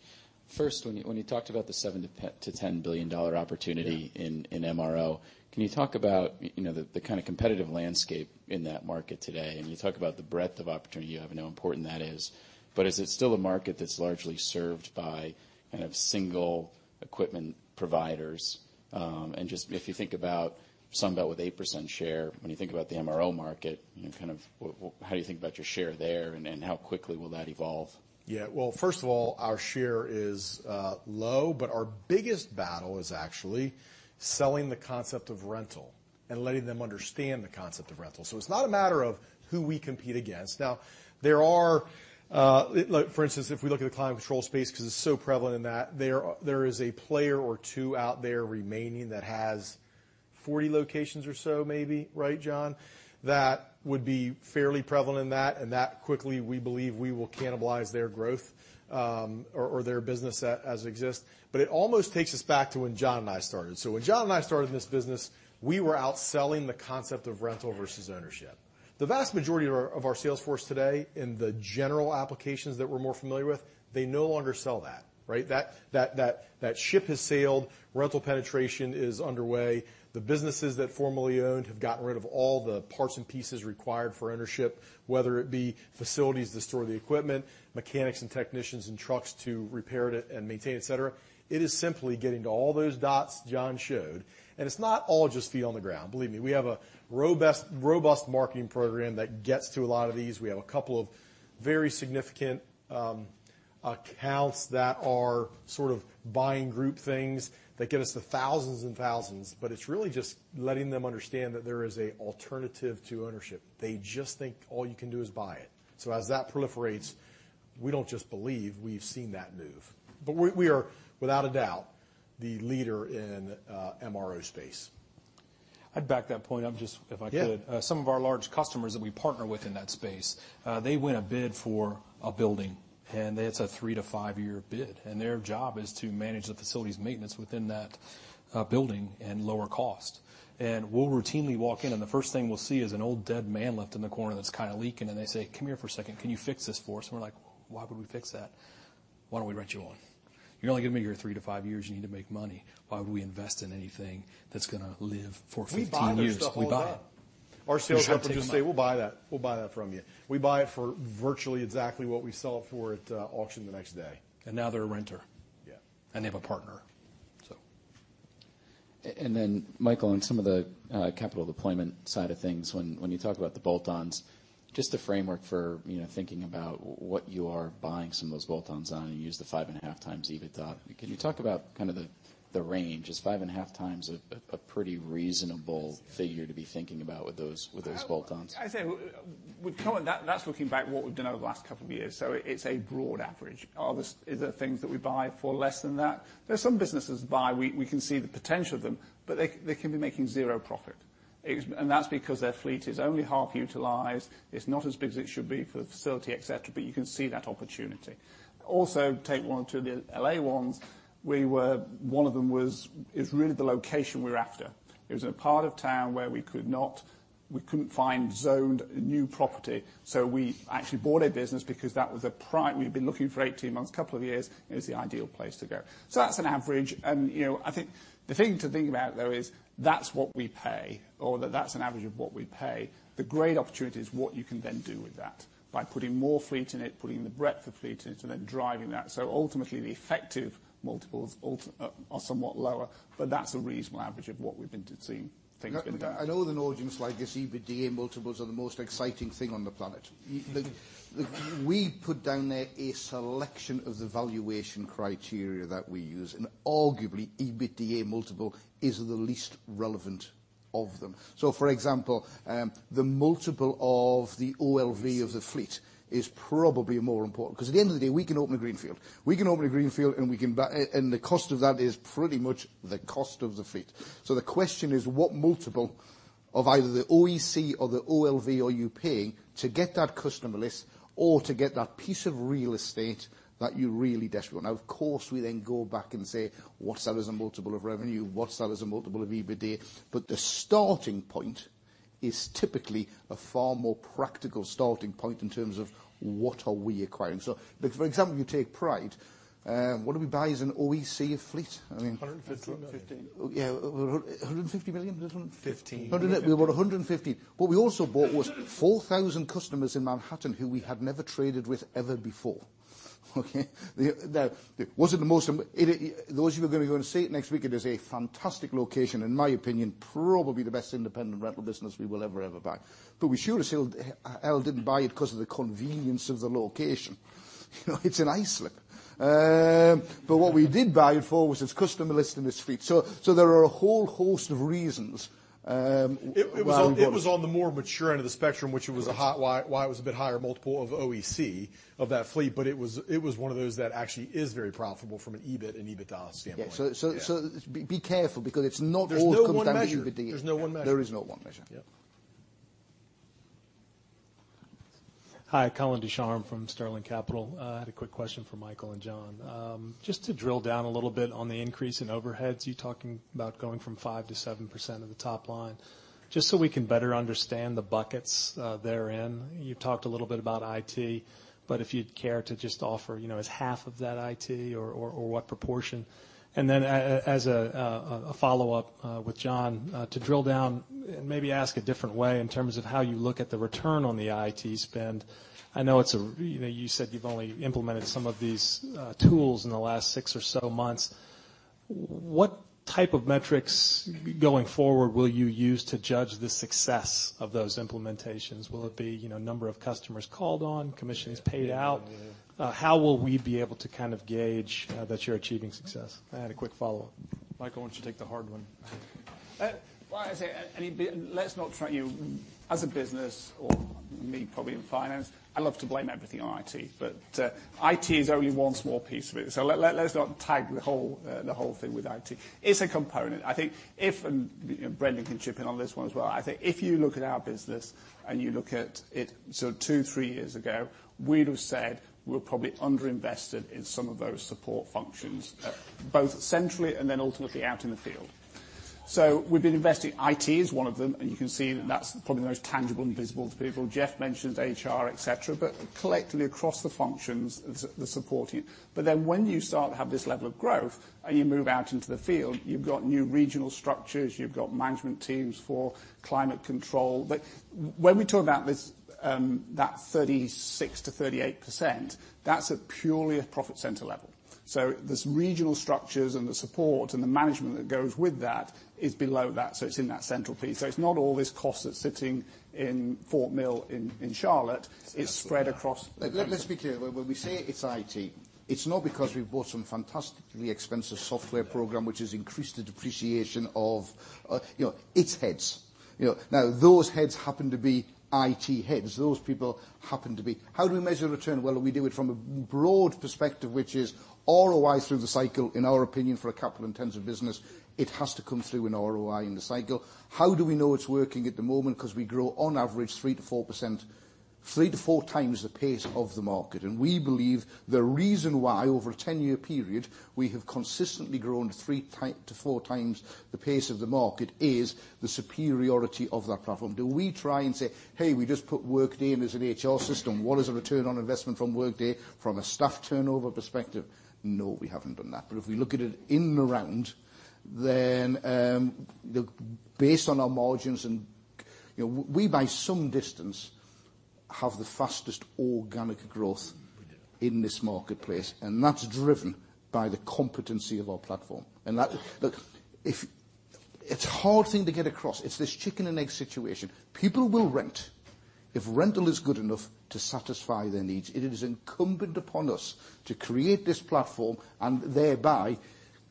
First, when you talked about the $7 billion-$10 billion opportunity- Yeah in MRO, can you talk about the kind of competitive landscape in that market today? You talk about the breadth of opportunity you have and how important that is it still a market that's largely served by kind of single equipment providers? Just if you think about Sunbelt with 8% share, when you think about the MRO market, how do you think about your share there, and how quickly will that evolve? Yeah. Well, first of all, our share is low, our biggest battle is actually selling the concept of rental and letting them understand the concept of rental. It's not a matter of who we compete against. Now, for instance, if we look at the climate control space, because it's so prevalent in that, there is a player or two out there remaining that has 40 locations or so maybe. Right, John? That would be fairly prevalent in that quickly, we believe we will cannibalize their growth, or their business as it exists. It almost takes us back to when John and I started. When John and I started in this business, we were out selling the concept of rental versus ownership. The vast majority of our sales force today, in the general applications that we're more familiar with, they no longer sell that, right? That ship has sailed. Rental penetration is underway. The businesses that formerly owned have gotten rid of all the parts and pieces required for ownership, whether it be facilities to store the equipment, mechanics and technicians and trucks to repair it and maintain, et cetera. It is simply getting to all those dots John showed. It's not all just feet on the ground. Believe me, we have a robust marketing program that gets to a lot of these. We have a couple of very significant accounts that are sort of buying group things that get us to thousands and thousands. It's really just letting them understand that there is an alternative to ownership. They just think all you can do is buy it. As that proliferates, we don't just believe, we've seen that move. We are, without a doubt- The leader in MRO space. I'd back that point up, just if I could. Yeah. Some of our large customers that we partner with in that space, they win a bid for a building, and it's a 3-5-year bid. Their job is to manage the facility's maintenance within that building and lower cost. We'll routinely walk in, and the first thing we'll see is an old dead manlift in the corner that's kind of leaking, and they say, "Come here for a second. Can you fix this for us?" We're like, "Why would we fix that? Why don't we rent you one? You're only giving me your 3 to 5 years. You need to make money. Why would we invest in anything that's going to live for 15 years?" We buy it. We buy their stuff all day. It's a capital. Our sales rep will just say, "We'll buy that. We'll buy that from you." We buy it for virtually exactly what we sell it for at auction the next day. Now they're a renter. Yeah. They have a partner. Michael, on some of the capital deployment side of things, when you talk about the bolt-ons, just a framework for thinking about what you are buying some of those bolt-ons on. You used the 5.5x EBITDA. Can you talk about kind of the range? Is 5.5x a pretty reasonable figure to be thinking about with those bolt-ons? I'd say, with Colin, that's looking back what we've done over the last couple of years. It's a broad average. Are there things that we buy for less than that? There are some businesses we buy, we can see the potential of them, but they can be making zero profit. That's because their fleet is only half utilized. It's not as big as it should be for the facility, et cetera, but you can see that opportunity. Also, take one or two of the L.A. ones. One of them was, it's really the location we're after. It was in a part of town where we couldn't find zoned new property. We actually bought a business because that was a prime. We'd been looking for 18 months, a couple of years, and it was the ideal place to go. That's an average. I think the thing to think about, though, is that's what we pay, or that that's an average of what we pay. The great opportunity is what you can then do with that by putting more fleet in it, putting the breadth of fleet into it, and then driving that. Ultimately, the effective multiples are somewhat lower, but that's a reasonable average of what we've been seeing things been done. I know with an audience like this, EBITDA multiples are the most exciting thing on the planet. We put down there a selection of the valuation criteria that we use, and arguably, EBITDA multiple is the least relevant of them. For example, the multiple of the OLV of the fleet is probably more important because at the end of the day, we can open a greenfield. We can open a greenfield and we can and the cost of that is pretty much the cost of the fleet. The question is, what multiple of either the OEC or the OLV are you paying to get that customer list or to get that piece of real estate that you really desperate want? Now, of course, we then go back and say, "What's that as a multiple of revenue? What's that as a multiple of EBITDA?" The starting point is typically a far more practical starting point in terms of what are we acquiring. For example, you take Pride. What do we buy as an OEC fleet? $150 million. 15. Yeah, $150 million. Is it? 15. We bought $150. What we also bought was 4,000 customers in Manhattan who we had never traded with ever before. Okay? Now, was it the most Those of you who are going to go and see it next week, it is a fantastic location. In my opinion, probably the best independent rental business we will ever buy. We sure as hell didn't buy it because of the convenience of the location. It's in Islip. What we did buy it for was its customer list and its fleet. There are a whole host of reasons why we bought it. It was on the more mature end of the spectrum, which was why it was a bit higher multiple of OEC of that fleet. It was one of those that actually is very profitable from an EBIT and EBITDA standpoint. Yeah. Be careful because it's not all comes down to EBITDA. There's no one measure. There is no one measure. Yep. Hi, Colin Ducharme from Sterling Capital. I had a quick question for Michael and John. Just to drill down a little bit on the increase in overheads, you talking about going from 5%-7% of the top line. Just so we can better understand the buckets therein, you talked a little bit about IT, but if you'd care to just offer, is half of that IT or what proportion? And then as a follow-up with John to drill down and maybe ask a different way in terms of how you look at the return on the IT spend. I know it's you said you've only implemented some of these tools in the last six or so months. What type of metrics going forward will you use to judge the success of those implementations? Will it be number of customers called on, commissions paid out? How will we be able to kind of gauge that you're achieving success? I had a quick follow-up. Michael, why don't you to take the hard one? Well, I say, let's not tag the whole thing with IT. It's a component. I think if, and Brendan can chip in on this one as well, I think if you look at our business and you look at it sort of two, three years ago, we'd have said we're probably underinvested in some of those support functions, both centrally and ultimately out in the field. We've been investing. IT is one of them, and you can see that that's probably the most tangible and visible to people. Geoff mentions HR, et cetera, but collectively across the functions, the support team. When you start to have this level of growth and you move out into the field, you've got new regional structures, you've got management teams for climate control. When we talk about this, that 36%-38%, that's a purely a profit center level. This regional structures and the support and the management that goes with that is below that, so it's in that central piece. It's not all this cost that's sitting in Fort Mill in Charlotte. It's spread across the country. Let's be clear. When we say it's IT, it's not because we've bought some fantastically expensive software program which has increased the depreciation of. It's heads. Those heads happen to be IT heads. Those people happen to be How do we measure return? Well, we do it from a broad perspective, which is ROI through the cycle, in our opinion, for a capital-intensive business, it has to come through an ROI in the cycle. How do we know it's working at the moment? Because we grow on average 3%-4%, three to four times the pace of the market. We believe the reason why, over a 10-year period, we have consistently grown three to four times the pace of the market is the superiority of that platform. Do we try and say, "Hey, we just put Workday in as an HR system. What is the return on investment from Workday from a staff turnover perspective?" No, we haven't done that. If we look at it in the round, then based on our margins, we by some distance have the fastest organic growth in this marketplace, that's driven by the competency of our platform. Look, it's a hard thing to get across. It's this chicken and egg situation. People will rent if rental is good enough to satisfy their needs. It is incumbent upon us to create this platform and thereby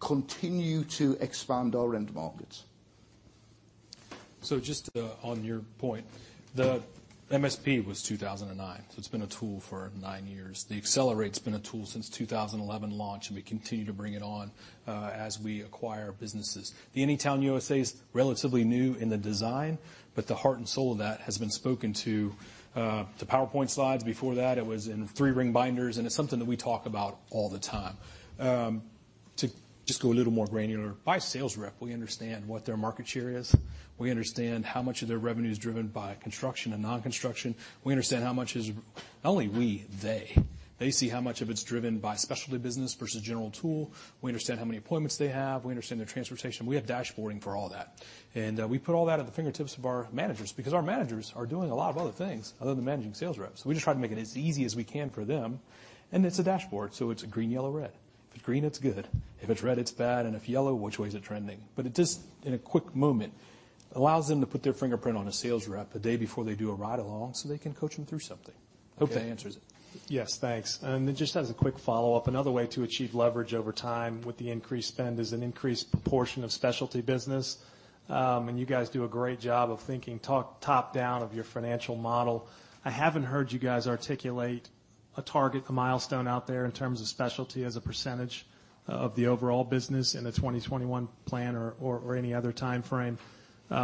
continue to expand our rental markets. Just on your point, the MSP was 2009. It's been a tool for nine years. The Accelerate's been a tool since 2011 launch, we continue to bring it on as we acquire businesses. The Anytown, USA is relatively new in the design, the heart and soul of that has been spoken to PowerPoint slides. Before that, it was in three-ring binders, it's something that we talk about all the time. To just go a little more granular, by sales rep, we understand what their market share is. We understand how much of their revenue is driven by construction and non-construction. We understand how much is, not only we, they. They see how much of it's driven by specialty business versus general tool. We understand how many appointments they have. We understand their transportation. We have dashboarding for all that. We put all that at the fingertips of our managers because our managers are doing a lot of other things other than managing sales reps. We just try to make it as easy as we can for them, it's a dashboard, it's a green, yellow, red. If it's green, it's good. If it's red, it's bad. If yellow, which way is it trending? It just, in a quick moment, allows them to put their fingerprint on a sales rep a day before they do a ride-along so they can coach them through something. Okay. Hope that answers it. Yes, thanks. Then just as a quick follow-up, another way to achieve leverage over time with the increased spend is an increased proportion of specialty business. You guys do a great job of thinking top down of your financial model. I haven't heard you guys articulate a target, a milestone out there in terms of specialty as a percentage of the overall business in the 2021 plan or any other time frame. The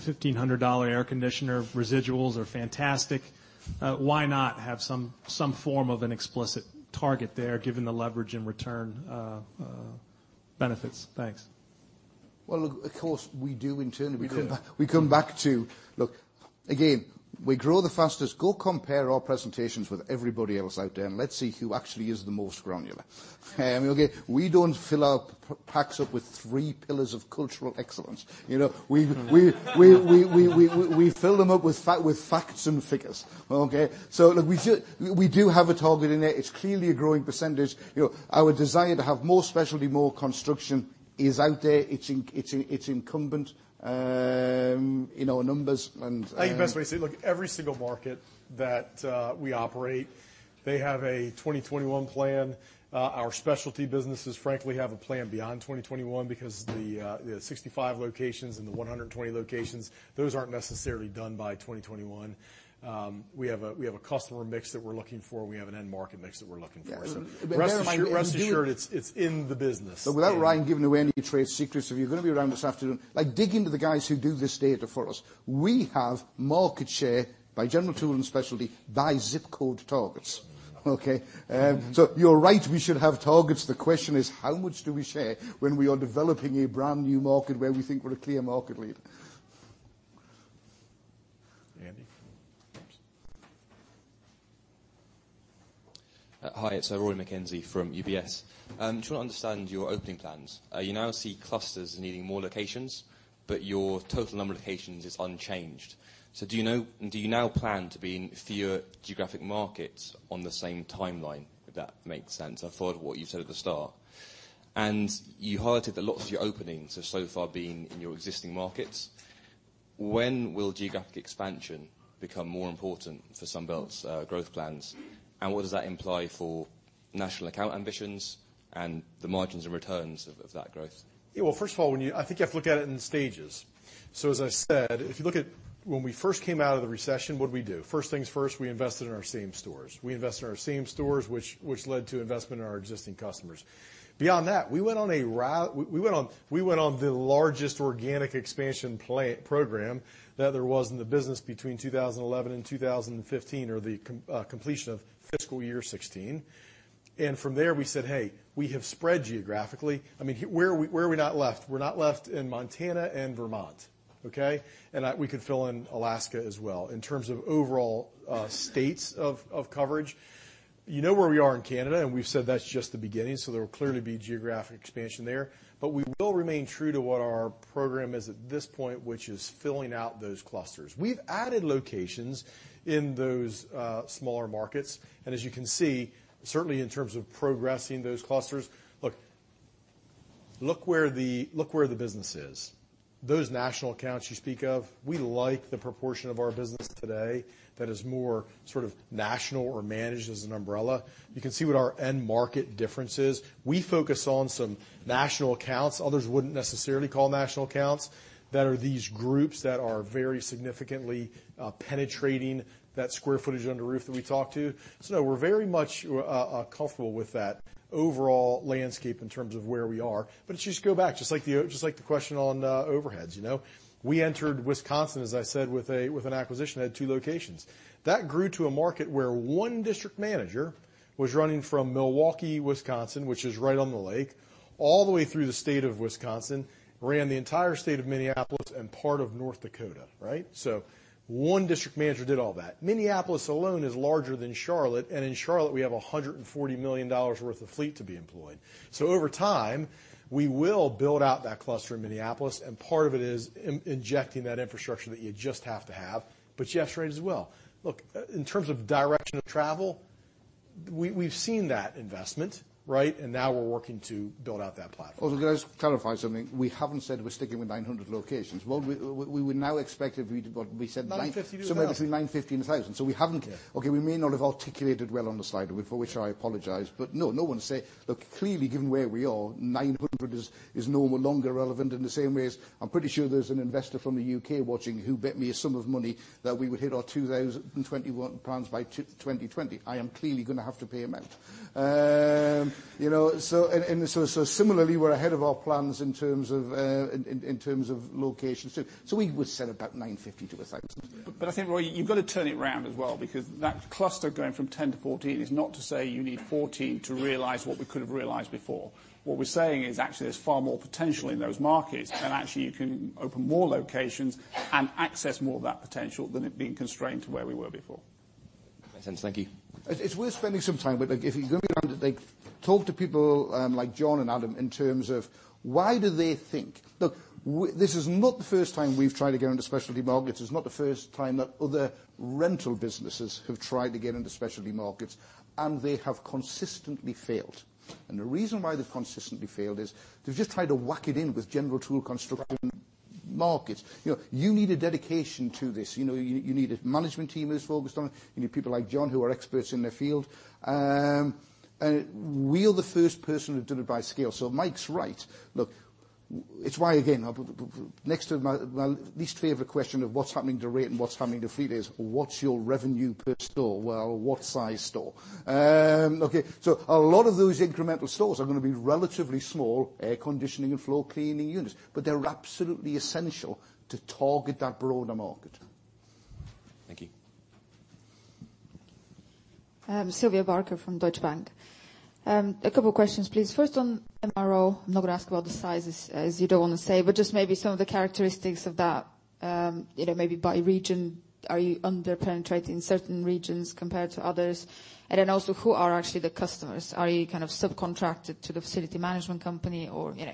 $1,500 air conditioner residuals are fantastic. Why not have some form of an explicit target there given the leverage and return benefits? Thanks. Well, look, of course, we do internally. We do. We come back to, look, again, we grow the fastest. Go compare our presentations with everybody else out there and let's see who actually is the most granular. We don't fill our packs up with three pillars of cultural excellence. We fill them up with facts and figures. Okay. Look, we do have a target in there. It's clearly a growing percentage. Our desire to have more specialty, more construction is out there. It's incumbent in our numbers. I think the best way to say it, look, every single market that we operate, they have a 2021 plan. Our specialty businesses, frankly, have a plan beyond 2021 because the 65 locations and the 120 locations, those aren't necessarily done by 2021. We have a customer mix that we're looking for. We have an end market mix that we're looking for. Yes. Rest assured, it's in the business. Without Ryan giving away any trade secrets, if you're going to be around this afternoon, dig into the guys who do this data for us. We have market share by general tool and specialty by zip code targets. Okay. You're right, we should have targets. The question is how much do we share when we are developing a brand new market where we think we're a clear market lead. Andy. Hi, it's Rory McKenzie from UBS. Trying to understand your opening plans. You now see clusters needing more locations, your total number of locations is unchanged. Do you now plan to be in fewer geographic markets on the same timeline, if that makes sense? I followed what you said at the start. You highlighted that lots of your openings have so far been in your existing markets. When will geographic expansion become more important for Sunbelt's growth plans, and what does that imply for national account ambitions and the margins and returns of that growth? First of all, I think you have to look at it in stages. As I said, if you look at when we first came out of the recession, what did we do? First things first, we invested in our same stores. We invested in our same stores, which led to investment in our existing customers. Beyond that, we went on the largest organic expansion program that there was in the business between 2011 and 2015, or the completion of fiscal year 2016. From there we said, "Hey, we have spread geographically." Where are we not left? We're not left in Montana and Vermont. Okay. We could fill in Alaska as well. In terms of overall states of coverage, you know where we are in Canada, we've said that's just the beginning, there will clearly be geographic expansion there. We will remain true to what our program is at this point, which is filling out those clusters. We've added locations in those smaller markets. As you can see, certainly in terms of progressing those clusters, Look where the business is. Those national accounts you speak of, we like the proportion of our business today that is more sort of national or managed as an umbrella. You can see what our end market difference is. We focus on some national accounts, others wouldn't necessarily call national accounts, that are these groups that are very significantly penetrating that square footage under the roof that we talk to. No, we're very much comfortable with that overall landscape in terms of where we are. Just go back, just like the question on overheads. We entered Wisconsin, as I said, with an acquisition, had two locations. That grew to a market where one district manager was running from Milwaukee, Wisconsin, which is right on the lake, all the way through the state of Wisconsin, ran the entire state of Minneapolis and part of North Dakota, right. One district manager did all that. Minneapolis alone is larger than Charlotte. In Charlotte, we have $140 million worth of fleet to be employed. Over time, we will build out that cluster in Minneapolis, and part of it is injecting that infrastructure that you just have to have. You're absolutely right as well. Look, in terms of direction of travel, we've seen that investment, right. Now we're working to build out that platform. Can I just clarify something? We haven't said we're sticking with 900 locations. What we would now expect if we, what we said- 950 to 1,000. somewhere between 950 and 1,000. We haven't. Okay, we may not have articulated well on the slide, for which I apologize. No one's saying. Look, clearly, given where we are, 900 is no longer relevant in the same way as I'm pretty sure there's an investor from the U.K. watching who bet me a sum of money that we would hit our 2021 plans by 2020. I am clearly going to have to pay him out. Similarly, we're ahead of our plans in terms of locations too. We would say about 950 to 1,000. I think, Rory, you've got to turn it around as well because that cluster going from 10 to 14 is not to say you need 14 to realize what we could've realized before. What we're saying is actually there's far more potential in those markets, and actually, you can open more locations and access more of that potential than it being constrained to where we were before. Makes sense. Thank you. It's worth spending some time with, if you're going to be honest, talk to people like John and Adam in terms of why do they think Look, this is not the first time we've tried to get into specialty markets. It's not the first time that other rental businesses have tried to get into specialty markets, and they have consistently failed. The reason why they've consistently failed is they've just tried to whack it in with general tool construction markets. You need a dedication to this. You need a management team that is focused on it. You need people like John who are experts in their field. We're the first person who did it by scale. Mike's right. Look, it's why, again, next to my least favorite question of what's happening to rate and what's happening to fleet is what's your revenue per store? Well, what size store? A lot of those incremental stores are going to be relatively small air conditioning and floor cleaning units, but they're absolutely essential to target that broader market. Thank you. Silvia Barker from Deutsche Bank. A couple questions, please. First on MRO. I'm not going to ask about the sizes, as you don't want to say, but just maybe some of the characteristics of that, maybe by region. Are you under-penetrating certain regions compared to others? Also, who are actually the customers? Are you kind of subcontracted to the facility management company?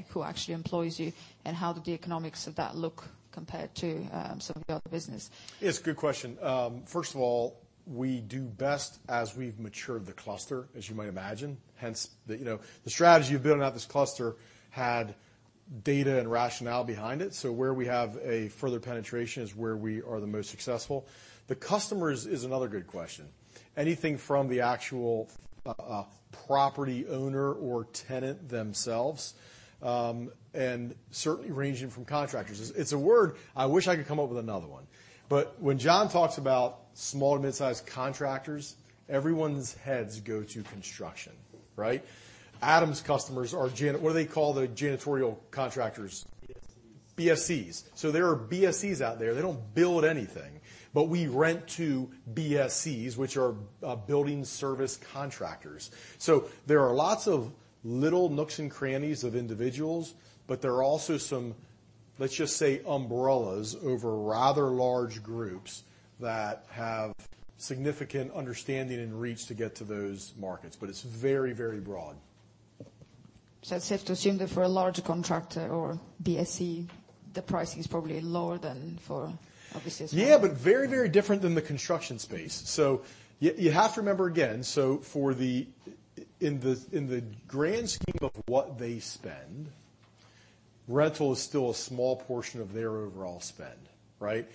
Who actually employs you, and how do the economics of that look compared to some of your other business? It's a good question. First of all, we do best as we've matured the cluster, as you might imagine. Hence, the strategy of building out this cluster had data and rationale behind it. Where we have a further penetration is where we are the most successful. The customers is another good question. Anything from the actual property owner or tenant themselves, and certainly ranging from contractors. It's a word, I wish I could come up with another one. When John talks about small to mid-size contractors, everyone's heads go to construction, right? Adam's customers are What do they call the janitorial contractors? BSCs. So there are BSCs out there. They don't build anything. We rent to BSCs, which are building service contractors. There are lots of little nooks and crannies of individuals, but there are also some, let's just say, umbrellas over rather large groups that have significant understanding and reach to get to those markets. It's very broad. It's safe to assume that for a larger contractor or BSC, the pricing is probably lower than for obviously a small Yeah, but very different than the construction space. You have to remember, again, in the grand scheme of what they spend, rental is still a small portion of their overall spend, right?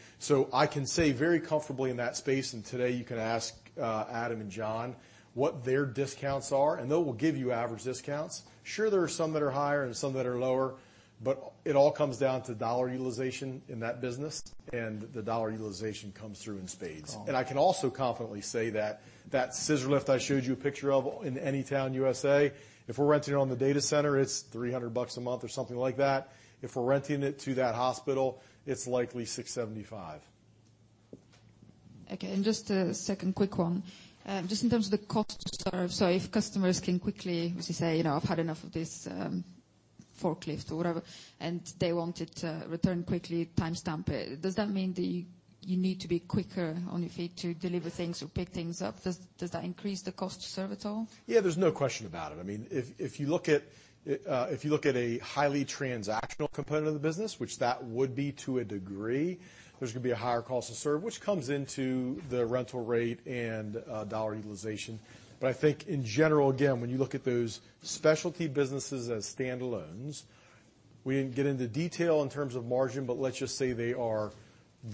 I can say very comfortably in that space, and today you can ask Adam and John what their discounts are, and they will give you average discounts. Sure, there are some that are higher and some that are lower, but it all comes down to dollar utilization in that business, and the dollar utilization comes through in spades. I can also confidently say that scissor lift I showed you a picture of in Anytown, USA, if we're renting it on the data center, it's $300 a month or something like that. If we're renting it to that hospital, it's likely $675. Okay, just a second quick one. Just in terms of the cost to serve. If customers can quickly say, "I've had enough of this forklift" or whatever, and they want it returned quickly, time stamp it. Does that mean that you need to be quicker on your feet to deliver things or pick things up? Does that increase the cost to serve at all? Yeah, there's no question about it. If you look at a highly transactional component of the business, which that would be to a degree, there's going to be a higher cost to serve, which comes into the rental rate and dollar utilization. I think in general, again, when you look at those specialty businesses as standalones. We didn't get into detail in terms of margin, but let's just say they are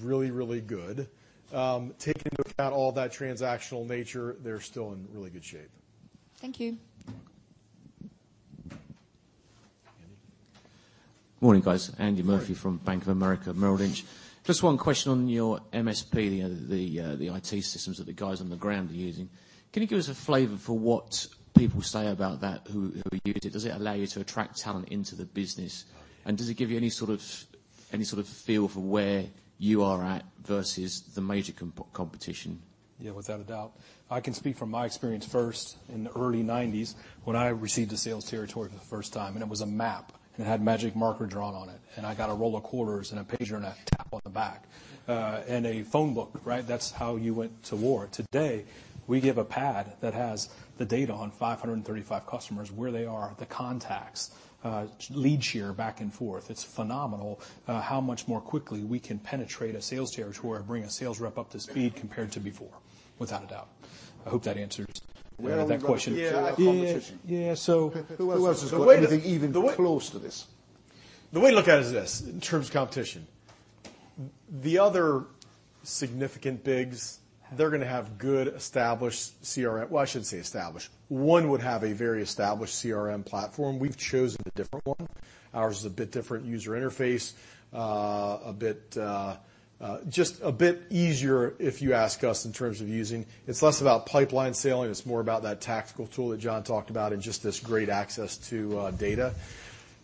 really, really good. Taking into account all that transactional nature, they're still in really good shape. Thank you. You're welcome. Andy? Morning, guys. Andy Murphy from Bank of America Merrill Lynch. Just one question on your MSP, the IT systems that the guys on the ground are using. Can you give us a flavor for what people say about that, who use it? Does it allow you to attract talent into the business? Oh, yeah. Does it give you any sort of feel for where you are at versus the major competition? Yeah, without a doubt. I can speak from my experience first in the early '90s when I received a sales territory for the first time, and it was a map, and it had magic marker drawn on it, and I got a roll of quarters and a pager and a tap on the back. A phone book, right? That's how you went to war. Today, we give a pad that has the data on 535 customers, where they are, the contacts, lead share back and forth. It's phenomenal how much more quickly we can penetrate a sales territory or bring a sales rep up to speed compared to before, without a doubt. I hope that answers that question. Yeah. Competition. Yeah, who else has got anything even close to this? The way to look at it is this, in terms of competition. The other significant bigs, they're going to have good established CRM. Well, I shouldn't say established. One would have a very established CRM platform. We've chosen a different one. Ours is a bit different user interface, just a bit easier if you ask us in terms of using. It's less about pipeline selling, it's more about that tactical tool that John talked about and just this great access to data.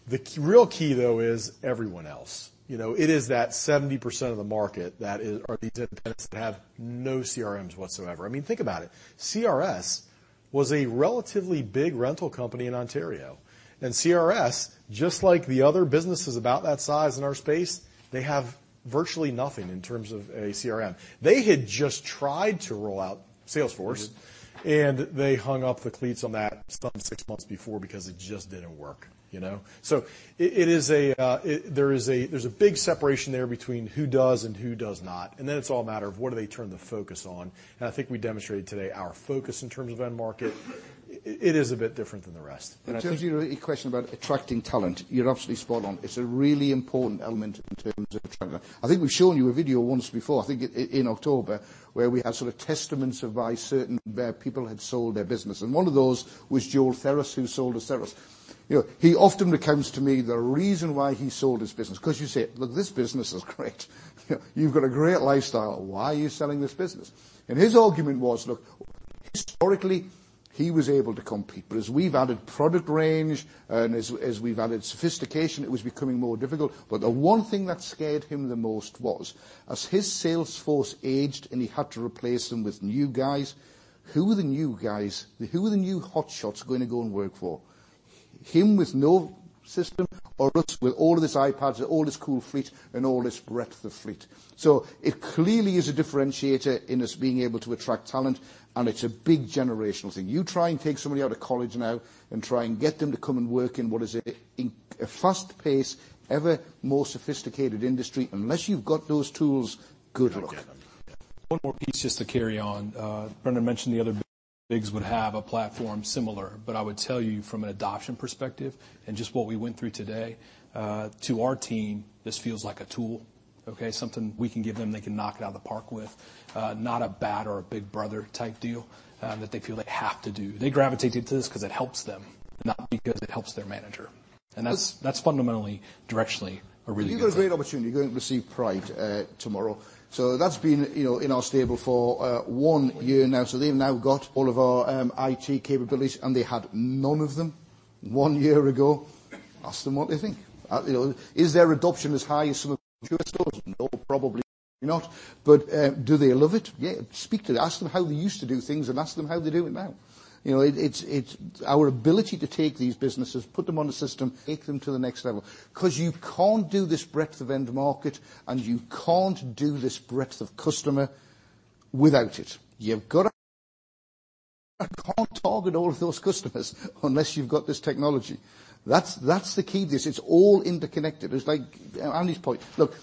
The real key, though, is everyone else. It is that 70% of the market that are these independents that have no CRMs whatsoever. Think about it. CRS was a relatively big rental company in Ontario, and CRS, just like the other businesses about that size in our space, they have virtually nothing in terms of a CRM. They had just tried to roll out Salesforce, and they hung up the cleats on that six months before because it just didn't work. There's a big separation there between who does and who does not, and then it's all a matter of what do they turn the focus on? I think we demonstrated today our focus in terms of end market. It is a bit different than the rest. In terms of your question about attracting talent, you're absolutely spot on. It's a really important element in terms of trying to I think we've shown you a video once before, in October, where we have sort of testaments of why certain people had sold their business, and one of those was Joel Theros who sold to us. He often recounts to me the reason why he sold his business, because you say, "Look, this business is great. You've got a great lifestyle. Why are you selling this business?" His argument was, look, historically, he was able to compete. As we've added product range and as we've added sophistication, it was becoming more difficult. The one thing that scared him the most was as his sales force aged and he had to replace them with new guys, who were the new guys? Who were the new hotshots going to go and work for? Him with no system or us with all of these iPads, all this cool fleet, and all this breadth of fleet? It clearly is a differentiator in us being able to attract talent, and it's a big generational thing. You try and take somebody out of college now and try and get them to come and work in what is a fast-paced, ever more sophisticated industry. Unless you've got those tools, good luck. You're not getting them. One more piece just to carry on. Brendan mentioned the other bigs would have a platform similar, I would tell you from an adoption perspective and just what we went through today, to our team, this feels like a tool, okay? Something we can give them, they can knock it out of the park with. Not a bat or a big brother type deal that they feel they have to do. They gravitated to this because it helps them, not because it helps their manager. That's fundamentally, directionally, a really good thing. You've got a great opportunity. You're going to receive Pride tomorrow. That's been in our stable for one year now. They've now got all of our IT capabilities, and they had none of them one year ago. Ask them what they think. Is their adoption as high as some of the pure stores? No, probably not. Do they love it? Yeah. Speak to them. Ask them how they used to do things and ask them how they do it now. Our ability to take these businesses, put them on the system, take them to the next level. You can't do this breadth of end market and you can't do this breadth of customer without it. You can't target all of those customers unless you've got this technology. That's the key to this. It's all interconnected. It's like Andy's point. Look,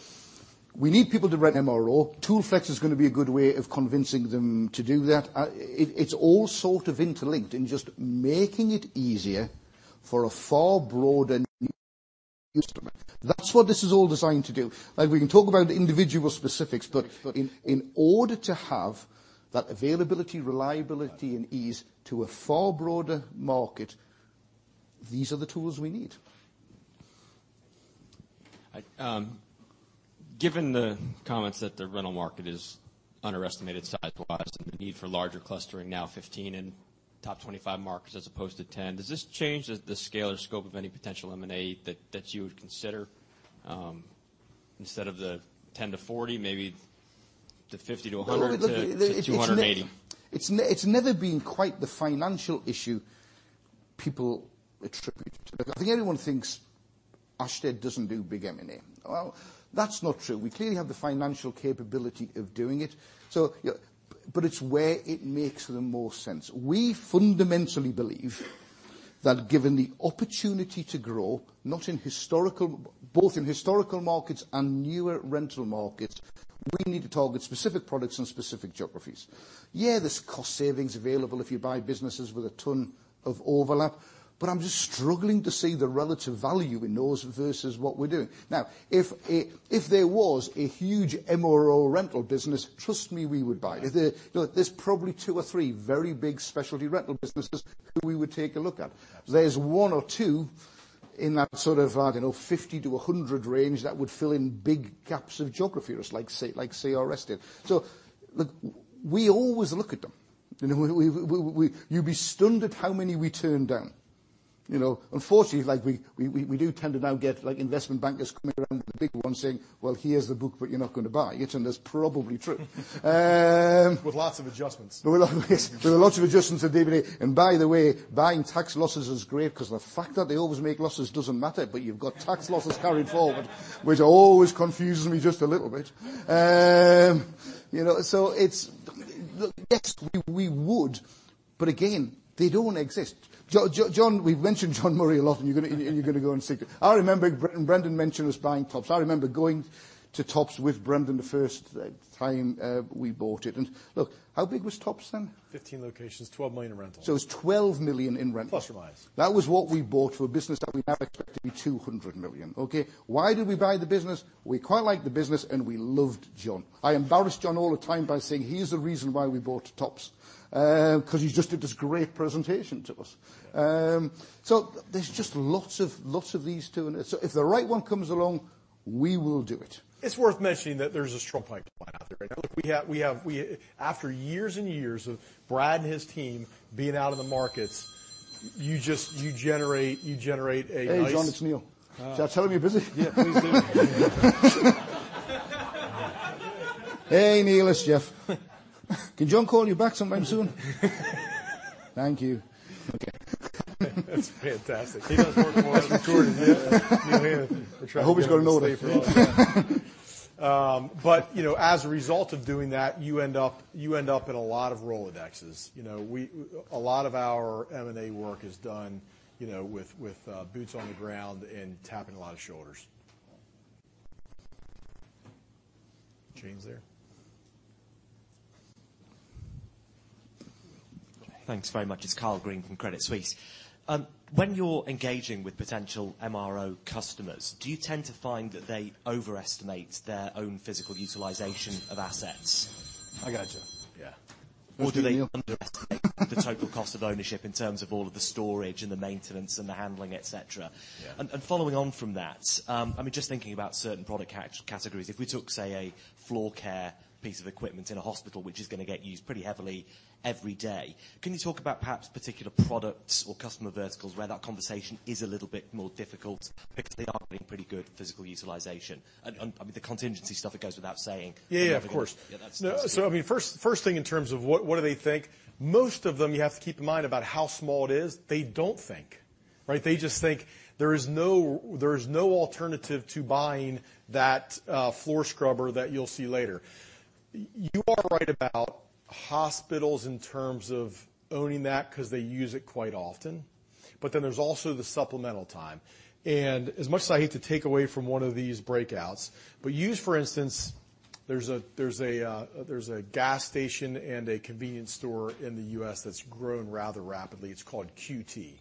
we need people to rent MRO. ToolFlex is going to be a good way of convincing them to do that. It's all sort of interlinked in just making it easier for a far broader customer base. That's what this is all designed to do. We can talk about individual specifics, in order to have that availability, reliability, and ease to a far broader market, these are the tools we need. Given the comments that the rental market is underestimated size-wise and the need for larger clustering, now 15 in top 25 markets as opposed to 10, does this change the scale or scope of any potential M&A that you would consider? Instead of the 10-40, maybe to 50 to 100 to 280? It's never been quite the financial issue people attribute to it. I think everyone thinks Ashtead doesn't do big M&A. Well, that's not true. We clearly have the financial capability of doing it. It's where it makes the most sense. We fundamentally believe that given the opportunity to grow, both in historical markets and newer rental markets, we need to target specific products and specific geographies. Yeah, there's cost savings available if you buy businesses with a ton of overlap, but I'm just struggling to see the relative value in those versus what we're doing. If there was a huge MRO rental business, trust me, we would buy it. There's probably two or three very big specialty rental businesses who we would take a look at. There's one or two in that sort of 50 to 100 range that would fill in big gaps of geography for us, like CRS did. Look, we always look at them. You'd be stunned at how many we turn down. Unfortunately, we do tend to now get investment bankers coming around with the big ones saying, "Well, here's the book, but you're not going to buy it." That's probably true. With lots of adjustments. With lots of yes, with lots of adjustments of M&A. By the way, buying tax losses is great because the fact that they always make losses doesn't matter, but you've got tax losses carried forward. Which always confuses me just a little bit. Yes, we would, but again, they don't exist. John, we've mentioned John Murray a lot. You're going to go and see him. I remember Brendan mentioned us buying Topp. I remember going to Topp with Brendan the first time we bought it. Look, how big was Topp then? 15 locations, 12 million in rentals. It was 12 million in rental. Plus or minus. That was what we bought for a business that we now expect to be 200 million. Okay. Why did we buy the business? We quite liked the business and we loved John. I embarrass John all the time by saying he's the reason why we bought Topp, because he just did this great presentation to us. There's just lots of these two. If the right one comes along, we will do it. It's worth mentioning that there's a strong pipeline out there right now. After years and years of Brad and his team being out of the markets. Hey, John, it's Neil. Shall I tell him you're busy? Yeah, please do. Hey, Neil, it's Geoff. Can John call you back sometime soon? Thank you. Okay. That's fantastic. He does work more on the tour. Yeah. We're trying to get him to stay put. I hope he's got a note of that. As a result of doing that, you end up in a lot of Rolodexes. A lot of our M&A work is done with boots on the ground and tapping a lot of shoulders. James there. Thanks very much. It's Karl Green from Credit Suisse. When you're engaging with potential MRO customers, do you tend to find that they overestimate their own physical utilization of assets? I got you. Yeah. Thank you, Neil. Do they underestimate the total cost of ownership in terms of all of the storage and the maintenance and the handling, et cetera? Yeah. Following on from that, just thinking about certain product categories. If we took, say, a floor care piece of equipment in a hospital, which is going to get used pretty heavily every day, can you talk about perhaps particular products or customer verticals where that conversation is a little bit more difficult because they are getting pretty good physical utilization? The contingency stuff, it goes without saying. Yeah, of course. Yeah, that's- First thing in terms of what do they think, most of them, you have to keep in mind about how small it is. They don't think, right? They just think there is no alternative to buying that floor scrubber that you'll see later. You are right about hospitals in terms of owning that because they use it quite often. Then there's also the supplemental time. As much as I hate to take away from one of these breakouts, but use, for instance, there's a gas station and a convenience store in the U.S. that's grown rather rapidly. It's called QuikTrip.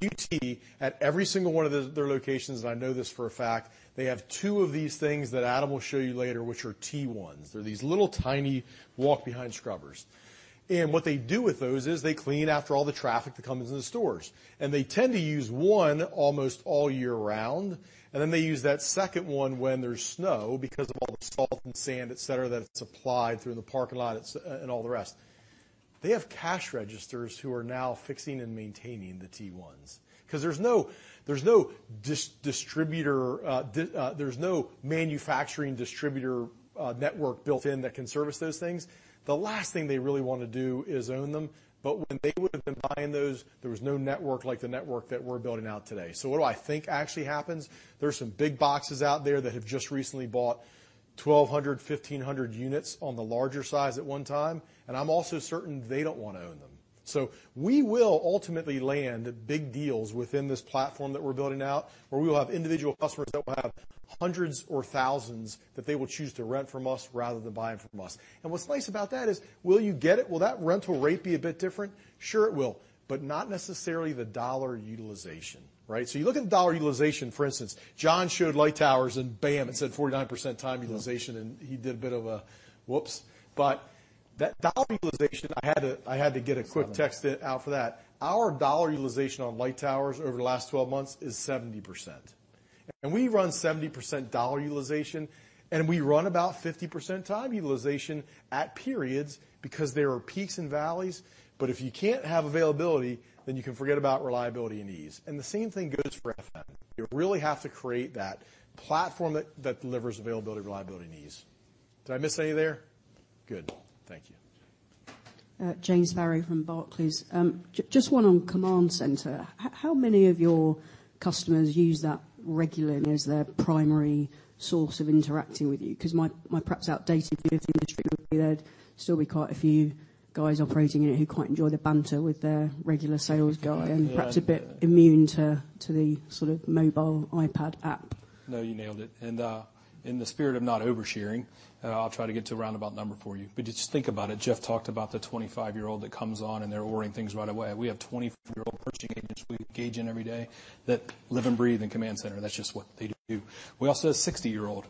QuikTrip, at every single one of their locations, and I know this for a fact, they have two of these things that Adam will show you later, which are T1s. They're these little tiny walk-behind scrubbers. What they do with those is they clean after all the traffic that comes into the stores, and they tend to use one almost all year round, then they use that second one when there's snow because of all the salt and sand, et cetera, that's applied through the parking lot and all the rest. They have cash registers who are now fixing and maintaining the T1s because there's no manufacturing distributor network built in that can service those things. The last thing they really want to do is own them. When they would have been buying those, there was no network like the network that we're building out today. What do I think actually happens? There's some big boxes out there that have just recently bought 1,200, 1,500 units on the larger size at one time, and I'm also certain they don't want to own them. We will ultimately land big deals within this platform that we're building out, where we will have individual customers that will have hundreds or thousands that they will choose to rent from us rather than buying from us. What's nice about that is, will you get it? Will that rental rate be a bit different? Sure it will, but not necessarily the dollar utilization, right? You look at dollar utilization, for instance, John showed light towers and bam, it said 49% time utilization, and he did a bit of a whoops. That dollar utilization, I had to get a quick text out for that. Our dollar utilization on light towers over the last 12 months is 70%. We run 70% dollar utilization. We run about 50% time utilization at periods because there are peaks and valleys. If you can't have availability, then you can forget about reliability and ease. The same thing goes for FM. You really have to create that platform that delivers availability, reliability, and ease. Did I miss any there? Good. Thank you. James Barry from Barclays. Just one on Command Center. How many of your customers use that regularly as their primary source of interacting with you? My perhaps outdated view of the industry would be there'd still be quite a few guys operating in it who quite enjoy the banter with their regular sales guy and perhaps a bit immune to the sort of mobile iPad app. No, you nailed it. In the spirit of not over-sharing, I'll try to get to a roundabout number for you. Just think about it. Geoff talked about the 25-year-old that comes on and they're ordering things right away. We have 20-year-old purchasing agents we engage in every day that live and breathe in Command Center. That's just what they do. We also have 60-year-old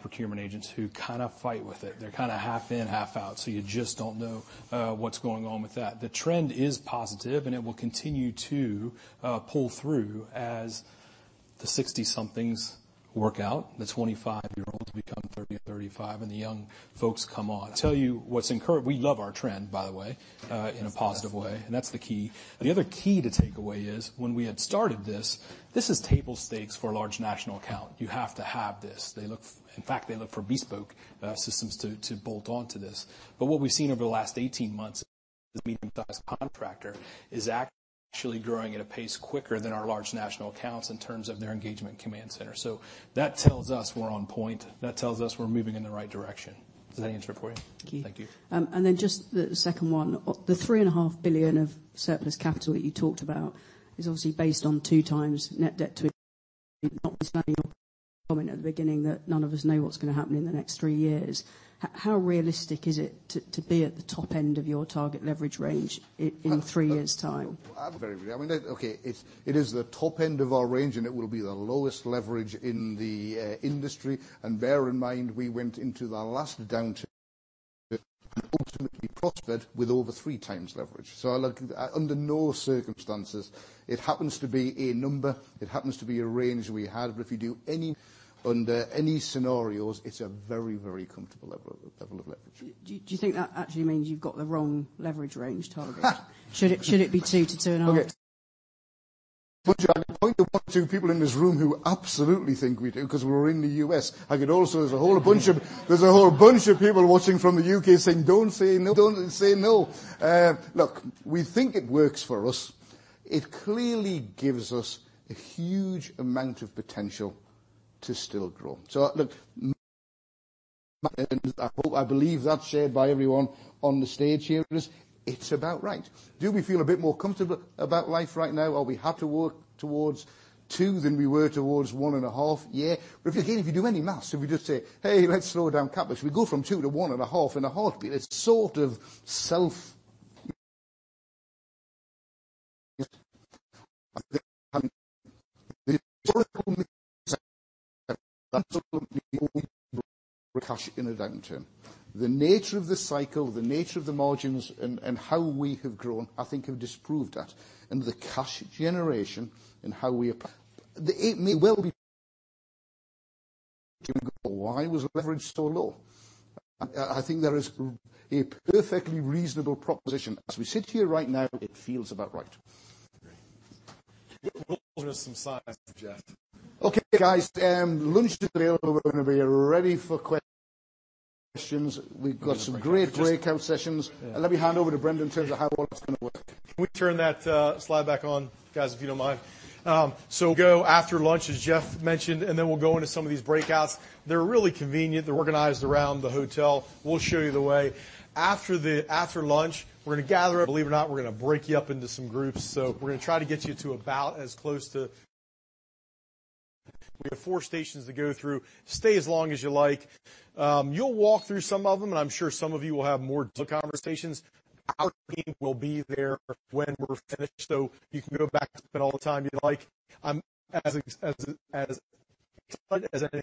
procurement agents who kind of fight with it. They're kind of half in, half out, so you just don't know what's going on with that. The trend is positive, and it will continue to pull through as the 60-somethings work out, the 25-year-olds become 30 or 35, and the young folks come on. We love our trend, by the way, in a positive way, and that's the key. The other key to take away is when we had started this is table stakes for a large national account. You have to have this. In fact, they look for bespoke systems to build onto this. What we've seen over the last 18 months is medium-sized contractor is actually growing at a pace quicker than our large national accounts in terms of their engagement Command Center. That tells us we're on point. That tells us we're moving in the right direction. Does that answer it for you? Thank you. Thank you. Just the second one, the three and a half billion of surplus capital that you talked about is obviously based on 2x net debt to EBITDA ratio at the beginning that none of us know what's going to happen in the next three years. How realistic is it to be at the top end of your target leverage range in three years' time? Okay, it is the top end of our range, it will be the lowest leverage in the industry. Bear in mind, we went into the last downturn and ultimately prospered with over three times leverage. Under no circumstances, it happens to be a number, it happens to be a range we have. If you do any under any scenarios, it's a very, very comfortable level of leverage. Do you think that actually means you've got the wrong leverage range target? Should it be 2-2.5? Okay. people in this room who absolutely think we do because we're in the U.S. I could also, there's a whole bunch of people watching from the U.K. saying, "Don't say no." Look, we think it works for us. It clearly gives us a huge amount of potential to still grow. Look, I believe that's shared by everyone on the stage here with us. It's about right. Do we feel a bit more comfortable about life right now? Are we happy to work towards 2 than we were towards 1.5? Yeah. Again, if you do any math, if we just say, "Hey, let's slow down CapEx," if we go from 2-1.5 in a heartbeat, it's sort of self. The nature of the cycle, the nature of the margins, and how we have grown, I think, have disproved that. The cash generation and how we. It may well be. Why was leverage so low? I think there is a perfectly reasonable proposition. As we sit here right now, it feels about right. Great. Those are some signs, Geoff. Okay, guys. Lunch is available. We're going to be ready for questions. We've got some great breakout sessions. Let me hand over to Brendan in terms of how all this is going to work. Can we turn that slide back on, guys, if you don't mind? We'll go after lunch, as Geoff mentioned, then we'll go into some of these breakouts. They're really convenient. They're organized around the hotel. We'll show you the way. After lunch, we're going to gather up. Believe it or not, we're going to break you up into some groups. We're going to try to get you to about as close to. We have four stations to go through. Stay as long as you like. You'll walk through some of them, and I'm sure some of you will have more conversations. Our team will be there when we're finished, so you can go back and spend all the time you like. As excited as anything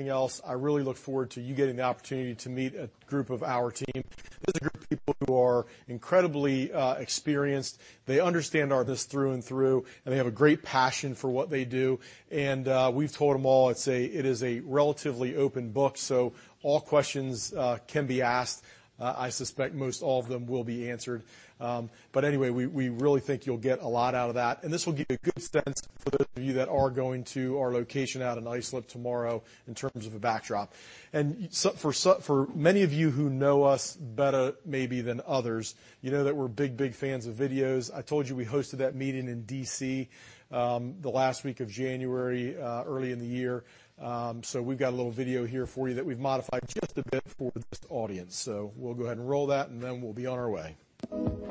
else, I really look forward to you getting the opportunity to meet a group of our team. This is a group of people who are incredibly experienced. They understand our business through and through, and they have a great passion for what they do. We've told them all it is a relatively open book, so all questions can be asked. I suspect most all of them will be answered. Anyway, we really think you'll get a lot out of that. This will give you a good sense for those of you that are going to our location out in Islip tomorrow in terms of a backdrop. For many of you who know us better maybe than others, you know that we're big fans of videos. I told you we hosted that meeting in D.C. the last week of January, early in the year. We've got a little video here for you that we've modified just a bit for this audience. We'll go ahead and roll that, then we'll be on our way.